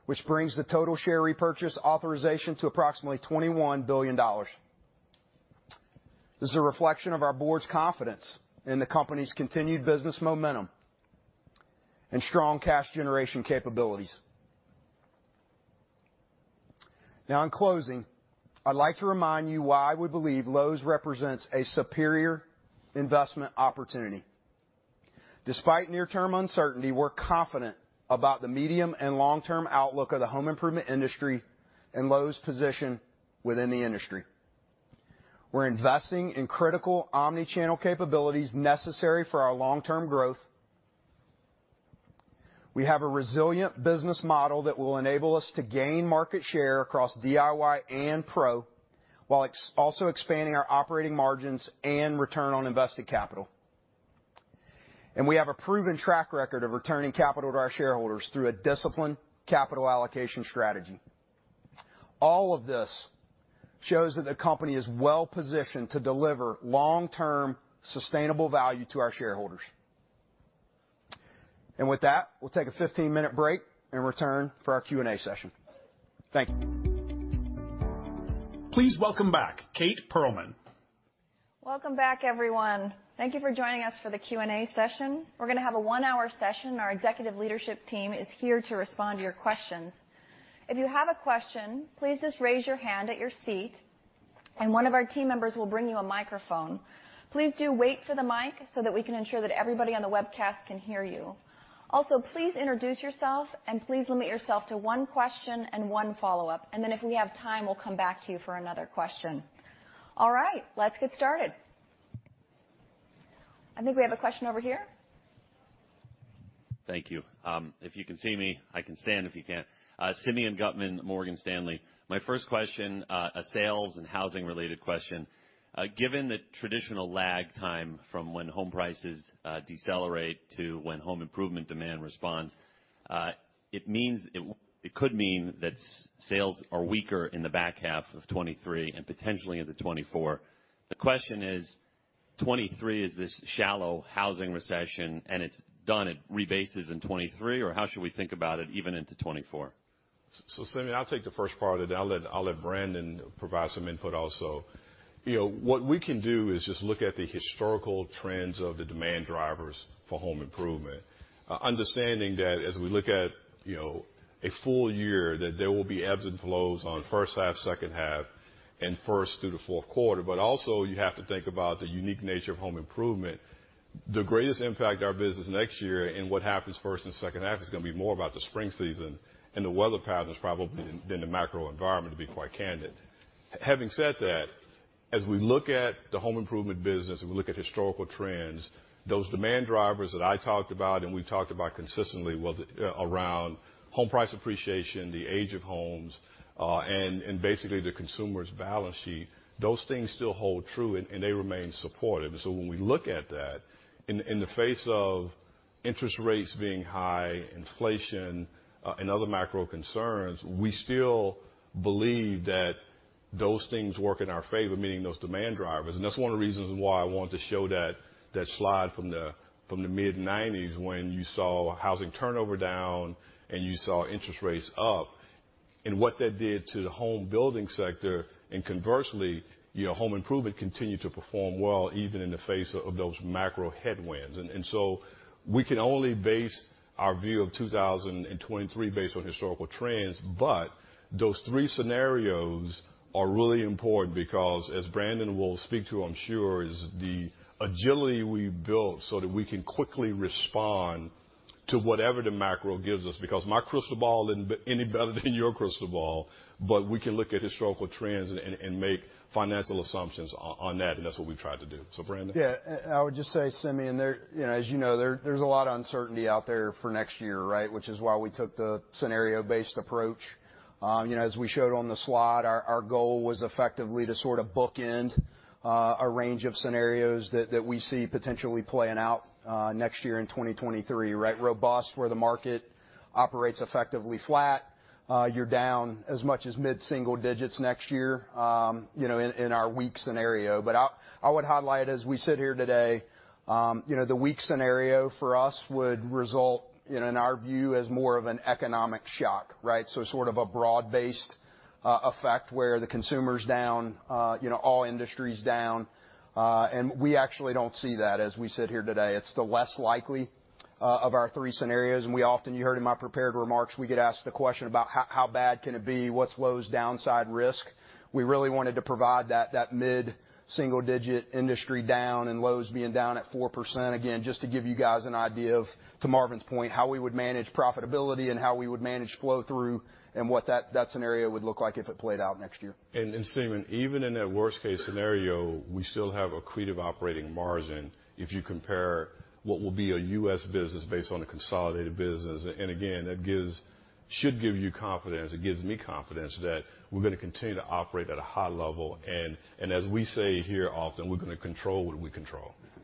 S10: which brings the total share repurchase authorization to approximately $21 billion. This is a reflection of our board's confidence in the company's continued business momentum and strong cash generation capabilities. In closing, I'd like to remind you why we believe Lowe's represents a superior investment opportunity. Despite near-term uncertainty, we're confident about the medium and long-term outlook of the home improvement industry and Lowe's position within the industry. We're investing in critical omni-channel capabilities necessary for our long-term growth. We have a resilient business model that will enable us to gain market share across DIY and pro, while also expanding our operating margins and return on invested capital. We have a proven track record of returning capital to our shareholders through a disciplined capital allocation strategy. All of this shows that the company is well-positioned to deliver long-term sustainable value to our shareholders. With that, we'll take a 15-minute break and return for our Q&A session. Thank you.
S1: Please welcome back Kate Pearlman.
S2: Welcome back, everyone. Thank you for joining us for the Q&A session. We're gonna have a one-hour session. Our executive leadership team is here to respond to your questions. If you have a question, please just raise your hand at your seat, and one of our team members will bring you a microphone. Please do wait for the mic, so that we can ensure that everybody on the webcast can hear you. Please introduce yourself, and please limit yourself to one question and one follow-up. If we have time, we'll come back to you for another question. All right, let's get started. I think we have a question over here.
S11: Thank you. If you can see me, I can stand if you can't. Simeon Gutman, Morgan Stanley. My first question, a sales and housing-related question. Given the traditional lag time from when home prices decelerate to when home improvement demand responds, it could mean that sales are weaker in the back half of 2023 and potentially into 2024. The question is, 2023 is this shallow housing recession, and it's done, it rebases in 2023, or how should we think about it even into 2024?
S3: Simeon, I'll take the first part, and then I'll let Brandon provide some input also. You know, what we can do is just look at the historical trends of the demand drivers for home improvement, understanding that as we look at, you know, a full year, that there will be ebbs and flows on first half, second half and first through the fourth quarter. Also you have to think about the unique nature of home improvement. The greatest impact to our business next year and what happens first and second half is gonna be more about the spring season and the weather patterns probably than the macro environment, to be quite candid. Having said that, as we look at the home improvement business and we look at historical trends, those demand drivers that I talked about and we've talked about consistently was, around home price appreciation, the age of homes, and basically the consumer's balance sheet. Those things still hold true, and they remain supportive. When we look at that, in the face of interest rates being high, inflation, and other macro concerns, we still believe that those things work in our favor, meaning those demand drivers. That's one of the reasons why I wanted to show that slide from the, from the mid-nineties when you saw housing turnover down, and you saw interest rates up, and what that did to the home building sector. Conversely, you know, home improvement continued to perform well, even in the face of those macro headwinds. We can only base our view of 2023 based on historical trends, but those three scenarios are really important because, as Brandon will speak to I'm sure, is the agility we've built so that we can quickly respond to whatever the macro gives us, because my crystal ball isn't any better than your crystal ball. We can look at historical trends and make financial assumptions on that, and that's what we've tried to do. Brandon?
S10: Yeah. I would just say, Simeon, you know, as you know, there's a lot of uncertainty out there for next year, right? Which is why we took the scenario-based approach. You know, as we showed on the slide, our goal was effectively to sort of bookend a range of scenarios that we see potentially playing out next year in 2023, right? Robust, where the market operates effectively flat. You're down as much as mid-single digits next year, you know, in our weak scenario. I would highlight as we sit here today, you know, the weak scenario for us would result, you know, in our view as more of an economic shock, right? Sort of a broad-based effect where the consumer's down, you know, all industry's down. We actually don't see that as we sit here today. It's the less likely of our three scenarios. We often, you heard in my prepared remarks, we get asked the question about how bad can it be? What's Lowe's downside risk? We really wanted to provide that mid-single digit industry down and Lowe's being down at 4%, again, just to give you guys an idea of, to Marvin's point, how we would manage profitability and how we would manage flow through and what that scenario would look like if it played out next year.
S3: Simeon, even in that worst case scenario, we still have accretive operating margin if you compare what will be a U.S. business based on a consolidated business. Again, that should give you confidence, it gives me confidence that we're gonna continue to operate at a high level. As we say here often, we're gonna control what we control.
S10: Mm-hmm.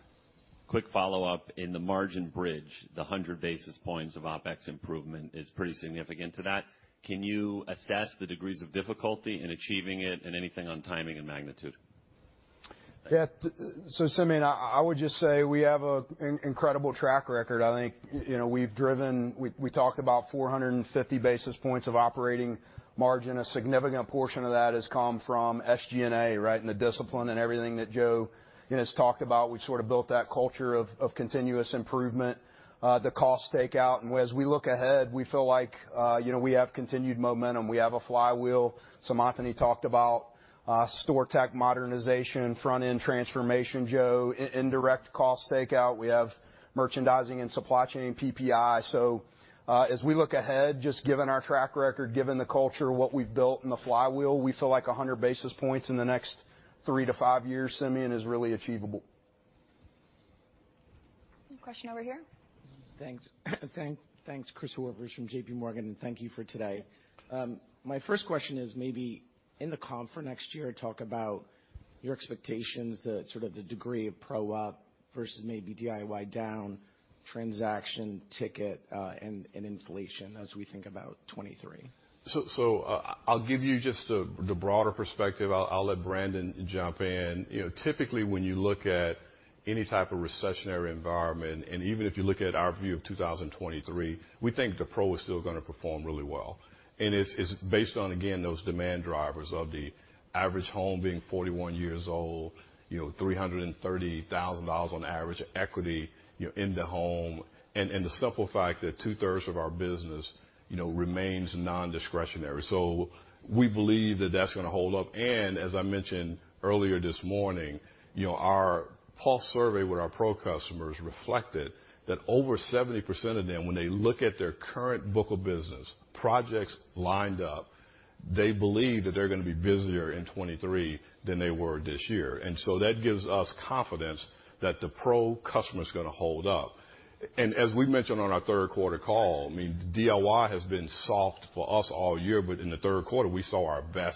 S11: Quick follow-up. In the margin bridge, the 100 basis points of OpEx improvement is pretty significant to that. Can you assess the degrees of difficulty in achieving it and anything on timing and magnitude?
S10: Yeah, Simeon, I would just say we have a incredible track record. I think, you know, we've driven... We talked about 450 basis points of operating margin. A significant portion of that has come from SG&A, right? In the discipline and everything that Joe, you know, has talked about. We sort of built that culture of continuous improvement, the cost takeout. As we look ahead, we feel like, you know, we have continued momentum. We have a flywheel. Seemantini talked about store tech modernization, front-end transformation, Joe, indirect cost takeout. We have merchandising and supply chain PPI. As we look ahead, just given our track record, given the culture, what we've built and the flywheel, we feel like 100 basis points in the next three to five years, Simeon, is really achievable.
S2: Question over here.
S12: Thanks. Thanks, Christopher Horvers from JPMorgan, thank you for today. My first question is maybe in the comp for next year, talk about your expectations, the sort of the degree of Pro-op versus maybe DIY down transaction ticket, and inflation as we think about 2023.
S3: I'll give you just the broader perspective. I'll let Brandon jump in. You know, typically, when you look at any type of recessionary environment, even if you look at our view of 2023, we think the Pro is still gonna perform really well. It's based on, again, those demand drivers of the average home being 41 years old, you know, $330,000 on average equity, you know, in the home. The simple fact that 2/3 of our business, you know, remains nondiscretionary. We believe that that's gonna hold up. As I mentioned earlier this morning, you know, our pulse survey with our Pro customers reflected that over 70% of them, when they look at their current book of business, projects lined up, they believe that they're going to be busier in 2023 than they were this year. So that gives us confidence that the Pro customer is gonna hold up. As we mentioned on our third quarter call, I mean, DIY has been soft for us all year, but in the third quarter we saw our best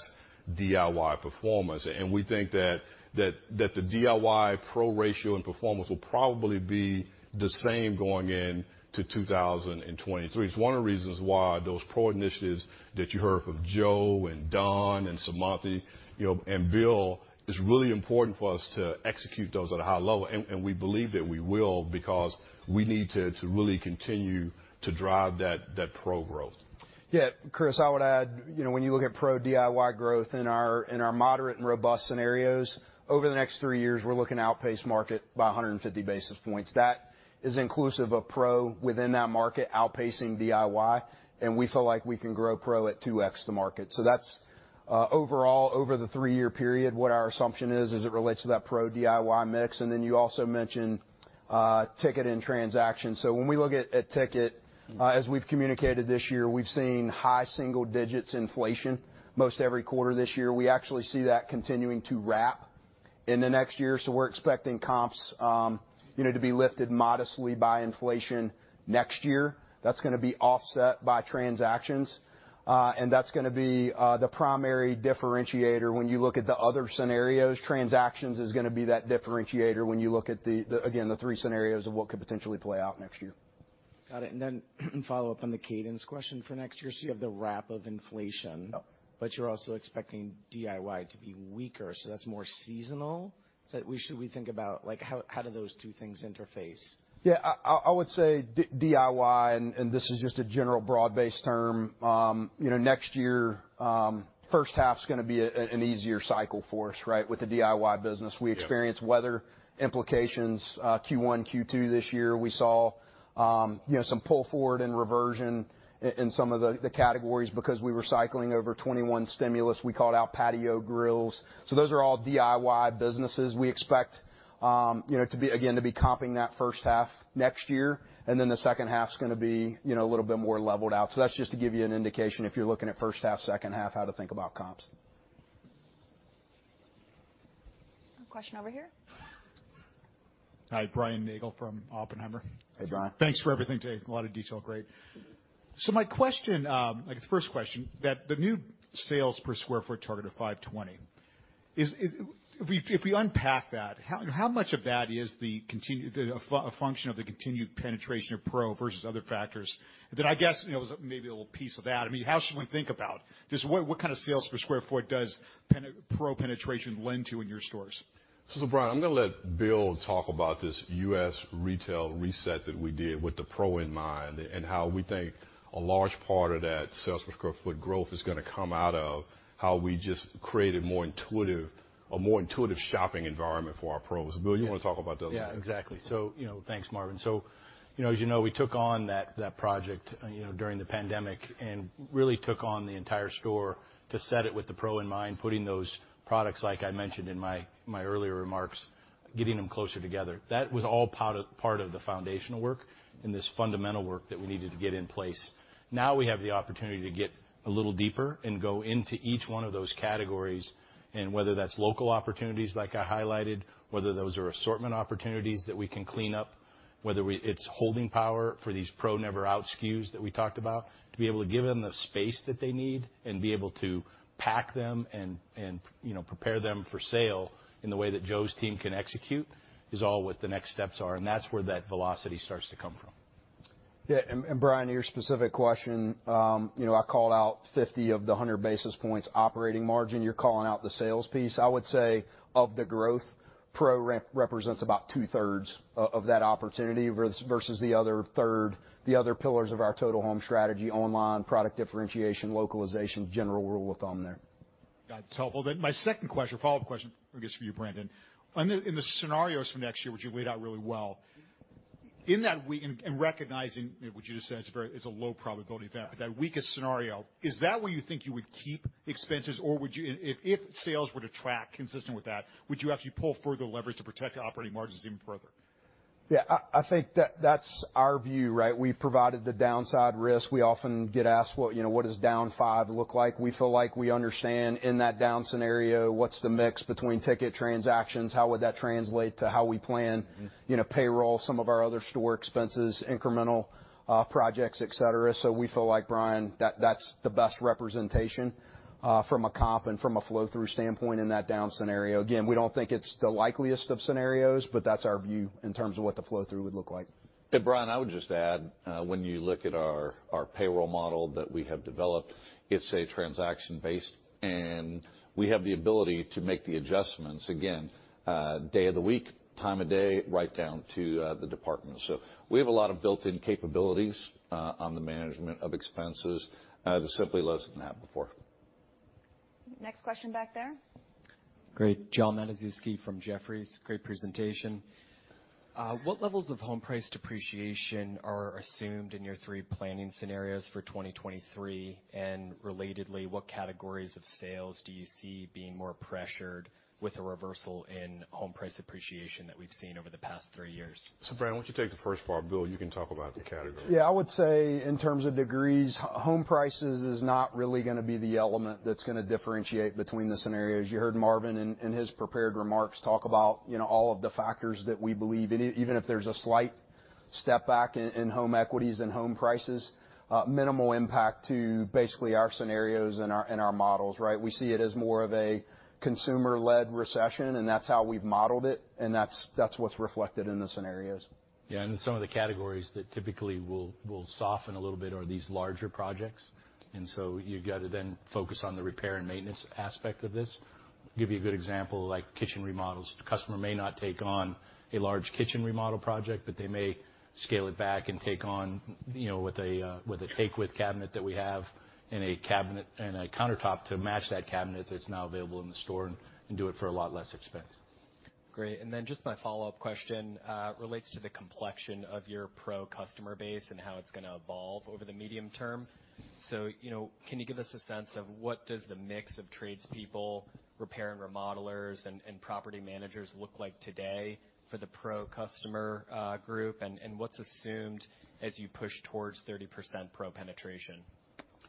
S3: DIY performance. We think that the DIY Pro ratio and performance will probably be the same going into 2023. It's one of the reasons why those Pro initiatives that you heard from Joe and Don and Seemantini, you know, and Bill, it's really important for us to execute those at a high level. We believe that we will because we need to really continue to drive that Pro growth.
S10: Yeah, Chris, I would add, you know, when you look at Pro DIY growth in our, in our moderate and robust scenarios, over the next 3 years, we're looking to outpace market by 150 basis points. That is inclusive of Pro within that market outpacing DIY, and we feel like we can grow Pro at 2x the market. That's overall over the 3-year period, what our assumption is as it relates to that Pro DIY mix. You also mentioned ticket and transaction. When we look at ticket, as we've communicated this year, we've seen high single digits inflation most every quarter this year. We actually see that continuing to wrap in the next year, we're expecting comps, you know, to be lifted modestly by inflation next year. That's gonna be offset by transactions, and that's gonna be the primary differentiator when you look at the other scenarios. Transactions is gonna be that differentiator when you look at the again, the 3 scenarios of what could potentially play out next year.
S12: Got it. Follow up on the cadence question for next year. You have the wrap of inflation.
S10: Yep.
S12: You're also expecting DIY to be weaker, so that's more seasonal? Should we think about, like how do those two things interface?
S10: Yeah. I would say DIY, and this is just a general broad-based term, you know, next year, first half's gonna be an easier cycle for us, right? With the DIY business.
S3: Yeah.
S10: We experienced weather implications, Q1, Q2 this year. We saw, you know, some pull forward and reversion in some of the categories because we were cycling over 2021 stimulus. We called out patio grills. Those are all DIY businesses. We expect, you know, to be, again, to be comping that first half next year, and then the second half's gonna be, you know, a little bit more leveled out. That's just to give you an indication if you're looking at first half, second half, how to think about comps.
S2: Question over here.
S13: Hi, Brian Nagel from Oppenheimer.
S3: Hey, Brian.
S13: Thanks for everything today. A lot of detail. Great. My question, like the first question, that the new sales per square foot target of 520 is. If we unpack that, how much of that is the continued function of the continued penetration of Pro versus other factors? I guess, you know, maybe a little piece of that. I mean, how should we think about just what kind of sales per square foot does Pro penetration lend to in your stores?
S3: Brian, I'm gonna let Bill talk about this U.S. retail reset that we did with the Pro in mind and how we think a large part of that sales per square foot growth is gonna come out of how we just created a more intuitive shopping environment for our pros. Bill, you wanna talk about those?
S4: Yeah, exactly. You know, thanks, Marvin. You know, as you know, we took on that project, you know, during the pandemic and really took on the entire store to set it with the Pro in mind, putting those products, like I mentioned in my earlier remarks, getting them closer together. That was all part of the foundational work and this fundamental work that we needed to get in place. Now we have the opportunity to get a little deeper and go into each one of those categories, and whether that's local opportunities like I highlighted, whether those are assortment opportunities that we can clean up, whether it's holding power for these Pro never out SKUs that we talked about, to be able to give them the space that they need and be able to pack them and, you know, prepare them for sale in the way that Joe's team can execute is all what the next steps are, and that's where that velocity starts to come from.
S10: Yeah, Brian, to your specific question, you know, I called out 50 of the 100 basis points operating margin. You're calling out the sales piece. I would say of the growth, Pro represents about two-thirds of that opportunity versus the other third, the other pillars of our Total Home strategy online, product differentiation, localization, general rule of thumb there.
S13: Got it. It's helpful. My second question, follow-up question I guess for you, Brandon. In the scenarios for next year, which you laid out really well, in that recognizing what you just said, it's a very low probability event. That weakest scenario, is that where you think you would keep expenses, or would you if sales were to track consistent with that, would you actually pull further leverage to protect operating margins even further?
S10: Yeah. I think that's our view, right? We provided the downside risk. We often get asked what, you know, what does down 5 look like? We feel like we understand in that down scenario, what's the mix between ticket transactions? How would that translate to how we plan-
S3: Mm-hmm.
S10: you know, payroll, some of our other store expenses, incremental projects, et cetera. We feel like, Brian, that's the best representation from a comp and from a flow-through standpoint in that down scenario. We don't think it's the likeliest of scenarios, but that's our view in terms of what the flow-through would look like.
S6: Brian, I would just add, when you look at our payroll model that we have developed, it's a transaction based, and we have the ability to make the adjustments, again, day of the week, time of day, right down to the department. We have a lot of built-in capabilities on the management of expenses that simply wasn't there before.
S2: Next question back there.
S14: Great. Jonathan Matuszewski from Jefferies. Great presentation. What levels of home price depreciation are assumed in your three planning scenarios for 2023? Relatedly, what categories of sales do you see being more pressured with a reversal in home price appreciation that we've seen over the past three years?
S3: Brandon, why don't you take the first part? Bill, you can talk about the category.
S10: Yeah. I would say in terms of degrees, home prices is not really gonna be the element that's gonna differentiate between the scenarios. You heard Marvin in his prepared remarks talk about, you know, all of the factors that we believe. Even if there's a slight stepback in home equities and home prices, minimal impact to basically our scenarios and our models, right? We see it as more of a consumer-led recession, and that's how we've modeled it, and that's what's reflected in the scenarios.
S4: Some of the categories that typically will soften a little bit are these larger projects. You gotta then focus on the repair and maintenance aspect of this. Give you a good example, like kitchen remodels. The customer may not take on a large kitchen remodel project, but they may scale it back and take on, you know, with a Take With cabinet that we have and a cabinet and a countertop to match that cabinet that's now available in the store and do it for a lot less expense.
S14: Great. Just my follow-up question, relates to the complexion of your Pro customer base and how it's gonna evolve over the medium term. You know, can you give us a sense of what does the mix of tradespeople repair and remodelers and property managers look like today for the Pro customer, group? What's assumed as you push towards 30% Pro penetration?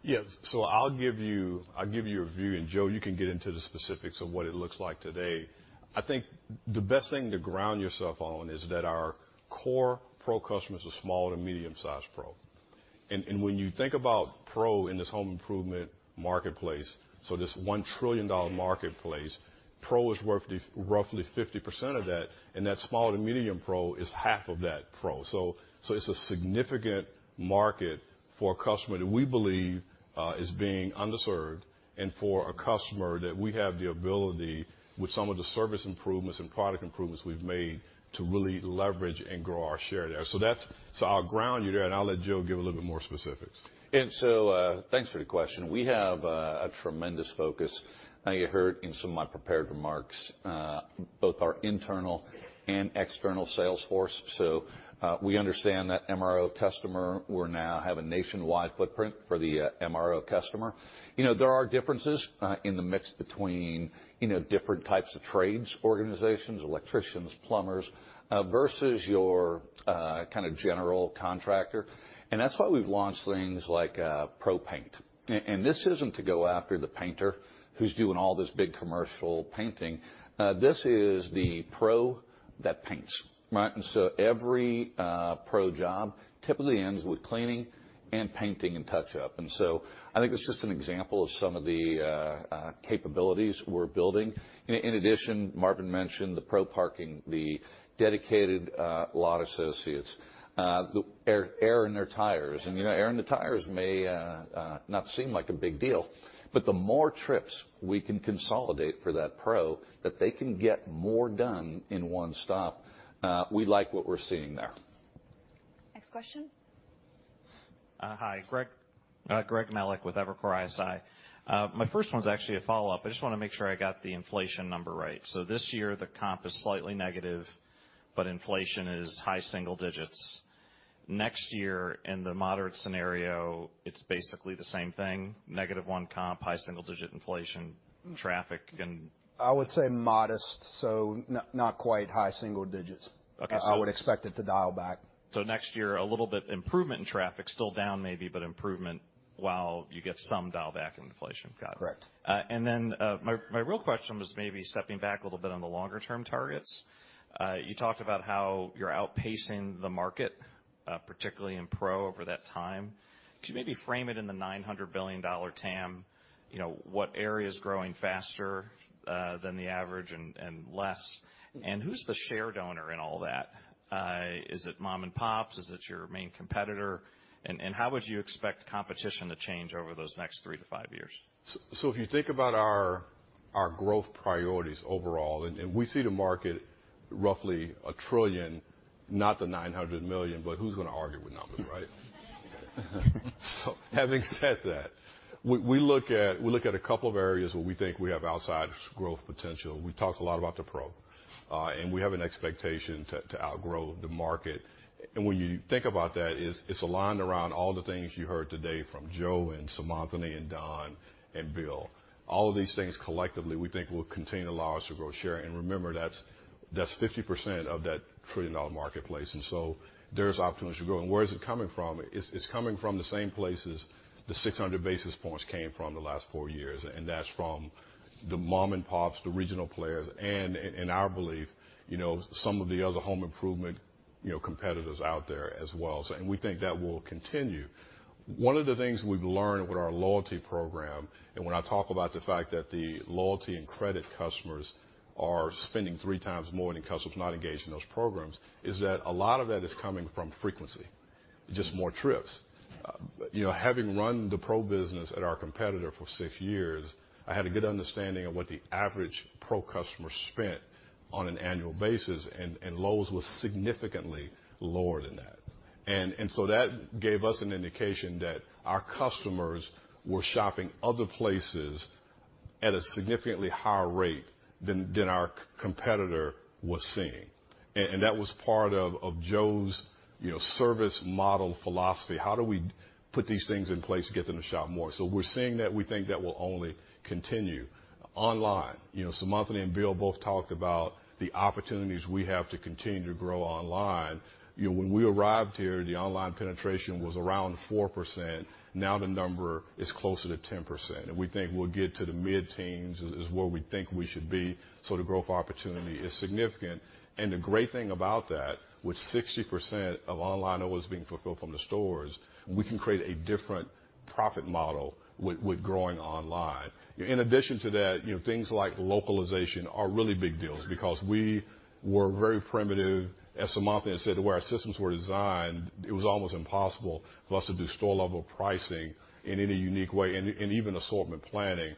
S3: Yeah. I'll give you a view, Joe, you can get into the specifics of what it looks like today. I think the best thing to ground yourself on is that our core Pro customers are small to medium sized pro. When you think about Pro in this home improvement marketplace, this $1 trillion marketplace, Pro is worth roughly 50% of that, and that small to medium Pro is half of that pro. It's a significant market for a customer that we believe is being underserved and for a customer that we have the ability with some of the service improvements and product improvements we've made to really leverage and grow our share there. That's. I'll ground you there, and I'll let Joe give a little bit more specifics.
S6: Thanks for the question. We have a tremendous focus. I know you heard in some of my prepared remarks, both our internal and external sales force. We understand that MRO customer, we're now have a nationwide footprint for the MRO customer. You know, there are differences in the mix between, you know, different types of trades organizations, electricians, plumbers, versus your kinda general contractor. That's why we've launched things like Pro Paint. This isn't to go after the painter who's doing all this big commercial painting. This is the Pro that paints, right? Every Pro job typically ends with cleaning and painting and touch-up. I think that's just an example of some of the capabilities we're building. In addition, Marvin mentioned the Pro parking, the dedicated lot associates, the air in their tires. You know, air in the tires may not seem like a big deal, but the more trips we can consolidate for that Pro, that they can get more done in one stop, we like what we're seeing there.
S2: Next question.
S15: Hi. Greg Melich with Evercore ISI. My first one's actually a follow-up. I just wanna make sure I got the inflation number right. This year the comp is slightly negative, but inflation is high single digits. Next year in the moderate scenario, it's basically the same thing, -1 comp, high single digit inflation traffic.
S10: I would say modest, so not quite high single digits.
S15: Okay.
S10: I would expect it to dial back.
S15: Next year a little bit improvement in traffic, still down maybe, but improvement while you get some dial back in inflation. Got it.
S10: Correct.
S15: My real question was maybe stepping back a little bit on the longer term targets. You talked about how you're outpacing the market, particularly in Pro over that time. Could you maybe frame it in the $900 billion TAM, you know, what area's growing faster, than the average and less? Who's the share donor in all that? Is it mom-and-pops? Is it your main competitor? How would you expect competition to change over those next 3-5 years?
S3: If you think about our growth priorities overall, we see the market roughly a trillion. Not the $900 million, but who's gonna argue with numbers, right? Having said that, we look at a couple of areas where we think we have outsized growth potential. We talked a lot about the Pro. We have an expectation to outgrow the market. When you think about that, it's aligned around all the things you heard today from Joe and Seemantini and Don and Bill. All of these things collectively, we think will contain allows to grow share. Remember, that's 50% of that trillion-dollar marketplace, there's opportunity to grow. Where is it coming from? It's coming from the same places the 600 basis points came from the last 4 years, and that's from the mom and pops, the regional players, and our belief, you know, some of the other home improvement, you know, competitors out there as well. We think that will continue. One of the things we've learned with our loyalty program, and when I talk about the fact that the loyalty and credit customers are spending three times more than customers not engaged in those programs, is that a lot of that is coming from frequency, just more trips. You know, having run the Pro business at our competitor for six years, I had a good understanding of what the average Pro customer spent on an annual basis, and Lowe's was significantly lower than that. That gave us an indication that our customers were shopping other places at a significantly higher rate than our competitor was seeing. That was part of Joe's, you know, service model philosophy. How do we put these things in place to get them to shop more? We're seeing that. We think that will only continue. Online, you know, Seemantini and Bill both talked about the opportunities we have to continue to grow online. You know, when we arrived here, the online penetration was around 4%. Now, the number is closer to 10%. We think we'll get to the mid-teens is where we think we should be. The growth opportunity is significant. The great thing about that, with 60% of online orders being fulfilled from the stores, we can create a different profit model with growing online. In addition to that, you know, things like localization are really big deals because we were very primitive. As Seemantini had said, the way our systems were designed, it was almost impossible for us to do store-level pricing in any unique way and even assortment planning.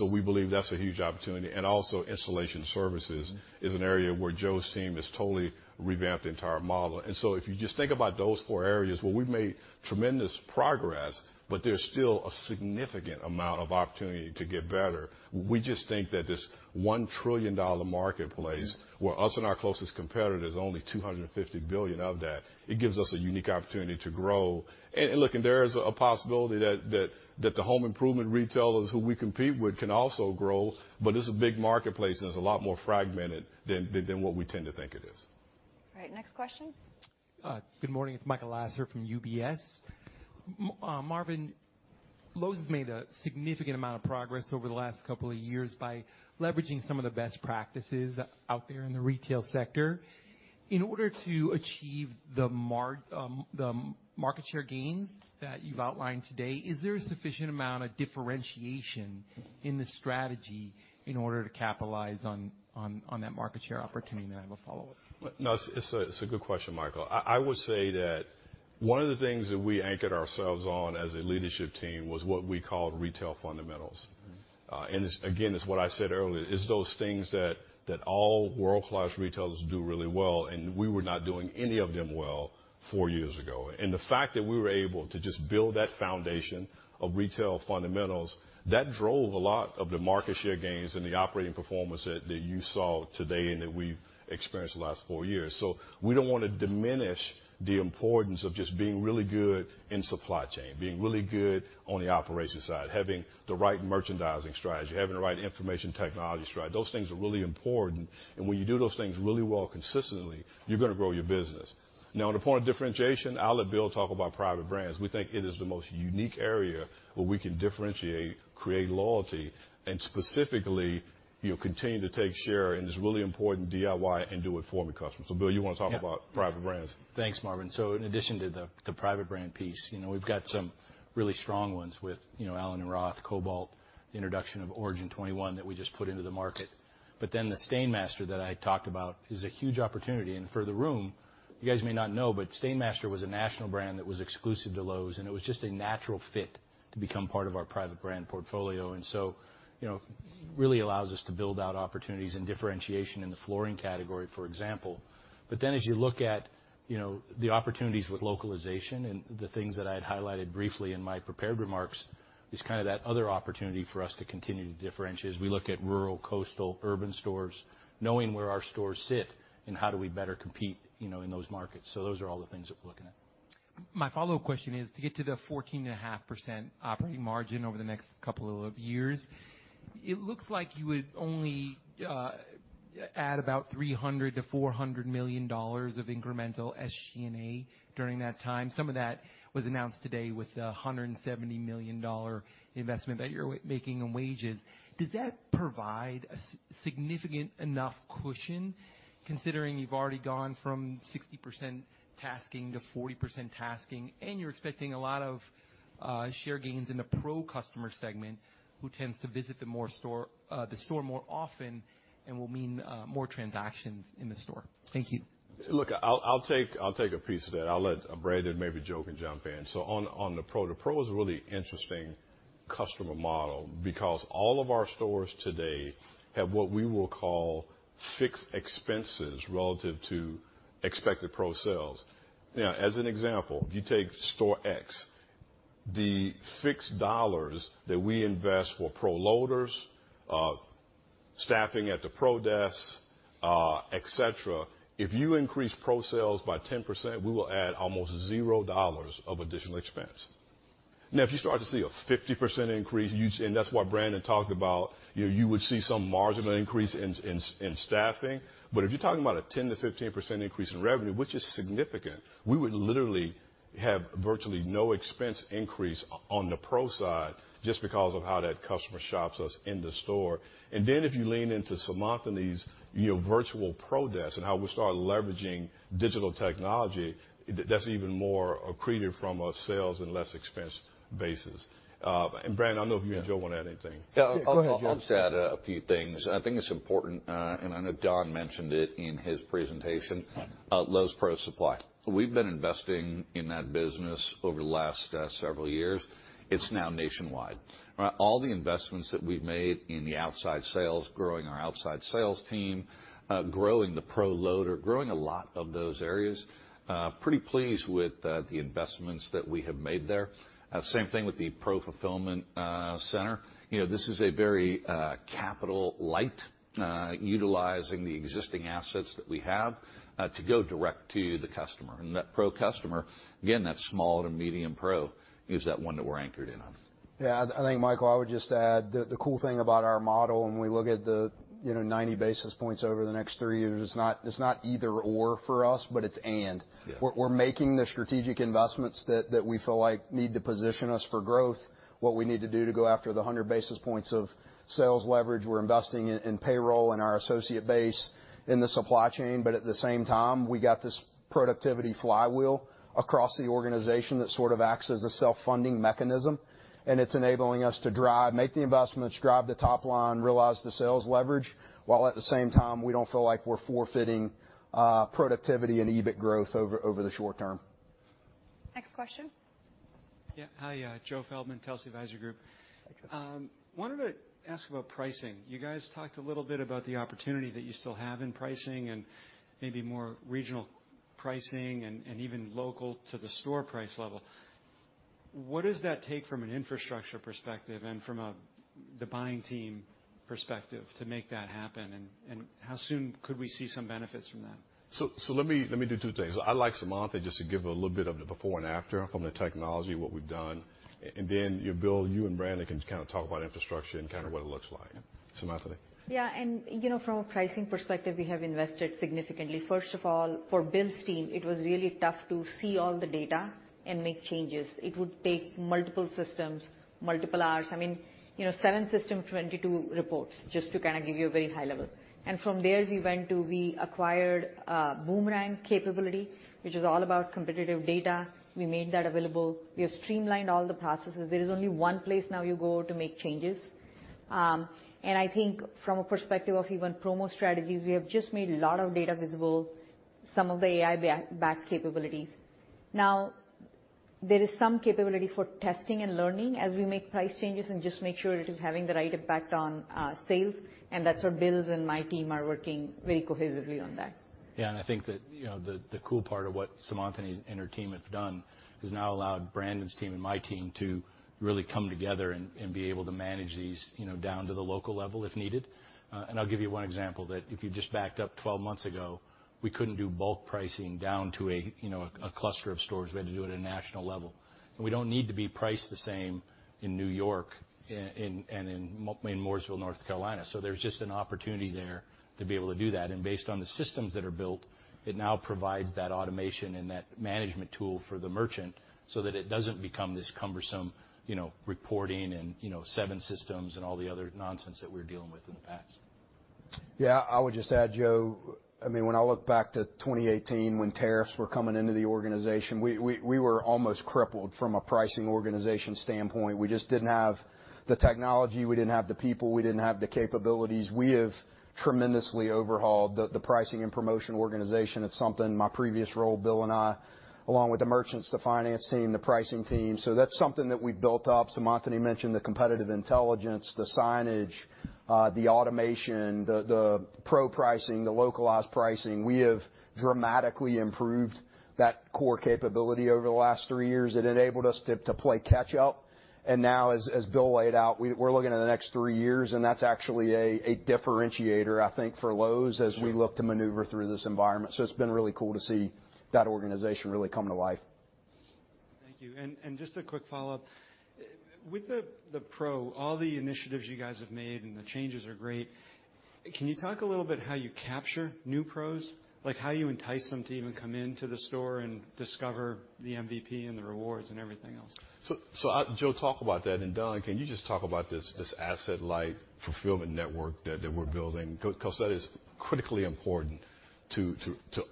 S3: We believe that's a huge opportunity. Also installation services is an area where Joe's team has totally revamped the entire model. If you just think about those four areas where we've made tremendous progress, but there's still a significant amount of opportunity to get better, we just think that this $1 trillion marketplace, where us and our closest competitor is only $250 billion of that, it gives us a unique opportunity to grow. Look, there is a possibility that the home improvement retailers who we compete with can also grow, but this is a big marketplace, and it's a lot more fragmented than what we tend to think it is.
S2: All right. Next question.
S16: Good morning. It's Michael Lasser from UBS. Marvin, Lowe's has made a significant amount of progress over the last couple of years by leveraging some of the best practices out there in the retail sector. In order to achieve the market share gains that you've outlined today, is there a sufficient amount of differentiation in the strategy in order to capitalize on that market share opportunity? I have a follow-up.
S3: No, it's a good question, Michael. I would say that one of the things that we anchored ourselves on as a leadership team was what we called retail fundamentals. This again is what I said earlier. It's those things that all world-class retailers do really well, and we were not doing any of them well four years ago. The fact that we were able to just build that foundation of retail fundamentals, that drove a lot of the market share gains and the operating performance that you saw today and that we've experienced the last four years. We don't wanna diminish the importance of just being really good in supply chain, being really good on the operations side, having the right merchandising strategy, having the right information technology strategy. Those things are really important. When you do those things really well consistently, you're gonna grow your business. On the point of differentiation, I'll let Bill talk about private brands. We think it is the most unique area where we can differentiate, create loyalty, and specifically, you know, continue to take share in this really important DIY and do it for the customers. Bill, you wanna talk about...
S4: Yeah.
S3: private brands?
S4: Thanks, Marvin. In addition to the private brand piece, you know, we've got some really strong ones with, you know, allen + roth, Kobalt, introduction of Origin 21 that we just put into the market. The STAINMASTER that I talked about is a huge opportunity. For the room, you guys may not know, but STAINMASTER was a national brand that was exclusive to Lowe's, and it was just a natural fit to become part of our private brand portfolio. You know, really allows us to build out opportunities and differentiation in the flooring category, for example. As you look at, you know, the opportunities with localization and the things that I had highlighted briefly in my prepared remarks, is kinda that other opportunity for us to continue to differentiate as we look at rural, coastal, urban stores, knowing where our stores sit and how do we better compete, you know, in those markets. Those are all the things that we're looking at.
S16: My follow-up question is, to get to the 14.5% operating margin over the next couple of years, it looks like you would only add about $300 million-$400 million of incremental SG&A during that time. Some of that was announced today with the $170 million investment that you're making in wages. Does that provide a significant enough cushion considering you've already gone from 60% tasking to 40% tasking, and you're expecting a lot of share gains in the Pro customer segment, who tends to visit the more store, the store more often and will mean more transactions in the store? Thank you.
S3: Look, I'll take a piece of that. I'll let Brandon, maybe Joe can jump in. On the Pro, the Pro is a really interesting customer model because all of our stores today have what we will call fixed expenses relative to expected Pro sales. Now, as an example, if you take store X, the fixed dollars that we invest for Pro loaders, staffing at the Pro desk, et cetera, if you increase Pro sales by 10%, we will add almost $0 of additional expense. Now, if you start to see a 50% increase, and that's what Brandon talked about, you know, you would see some marginal increase in staffing. If you're talking about a 10%-15% increase in revenue, which is significant, we would literally have virtually no expense increase on the Pro side just because of how that customer shops us in the store. Then if you lean into Seemantini's, you know, virtual Pro desk and how we start leveraging digital technology, that's even more accretive from a sales and less expense basis. Brandon, I know you and Joe wanna add anything.
S6: Yeah.
S3: Go ahead, Joe.
S6: I'll just add a few things. I think it's important, and I know Don mentioned it in his presentation, Lowe's Pro Supply. We've been investing in that business over the last several years. It's now nationwide. All the investments that we've made in the outside sales, growing our outside sales team, growing the Pro loader, growing a lot of those areas, pretty pleased with the investments that we have made there. Same thing with the Pro fulfillment center. You know, this is a very capital light, utilizing the existing assets that we have, to go direct to the customer. That Pro customer, again, that small to medium pro, is that one that we're anchored in on.
S10: Yeah. I think, Michael, I would just add the cool thing about our model when we look at the, you know, 90 basis points over the next three years, it's not, it's not either/or for us, but it's and.
S3: Yeah.
S10: We're making the strategic investments that we feel like need to position us for growth, what we need to do to go after the 100 basis points of sales leverage. We're investing in payroll and our associate base in the supply chain. At the same time, we got this productivity flywheel across the organization that sort of acts as a self-funding mechanism, it's enabling us to drive, make the investments, drive the top line, realize the sales leverage, while at the same time we don't feel like we're forfeiting productivity and EBIT growth over the short term.
S2: Next question.
S17: Hi, Joe Feldman, Telsey Advisory Group. Wanted to ask about pricing. You guys talked a little bit about the opportunity that you still have in pricing and maybe more regional pricing and even local to the store price level. What does that take from an infrastructure perspective and from the buying team perspective to make that happen? How soon could we see some benefits from that?
S3: Let me do two things. I'd like Seemantini just to give a little bit of the before and after from the technology, what we've done. You, Bill, you and Brandon can kind of talk about infrastructure and kind of what it looks like. Seemantini.
S7: You know, from a pricing perspective, we have invested significantly. First of all, for Bill's team, it was really tough to see all the data and make changes. It would take multiple systems, multiple hours. I mean, you know, 7 systems, 22 reports, just to kind of give you a very high level. From there, we went to, we acquired a Boomerang capability, which is all about competitive data. We made that available. We have streamlined all the processes. There is only one place now you go to make changes. I think from a perspective of even promo strategies, we have just made a lot of data visible, some of the AI-backed capabilities. There is some capability for testing and learning as we make price changes and just make sure it is having the right impact on sales, and that's where Bill's and my team are working very cohesively on that.
S6: Yeah. I think that, you know, the cool part of what Seemantini and her team have done has now allowed Brandon's team and my team to really come together and be able to manage these, you know, down to the local level if needed. I'll give you one example that if you just backed up 12 months ago, we couldn't do bulk pricing down to a, you know, a cluster of stores. We had to do it at a national level. We don't need to be priced the same in New York and in Mooresville, North Carolina. There's just an opportunity there to be able to do that. Based on the systems that are built, it now provides that automation and that management tool for the merchant so that it doesn't become this cumbersome, you know, reporting and, you know, seven systems and all the other nonsense that we were dealing with in the past.
S10: Yeah. I would just add, Joe, I mean, when I look back to 2018 when tariffs were coming into the organization, we were almost crippled from a pricing organization standpoint. We just didn't have the technology, we didn't have the people, we didn't have the capabilities. We have tremendously overhauled the pricing and promotion organization. It's something my previous role, Bill and I, along with the merchants, the finance team, the pricing team. That's something that we built up. Seemantini mentioned the competitive intelligence, the signage, the automation, the Pro pricing, the localized pricing. We have dramatically improved that core capability over the last three years. It enabled us to play catch up. Now as Bill laid out, we're looking at the next three years. That's actually a differentiator, I think, for Lowe's as we look to maneuver through this environment. It's been really cool to see that organization really come to life.
S17: Thank you. Just a quick follow-up. With the Pro, all the initiatives you guys have made and the changes are great, can you talk a little bit how you capture new Pros? Like, how you entice them to even come into the store and discover the MVP and the rewards and everything else?
S3: I... Joe, talk about that. Don, can you just talk about this asset-light fulfillment network that we're building? Because that is critically important to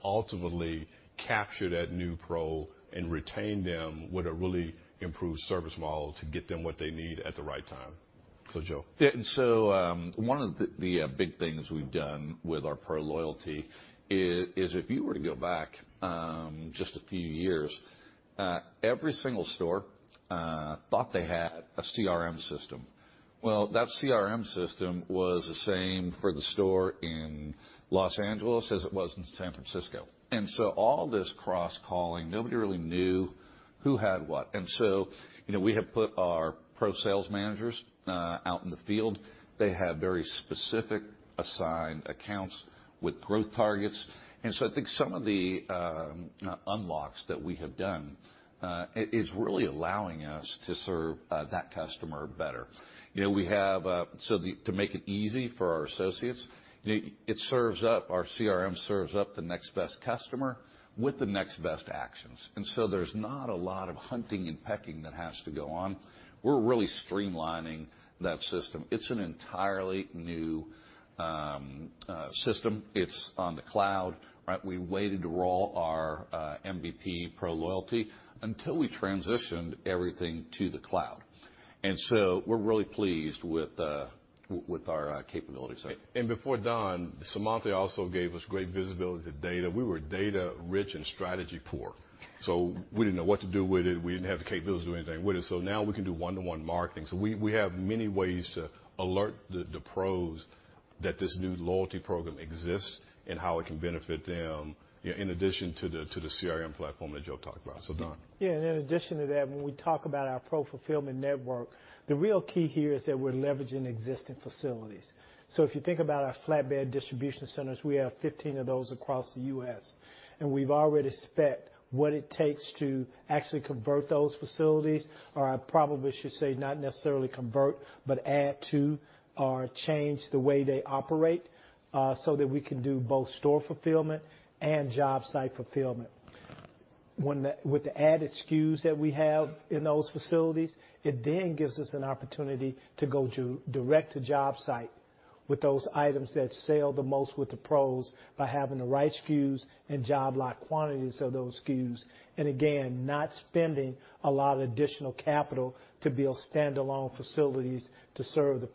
S3: ultimately capture that new Pro and retain them with a really improved service model to get them what they need at the right time. Joe.
S6: Yeah. One of the big things we've done with our Pro loyalty is if you were to go back, just a few years, every single store thought they had a CRM system. Well, that CRM system was the same for the store in Los Angeles as it was in San Francisco. All this cross-calling, nobody really knew who had what. You know, we have put our Pro sales managers out in the field. They have very specific assigned accounts with growth targets. I think some of the unlocks that we have done is really allowing us to serve that customer better. You know, we have to make it easy for our associates, you know, it serves up our CRM, serves up the next best customer with the next best actions. There's not a lot of hunting and pecking that has to go on. We're really streamlining that system. It's an entirely new system. It's on the cloud, right? We waited to roll our MVP Pro loyalty until we transitioned everything to the cloud. We're really pleased with our capabilities there.
S3: Before Don, Seemantini also gave us great visibility to data. We were data rich and strategy poor, so we didn't know what to do with it. We didn't have the capabilities to do anything with it. Now we can do one-to-one marketing. We have many ways to alert the pros that this new loyalty program exists and how it can benefit them in addition to the CRM platform that Joe talked about. Don.
S8: Yeah. In addition to that, when we talk about our Pro fulfillment network, the real key here is that we're leveraging existing facilities. If you think about our flatbed distribution centers, we have 15 of those across the U.S., and we've already spec'd what it takes to actually convert those facilities. I probably should say, not necessarily convert, but add to or change the way they operate, so that we can do both store fulfillment and job site fulfillment. With the added SKUs that we have in those facilities, it then gives us an opportunity to go to direct to job site with those items that sell the most with the pros by having the right SKUs and job-like quantities of those SKUs. Again, not spending a lot of additional capital to build standalone facilities to serve the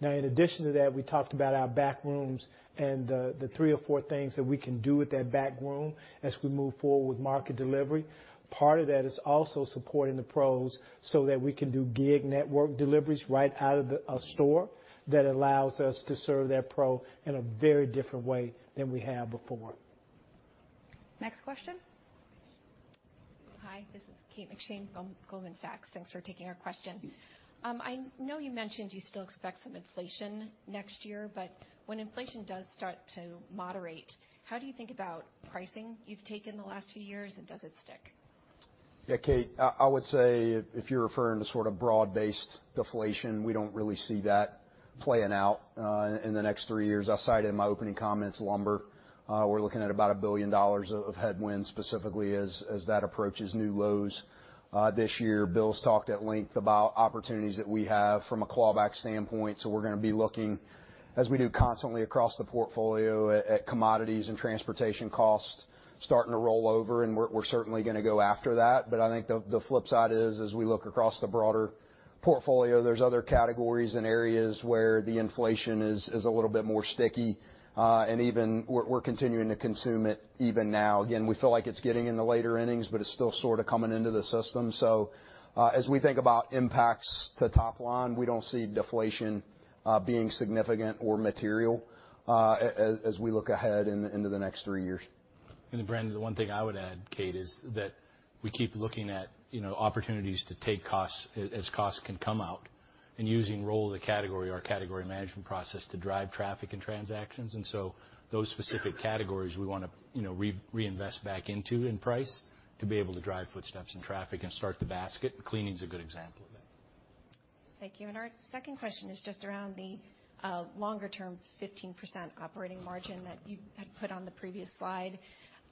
S8: Pro. In addition to that, we talked about our back rooms and the three or four things that we can do with that back room as we move forward with market delivery. Part of that is also supporting the pros so that we can do gig network deliveries right out of a store that allows us to serve that Pro in a very different way than we have before.
S2: Next question.
S18: Hi, this is Kate McShane from Goldman Sachs. Thanks for taking our question. I know you mentioned you still expect some inflation next year, but when inflation does start to moderate, how do you think about pricing you've taken the last few years, and does it stick?
S10: Yeah, Kate, I would say if you're referring to sort of broad-based deflation, we don't really see that playing out in the next three years. I cited in my opening comments, lumber. We're looking at about $1 billion of headwind specifically as that approaches new lows this year. Bill's talked at length about opportunities that we have from a claw back standpoint. We're gonna be looking, as we do constantly across the portfolio, at commodities and transportation costs starting to roll over, and we're certainly gonna go after that. I think the flip side is as we look across the broader portfolio, there's other categories and areas where the inflation is a little bit more sticky, and even we're continuing to consume it even now. We feel like it's getting in the later innings, but it's still sorta coming into the system. As we think about impacts to top line, we don't see deflation being significant or material as we look ahead into the next 3 years.
S6: Brandon, the one thing I would add, Kate, is that we keep looking at, you know, opportunities to take costs as costs can come out and using roll the category, our category management process to drive traffic and transactions. Those specific categories we wanna, you know, reinvest back into in price to be able to drive footsteps and traffic and start the basket. Cleaning's a good example of that.
S18: Thank you. Our second question is just around the longer term 15% operating margin that you had put on the previous slide.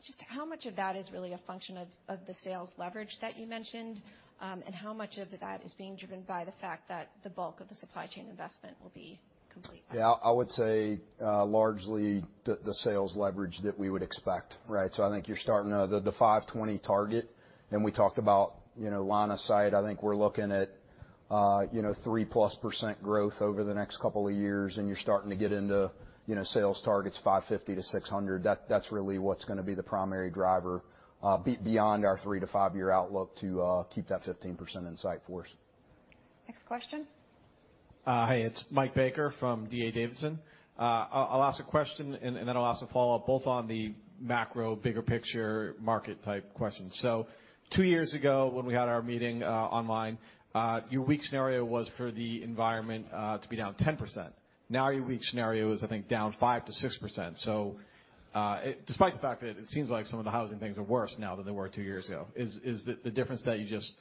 S18: Just how much of that is really a function of the sales leverage that you mentioned? How much of that is being driven by the fact that the bulk of the supply chain investment will be complete by then?
S6: Yeah, I would say, largely the sales leverage that we would expect, right? I think you're starting the 520 target, and we talked about, you know, line of sight. I think we're looking at, you know, 3%+ growth over the next couple of years, and you're starting to get into, you know, sales targets 550 to 600. That's really what's gonna be the primary driver beyond our 3-5 year outlook to keep that 15% in sight for us.
S2: Next question.
S19: Hey, it's Mike Baker from D.A. Davidson. I'll ask a question and then I'll ask a follow-up both on the macro bigger picture market type questions. Two years ago, when we had our meeting online, your weak scenario was for the environment to be down 10%. Now, your weak scenario is, I think, down 5%-6%. Despite the fact that it seems like some of the housing things are worse now than they were two years ago, is the difference that you just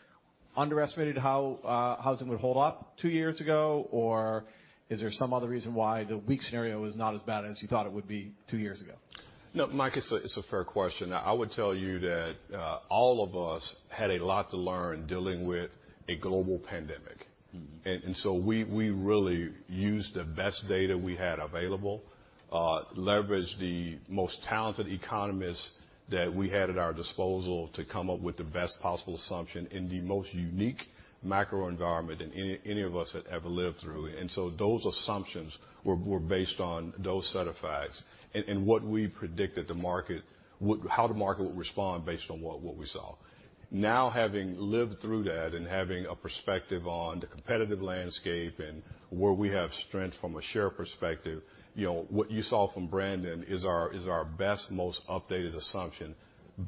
S19: underestimated how housing would hold up two years ago, or is there some other reason why the weak scenario is not as bad as you thought it would be two years ago?
S3: Mike, it's a fair question. I would tell you that all of us had a lot to learn dealing with a global pandemic.
S19: Mm-hmm.
S3: We really used the best data we had available, leveraged the most talented economists that we had at our disposal to come up with the best possible assumption in the most unique macro environment than any of us had ever lived through. Those assumptions were based on those set of facts and what we predicted how the market would respond based on what we saw. Having lived through that and having a perspective on the competitive landscape and where we have strength from a share perspective, you know, what you saw from Brandon is our best, most updated assumption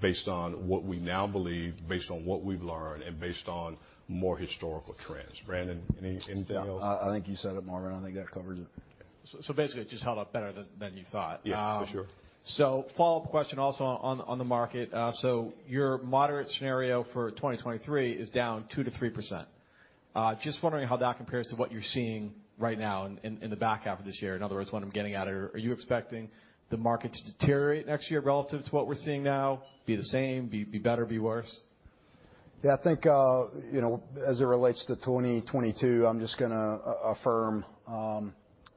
S3: based on what we now believe, based on what we've learned, and based on more historical trends. Brandon, anything else?
S10: Yeah. I think you said it, Marvin. I think that covers it.
S19: Basically it just held up better than you thought.
S3: Yeah, for sure.
S19: Follow-up question also on the market. your moderate scenario for 2023 is down 2%-3%. just wondering how that compares to what you're seeing right now in the back half of this year. In other words, what I'm getting at, are you expecting the market to deteriorate next year relative to what we're seeing now? Be the same? Be better, be worse?
S10: I think, you know, as it relates to 2022, I'm just gonna affirm,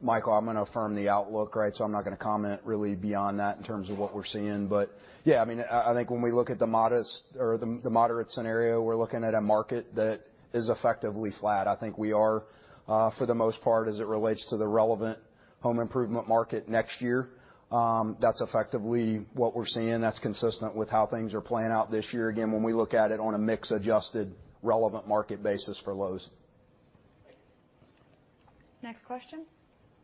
S10: Michael, I'm gonna affirm the outlook, right? I'm not gonna comment really beyond that in terms of what we're seeing. I mean, I think when we look at the modest or the moderate scenario, we're looking at a market that is effectively flat. I think we are, for the most part, as it relates to the relevant home improvement market next year, that's effectively what we're seeing. That's consistent with how things are playing out this year. Again, when we look at it on a mix adjusted relevant market basis for Lowe's.
S2: Next question.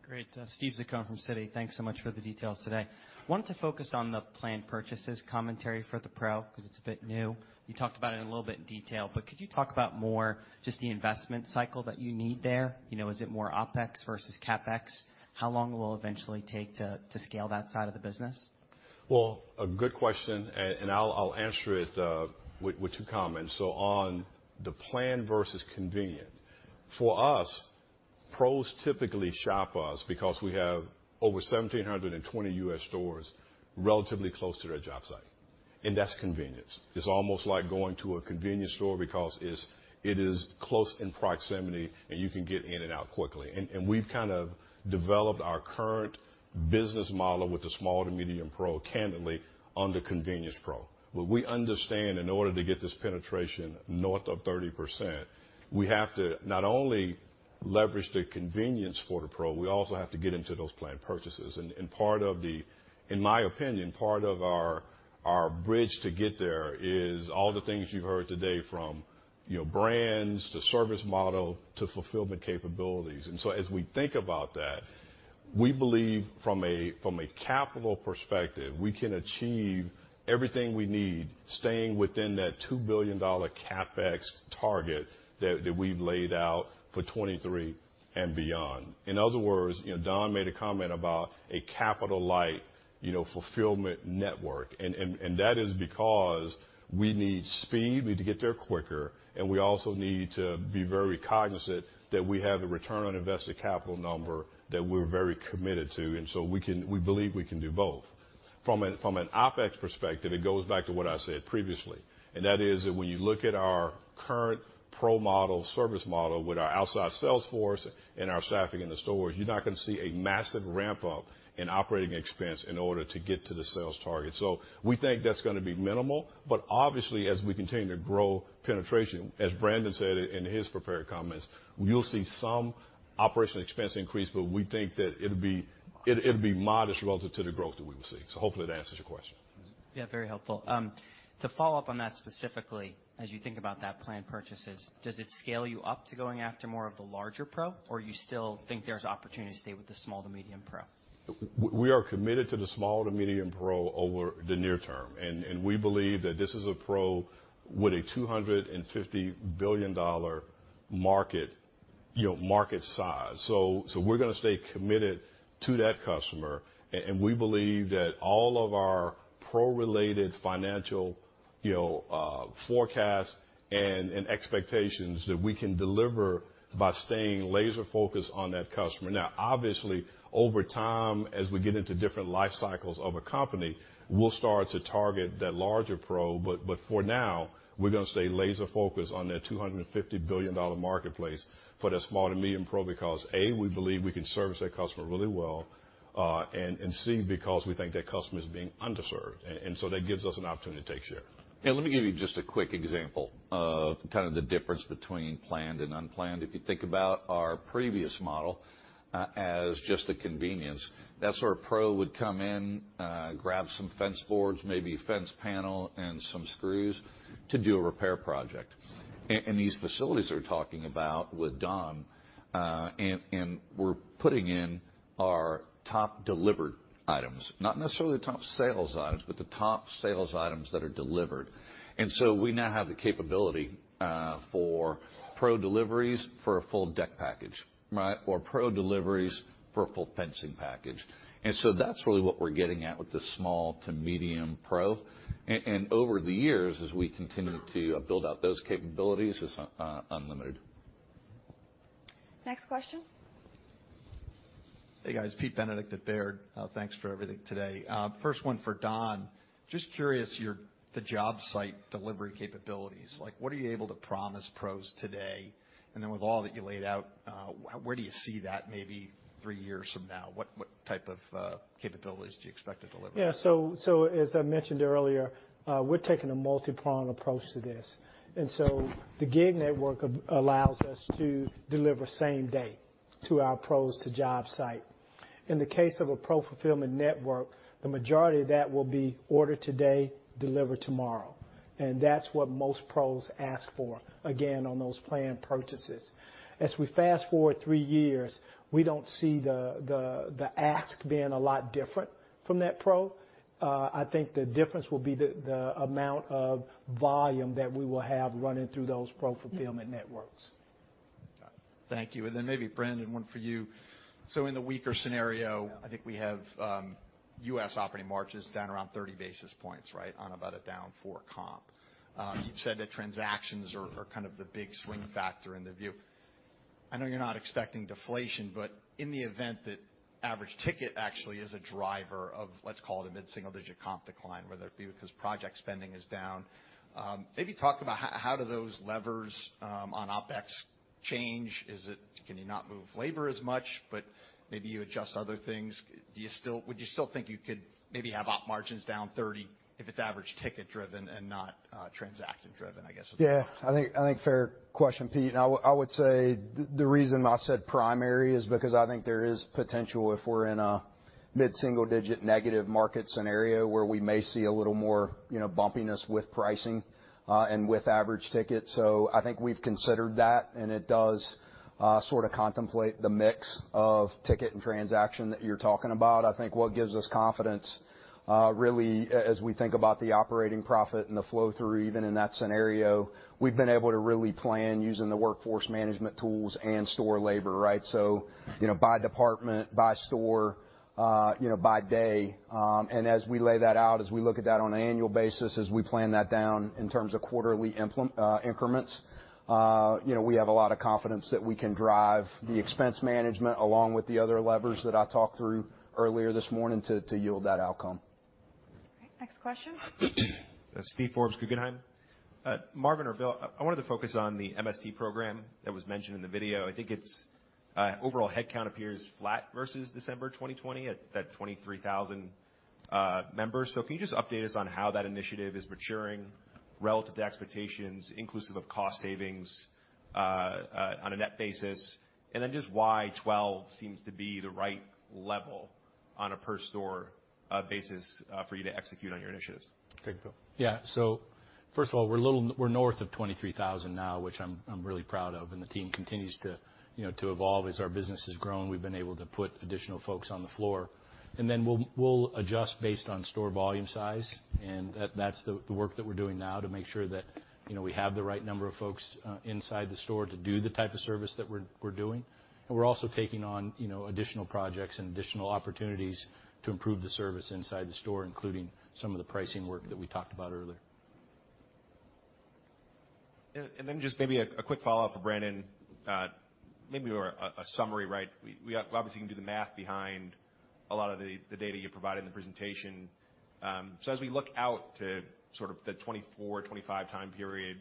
S20: Great. Steven Zaccone from Citi. Thanks so much for the details today. Wanted to focus on the planned purchases commentary for the Pro because it's a bit new. You talked about it in a little bit in detail, but could you talk about more just the investment cycle that you need there? You know, is it more OpEx versus CapEx? How long will it eventually take to scale that side of the business?
S3: A good question, and I'll answer it with two comments. On the planned versus convenient. For us, Pros typically shop us because we have over 1,720 U.S. stores relatively close to their job site, and that's convenience. It's almost like going to a convenience store because it is close in proximity, and you can get in and out quickly. We've kind of developed our current business model with the small to medium Pro, candidly on the convenience Pro. What we understand in order to get this penetration north of 30%, we have to not only leverage the convenience for the Pro, we also have to get into those planned purchases. Part of, in my opinion, part of our bridge to get there is all the things you've heard today from, you know, brands to service model to fulfillment capabilities. As we think about that, we believe from a, from a capital perspective, we can achieve everything we need staying within that $2 billion CapEx target that we've laid out for 2023 and beyond. In other words, you know, Don made a comment about a capital light, you know, fulfillment network. That is because we need speed, we need to get there quicker, and we also need to be very cognizant that we have the return on invested capital number that we're very committed to. We believe we can do both. From an OpEx perspective, it goes back to what I said previously, and that is that when you look at our current Pro model, service model with our outside sales force and our staffing in the stores, you're not gonna see a massive ramp up in operating expense in order to get to the sales target. We think that's gonna be minimal. Obviously, as we continue to grow penetration, as Brandon said in his prepared comments, you'll see some operational expense increase, but we think that it'll be modest relative to the growth that we will see. Hopefully that answers your question.
S20: Very helpful. To follow up on that specifically, as you think about that planned purchases, does it scale you up to going after more of the larger Pro, or you still think there's opportunity to stay with the small to medium Pro?
S3: We are committed to the small to medium Pro over the near term, and we believe that this is a Pro with a $250 billion market, you know, market size. We're gonna stay committed to that customer, and we believe that all of our Pro-related financial, you know, forecasts and expectations that we can deliver by staying laser focused on that customer. Now, obviously, over time, as we get into different life cycles of a company, we'll start to target that larger Pro. For now, we're gonna stay laser focused on that $250 billion marketplace for that small to medium Pro because, A, we believe we can service that customer really well, and C, because we think that customer is being underserved. That gives us an opportunity to take share.
S6: Let me give you just a quick example of kind of the difference between planned and unplanned. If you think about our previous model, as just the convenience, that sort of Pro would come in, grab some fence boards, maybe a fence panel and some screws to do a repair project. These facilities they're talking about with Don, and we're putting in our top delivered items, not necessarily the top sales items, but the top sales items that are delivered. So we now have the capability for Pro deliveries for a full deck package, right? Pro deliveries for a full fencing package. So that's really what we're getting at with the small to medium Pro. Over the years, as we continue to build out those capabilities, it's unlimited.
S2: Next question.
S21: Hey guys, Peter Benedict at Baird. Thanks for everything today. First one for Don, just curious, the job site delivery capabilities, like what are you able to promise Pros today? With all that you laid out, where do you see that maybe three years from now? What type of capabilities do you expect to deliver?
S8: Yeah. As I mentioned earlier, we're taking a multi-pronged approach to this. The gig network allows us to deliver same day to our pros to job site. In the case of a Pro fulfillment network, the majority of that will be ordered today, delivered tomorrow, and that's what most pros ask for, again, on those planned purchases. As we fast forward three years, we don't see the ask being a lot different from that pro. I think the difference will be the amount of volume that we will have running through those Pro fulfillment networks.
S21: Got it. Thank you. Maybe Brandon, one for you? in the weaker scenario-
S10: Yeah.
S21: I think we have U.S. operating margins down around 30 basis points, right? On about a down 4 comp. You've said that transactions are kind of the big swing factor in the view. I know you're not expecting deflation, in the event that average ticket actually is a driver of, let's call it a mid-single-digit comp decline, whether it be because project spending is down, maybe talk about how do those levers on OpEx change. Can you not move labor as much, maybe you adjust other things? Would you still think you could maybe have op margins down 30 if it's average ticket driven and not transaction driven, I guess, is the question.
S10: Yeah. I think fair question, Pete, and I would say the reason I said primary is because I think there is potential if we're in a mid-single-digit negative market scenario where we may see a little more, you know, bumpiness with pricing, and with average ticket. I think we've considered that, and it does sort of contemplate the mix of ticket and transaction that you're talking about. I think what gives us confidence, really as we think about the operating profit and the flow through, even in that scenario, we've been able to really plan using the workforce management tools and store labor, right? You know, by department, by store, you know, by day, and as we lay that out, as we look at that on an annual basis, as we plan that down in terms of quarterly increments, you know, we have a lot of confidence that we can drive the expense management along with the other levers that I talked through earlier this morning to yield that outcome.
S2: All right. Next question.
S22: Steven Forbes, Guggenheim. Marvin or Bill, I wanted to focus on the MSD program that was mentioned in the video. I think it's overall headcount appears flat versus December 2020 at that 23,000 members. Can you just update us on how that initiative is maturing relative to expectations inclusive of cost savings on a net basis, and then just why 12 seems to be the right level on a per store basis for you to execute on your initiatives?
S3: Okay, Bill.
S4: First of all, we're north of 23,000 now, which I'm really proud of, and the team continues to, you know, to evolve. As our business has grown, we've been able to put additional folks on the floor. Then we'll adjust based on store volume size, and that's the work that we're doing now to make sure that, you know, we have the right number of folks inside the store to do the type of service that we're doing. We're also taking on, you know, additional projects and additional opportunities to improve the service inside the store, including some of the pricing work that we talked about earlier.
S22: Then just maybe a quick follow-up for Brandon. Maybe more a summary, right? We obviously can do the math behind a lot of the data you provided in the presentation. As we look out to sort of the 2024, 2025 time period,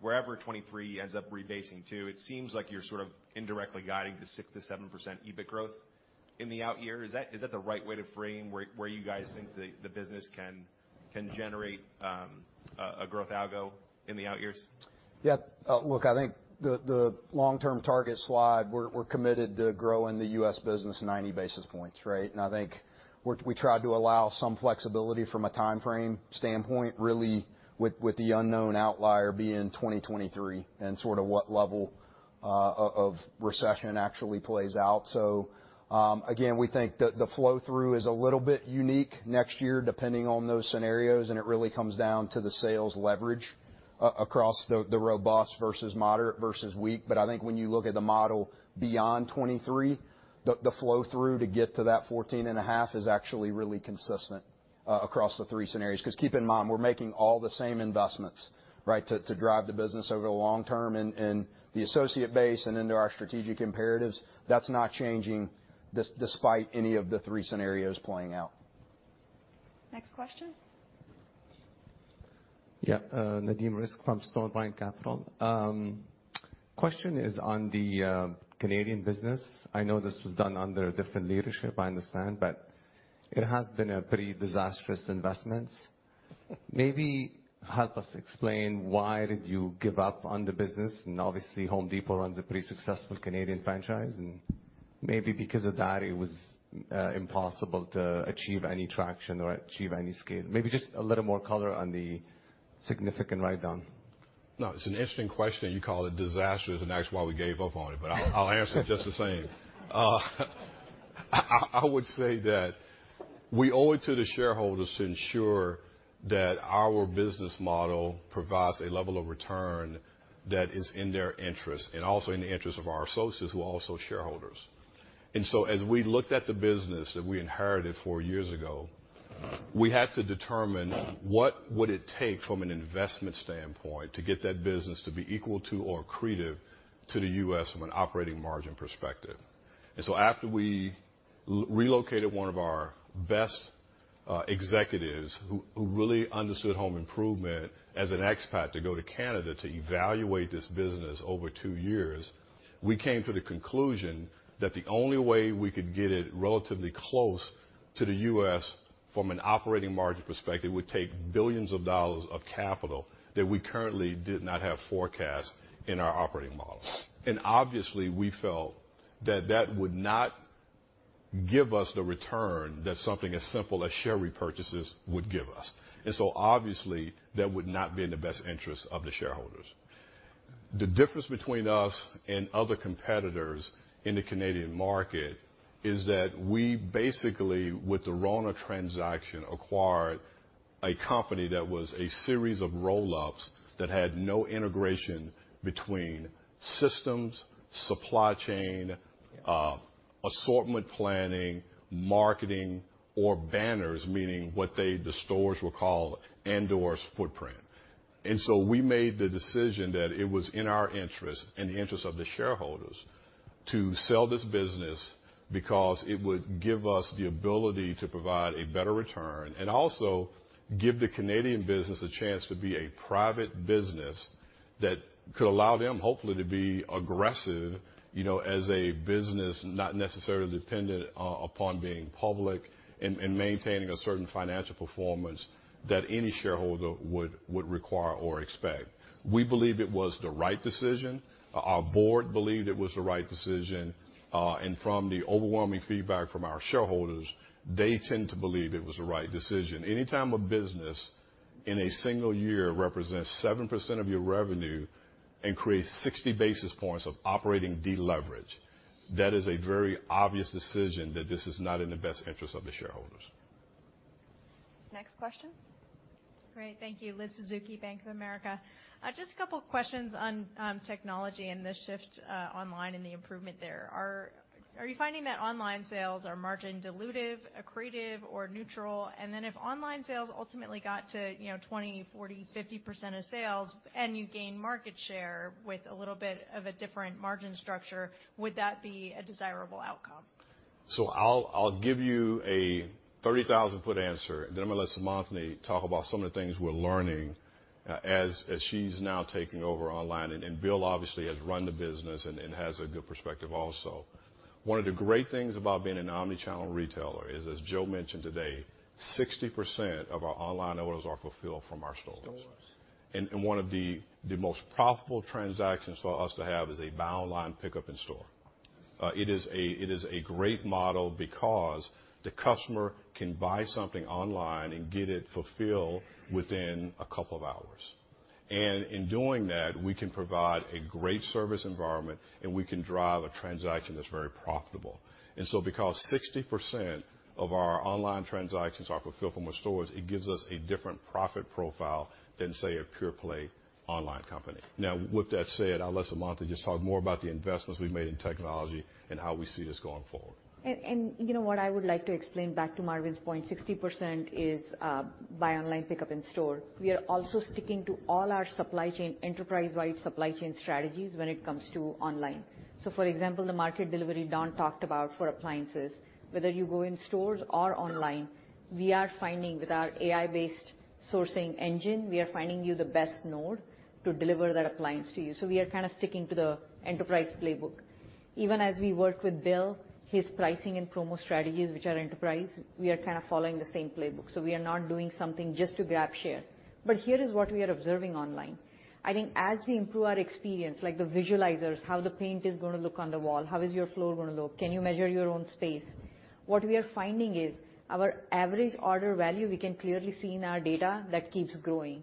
S22: wherever 2023 ends up rebasing to, it seems like you're sort of indirectly guiding to 6%-7% EBIT growth in the out year. Is that the right way to frame where you guys think the business can generate a growth algo in the out years?
S10: Look, I think the long-term target slide, we're committed to growing the U.S. business 90 basis points, right? I think we tried to allow some flexibility from a timeframe standpoint, really with the unknown outlier being 2023 and sort of what level of recession actually plays out. Again, we think the flow through is a little bit unique next year depending on those scenarios, and it really comes down to the sales leverage across the robust versus moderate versus weak. I think when you look at the model beyond 2023, the flow through to get to that 14.5 is actually really consistent across the three scenarios. 'Cause keep in mind, we're making all the same investments, right, to drive the business over the long term in the associate base and into our strategic imperatives. That's not changing despite any of the three scenarios playing out.
S2: Next question.
S23: Yeah. Nadeem Rizk from StonePine Capital. Question is on the Canadian business. I know this was done under a different leadership, I understand, but it has been a pretty disastrous investment. Maybe help us explain why did you give up on the business? Obviously Home Depot runs a pretty successful Canadian franchise, and maybe because of that it was impossible to achieve any traction or achieve any scale. Maybe just a little more color on the significant write-down.
S3: No, it's an interesting question. You call it disastrous and ask why we gave up on it, but I'll answer it just the same. I would say that we owe it to the shareholders to ensure that our business model provides a level of return that is in their interest and also in the interest of our associates who are also shareholders. As we looked at the business that we inherited four years ago, we had to determine what would it take from an investment standpoint to get that business to be equal to or accretive to the U.S. from an operating margin perspective. After we relocated one of our best executives who really understood home improvement as an expat to go to Canada to evaluate this business over two years, we came to the conclusion that the only way we could get it relatively close to the U.S. from an operating margin perspective would take billions of dollars of capital that we currently did not have forecast in our operating model. Obviously, we felt that that would not give us the return that something as simple as share repurchases would give us. Obviously that would not be in the best interest of the shareholders. The difference between us and other competitors in the Canadian market is that we basically, with the RONA transaction, acquired a company that was a series of roll-ups that had no integration between systems, supply chain, assortment planning, marketing or banners, meaning what they, the stores would call indoors footprint. We made the decision that it was in our interest, in the interest of the shareholders to sell this business because it would give us the ability to provide a better return and also give the Canadian business a chance to be a private business that could allow them, hopefully to be aggressive, you know, as a business, not necessarily dependent upon being public and maintaining a certain financial performance that any shareholder would require or expect. We believe it was the right decision. Our board believed it was the right decision. From the overwhelming feedback from our shareholders, they tend to believe it was the right decision. Anytime a business in a single year represents 7% of your revenue and creates 60 basis points of operating deleverage, that is a very obvious decision that this is not in the best interest of the shareholders.
S2: Next question.
S24: Great. Thank you. Elizabeth Suzuki, Bank of America. Just a couple questions on technology and the shift online and the improvement there. Are you finding that online sales are margin dilutive, accretive or neutral? If online sales ultimately got to, you know, 20%, 40%, 50% of sales and you gain market share with a little bit of a different margin structure, would that be a desirable outcome?
S3: I'll give you a 30,000-foot answer, then I'm gonna let Seemantini talk about some of the things we're learning as she's now taking over online. Bill obviously has run the business and has a good perspective also. One of the great things about being an omnichannel retailer is, as Joe mentioned today, 60% of our online orders are fulfilled from our stores. One of the most profitable transactions for us to have is a Buy Online, Pick Up In-Store. It is a great model because the customer can buy something online and get it fulfilled within a couple of hours. In doing that, we can provide a great service environment, and we can drive a transaction that's very profitable. Because 60% of our online transactions are fulfilled from our stores, it gives us a different profit profile than, say, a pure play online company. With that said, I'll let Seemantini just talk more about the investments we've made in technology and how we see this going forward.
S7: You know what I would like to explain back to Marvin's point, 60% is buy online pickup in store. We are also sticking to all our supply chain, enterprise-wide supply chain strategies when it comes to online. For example, the market delivery Don talked about for appliances, whether you go in stores or online, we are finding with our AI-based sourcing engine, we are finding you the best node to deliver that appliance to you. We are kind of sticking to the enterprise playbook. Even as we work with Bill, his pricing and promo strategies which are enterprise, we are kind of following the same playbook. We are not doing something just to grab share. Here is what we are observing online. I think as we improve our experience, like the visualizers, how the paint is gonna look on the wall, how is your floor gonna look? Can you measure your own space? What we are finding is our average order value, we can clearly see in our data that keeps growing.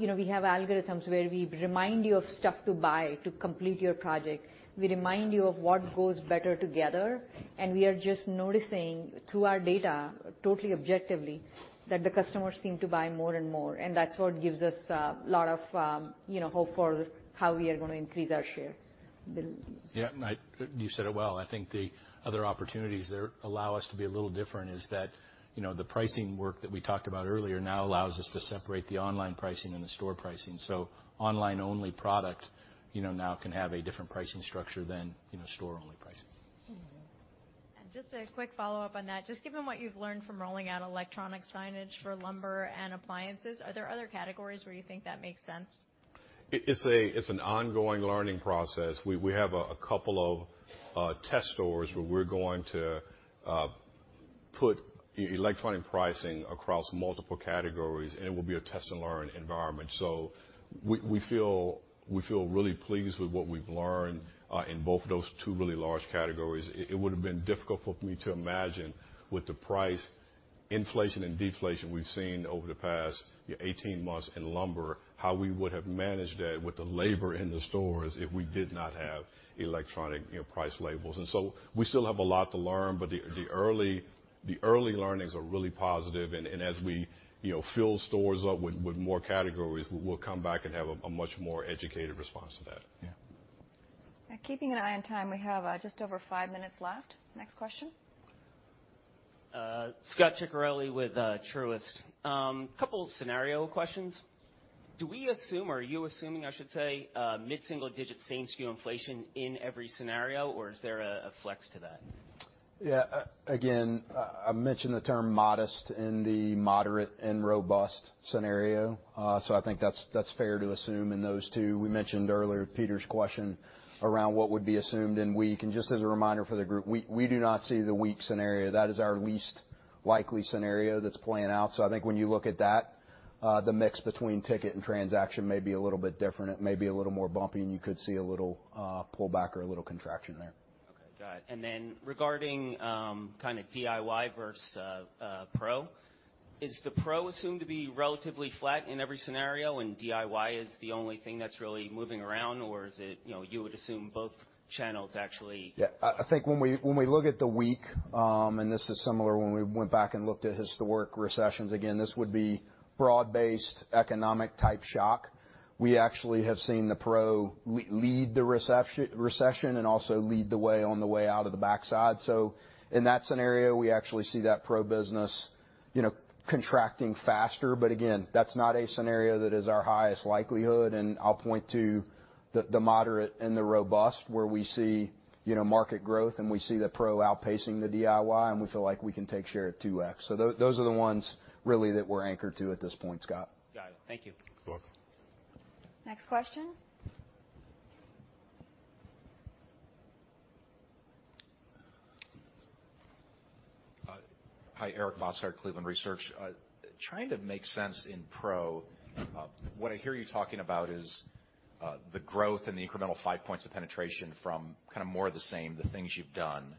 S7: You know, we have algorithms where we remind you of stuff to buy to complete your project. We remind you of what goes better together, and we are just noticing through our data, totally objectively, that the customers seem to buy more and more. That's what gives us a lot of, you know, hope for how we are gonna increase our share. Bill.
S4: Yeah, you said it well. I think the other opportunities there allow us to be a little different is that, you know, the pricing work that we talked about earlier now allows us to separate the online pricing and the store pricing. Online only product, you know, now can have a different pricing structure than, you know, store only pricing.
S7: Mm-hmm.
S24: Just a quick follow-up on that. Just given what you've learned from rolling out electronic signage for lumber and appliances, are there other categories where you think that makes sense?
S3: It's an ongoing learning process. We have a couple of test stores where we're going to put electronic pricing across multiple categories, and it will be a test and learn environment. We feel really pleased with what we've learned in both of those two really large categories. It would've been difficult for me to imagine with the price inflation and deflation we've seen over the past 18 months in lumber, how we would have managed that with the labor in the stores if we did not have electronic, you know, price labels. We still have a lot to learn, but the early learnings are really positive and as we, you know, fill stores up with more categories, we'll come back and have a much more educated response to that.
S4: Yeah.
S2: Keeping an eye on time, we have just over five minutes left. Next question.
S25: Scot Ciccarelli with Truist. Couple of scenario questions. Do we assume, or are you assuming, I should say, mid-single digit same-SKU inflation in every scenario, or is there a flex to that?
S3: Yeah. Again, I mentioned the term modest in the moderate and robust scenario. I think that's fair to assume in those two. We mentioned earlier Peter's question around what would be assumed in weak. Just as a reminder for the group, we do not see the weak scenario. That is our least likely scenario that's playing out. I think when you look at that, the mix between ticket and transaction may be a little bit different. It may be a little more bumpy, and you could see a little pullback or a little contraction there.
S25: Okay. Got it. Regarding, kinda DIY versus Pro, is the Pro assumed to be relatively flat in every scenario and DIY is the only thing that's really moving around, or is it, you know, you would assume both channels?
S3: Yeah. I think when we look at the weak, and this is similar when we went back and looked at historic recessions again, this would be broad-based economic type shock. We actually have seen the Pro lead the recession and also lead the way on the way out of the backside. In that scenario, we actually see that Pro business, you know, contracting faster. Again, that's not a scenario that is our highest likelihood, and I'll point to the moderate and the robust, where we see, you know, market growth and we see the Pro outpacing the DIY, and we feel like we can take share at 2x. Those are the ones really that we're anchored to at this point, Scot.
S25: Got it. Thank you.
S3: You're welcome.
S2: Next question.
S26: Hi. Eric Bosshard, Cleveland Research. Trying to make sense in pro, what I hear you talking about is the growth and the incremental 5 points of penetration from kinda more of the same, the things you've done.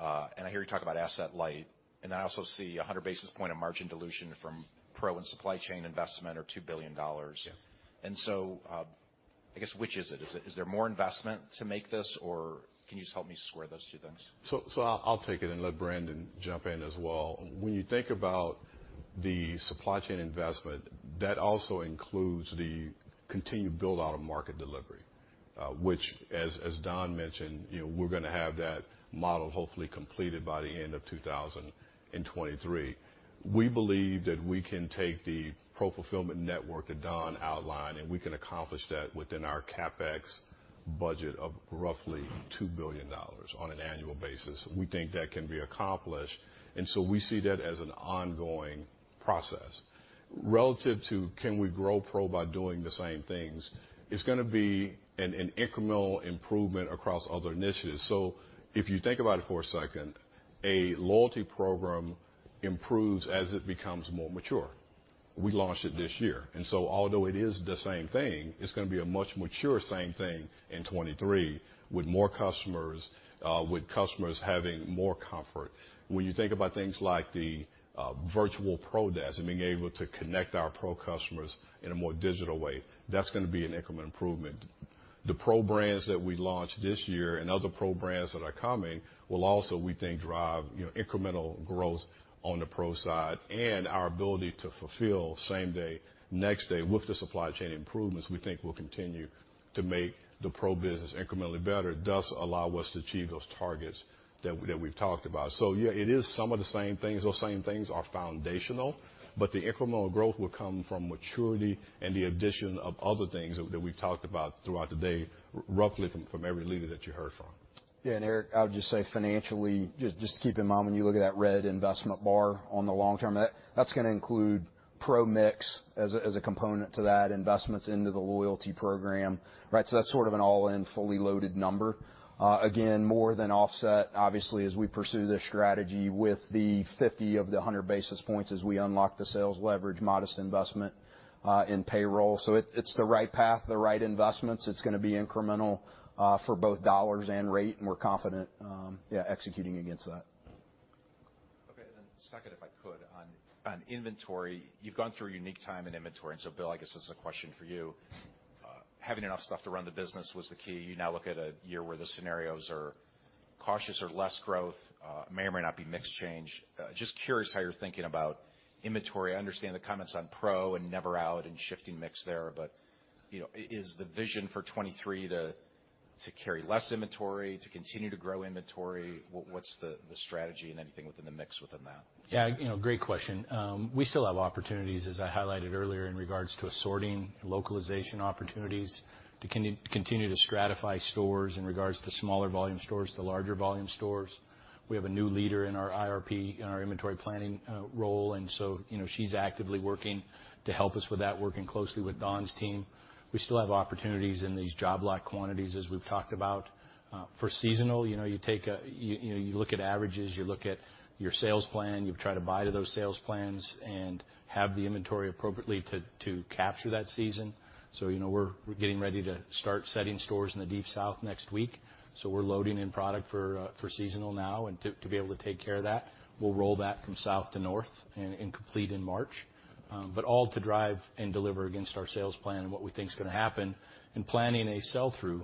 S26: I hear you talk about asset light, and I also see 100 basis point of margin dilution from Pro and supply chain investment are $2 billion.
S3: Yeah.
S26: I guess, which is it? Is there more investment to make this, or can you just help me square those two things?
S3: I'll take it and let Brandon jump in as well. When you think about the supply chain investment, that also includes the continued build-out of market delivery, which as Don mentioned, you know, we're gonna have that model hopefully completed by the end of 2023. We believe that we can take the Pro fulfillment network that Don outlined, and we can accomplish that within our CapEx budget of roughly $2 billion on an annual basis. We think that can be accomplished. We see that as an ongoing process. Relative to can we grow Pro by doing the same things, it's gonna be an incremental improvement across other initiatives. If you think about it for a second, a loyalty program improves as it becomes more mature. We launched it this year, although it is the same thing, it's gonna be a much maturer same thing in 23 with more customers, with customers having more comfort. When you think about things like the virtual Pro Desk and being able to connect our Pro customers in a more digital way, that's gonna be an incremental improvement. The Pro brands that we launched this year and other Pro brands that are coming will also, we think, drive, you know, incremental growth on the Pro side, and our ability to fulfill same day, next day with the supply chain improvements, we think will continue to make the Pro business incrementally better, thus allow us to achieve those targets that we've talked about. Yeah, it is some of the same things. Those same things are foundational, but the incremental growth will come from maturity and the addition of other things that we've talked about throughout the day, roughly from every leader that you heard from.
S10: Yeah. Eric, I would just say financially, just keep in mind when you look at that red investment bar on the long term, that's gonna include Pro mix as a component to that, investments into the loyalty program, right? That's sort of an all-in, fully loaded number. Again, more than offset, obviously, as we pursue this strategy with the 50 of the 100 basis points as we unlock the sales leverage modest investment in payroll. It's the right path, the right investments. It's gonna be incremental for both dollars and rate, and we're confident executing against that.
S26: Okay. Second, if I could, on inventory, you've gone through a unique time in inventory. Bill, I guess this is a question for you. Having enough stuff to run the business was the key. You now look at a year where the scenarios are cautious or less growth, may or may not be mix change. Just curious how you're thinking about inventory. I understand the comments on Pro and never out and shifting mix there, but, you know, is the vision for 2023 to carry less inventory, to continue to grow inventory? What's the strategy and anything within the mix within that?
S4: Yeah. You know, great question. We still have opportunities, as I highlighted earlier, in regards to assorting localization opportunities to continue to stratify stores in regards to smaller volume stores to larger volume stores. We have a new leader in our IRP, in our inventory planning role. You know, she's actively working to help us with that, working closely with Don's team. We still have opportunities in these job lock quantities, as we've talked about. For seasonal, you know, you look at averages, you look at your sales plan, you try to buy to those sales plans and have the inventory appropriately to capture that season. You know, we're getting ready to start setting stores in the Deep South next week, so we're loading in product for seasonal now and to be able to take care of that. We'll roll that from south to north and complete in March. All to drive and deliver against our sales plan and what we think is gonna happen and planning a sell-through.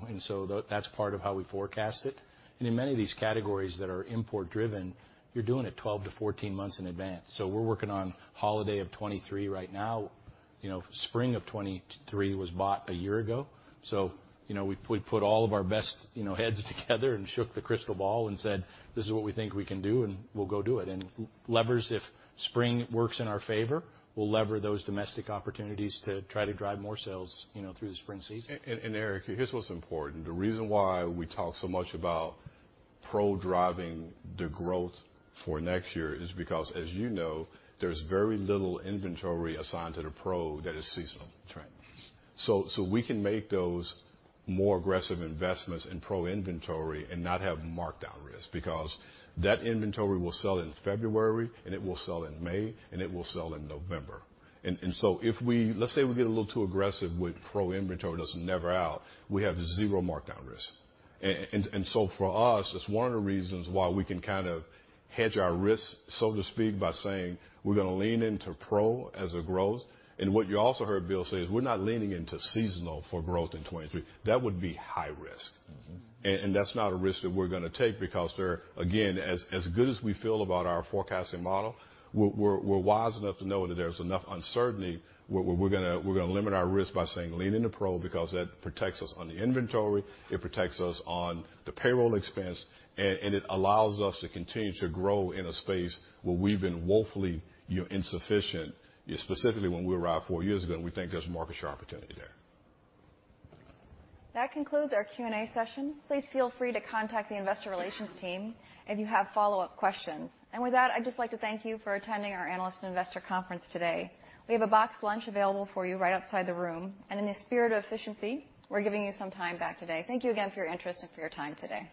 S4: That's part of how we forecast it. In many of these categories that are import-driven, you're doing it 12 to 14 months in advance. We're working on holiday of 2023 right now. You know, spring of 2023 was bought a year ago. You know, we put all of our best, you know, heads together and shook the crystal ball and said, "This is what we think we can do, and we'll go do it." Levers, if spring works in our favor, we'll lever those domestic opportunities to try to drive more sales, you know, through the spring season.
S3: Eric, here's what's important. The reason why we talk so much about Pro driving the growth for next year is because, as you know, there's very little inventory assigned to the Pro that is seasonal.
S26: Right.
S3: So we can make those more aggressive investments in Pro inventory and not have markdown risk because that inventory will sell in February, and it will sell in May, and it will sell in November. Let's say we get a little too aggressive with Pro inventory that's never out, we have zero markdown risk. For us, it's one of the reasons why we can kind of hedge our risk, so to speak, by saying we're gonna lean into Pro as a growth. What you also heard Bill say is we're not leaning into seasonal for growth in 2023. That would be high risk.
S26: Mm-hmm.
S3: That's not a risk that we're gonna take because again, as good as we feel about our forecasting model, we're wise enough to know that there's enough uncertainty where we're gonna limit our risk by saying lean into Pro because that protects us on the inventory, it protects us on the payroll expense, and it allows us to continue to grow in a space where we've been woefully, you know, insufficient, specifically when we arrived four years ago, and we think there's market share opportunity there.
S2: That concludes our Q&A session. Please feel free to contact the investor relations team if you have follow-up questions. With that, I'd just like to thank you for attending our Analyst and Investor Conference today. We have a boxed lunch available for you right outside the room. In the spirit of efficiency, we're giving you some time back today. Thank you again for your interest and for your time today.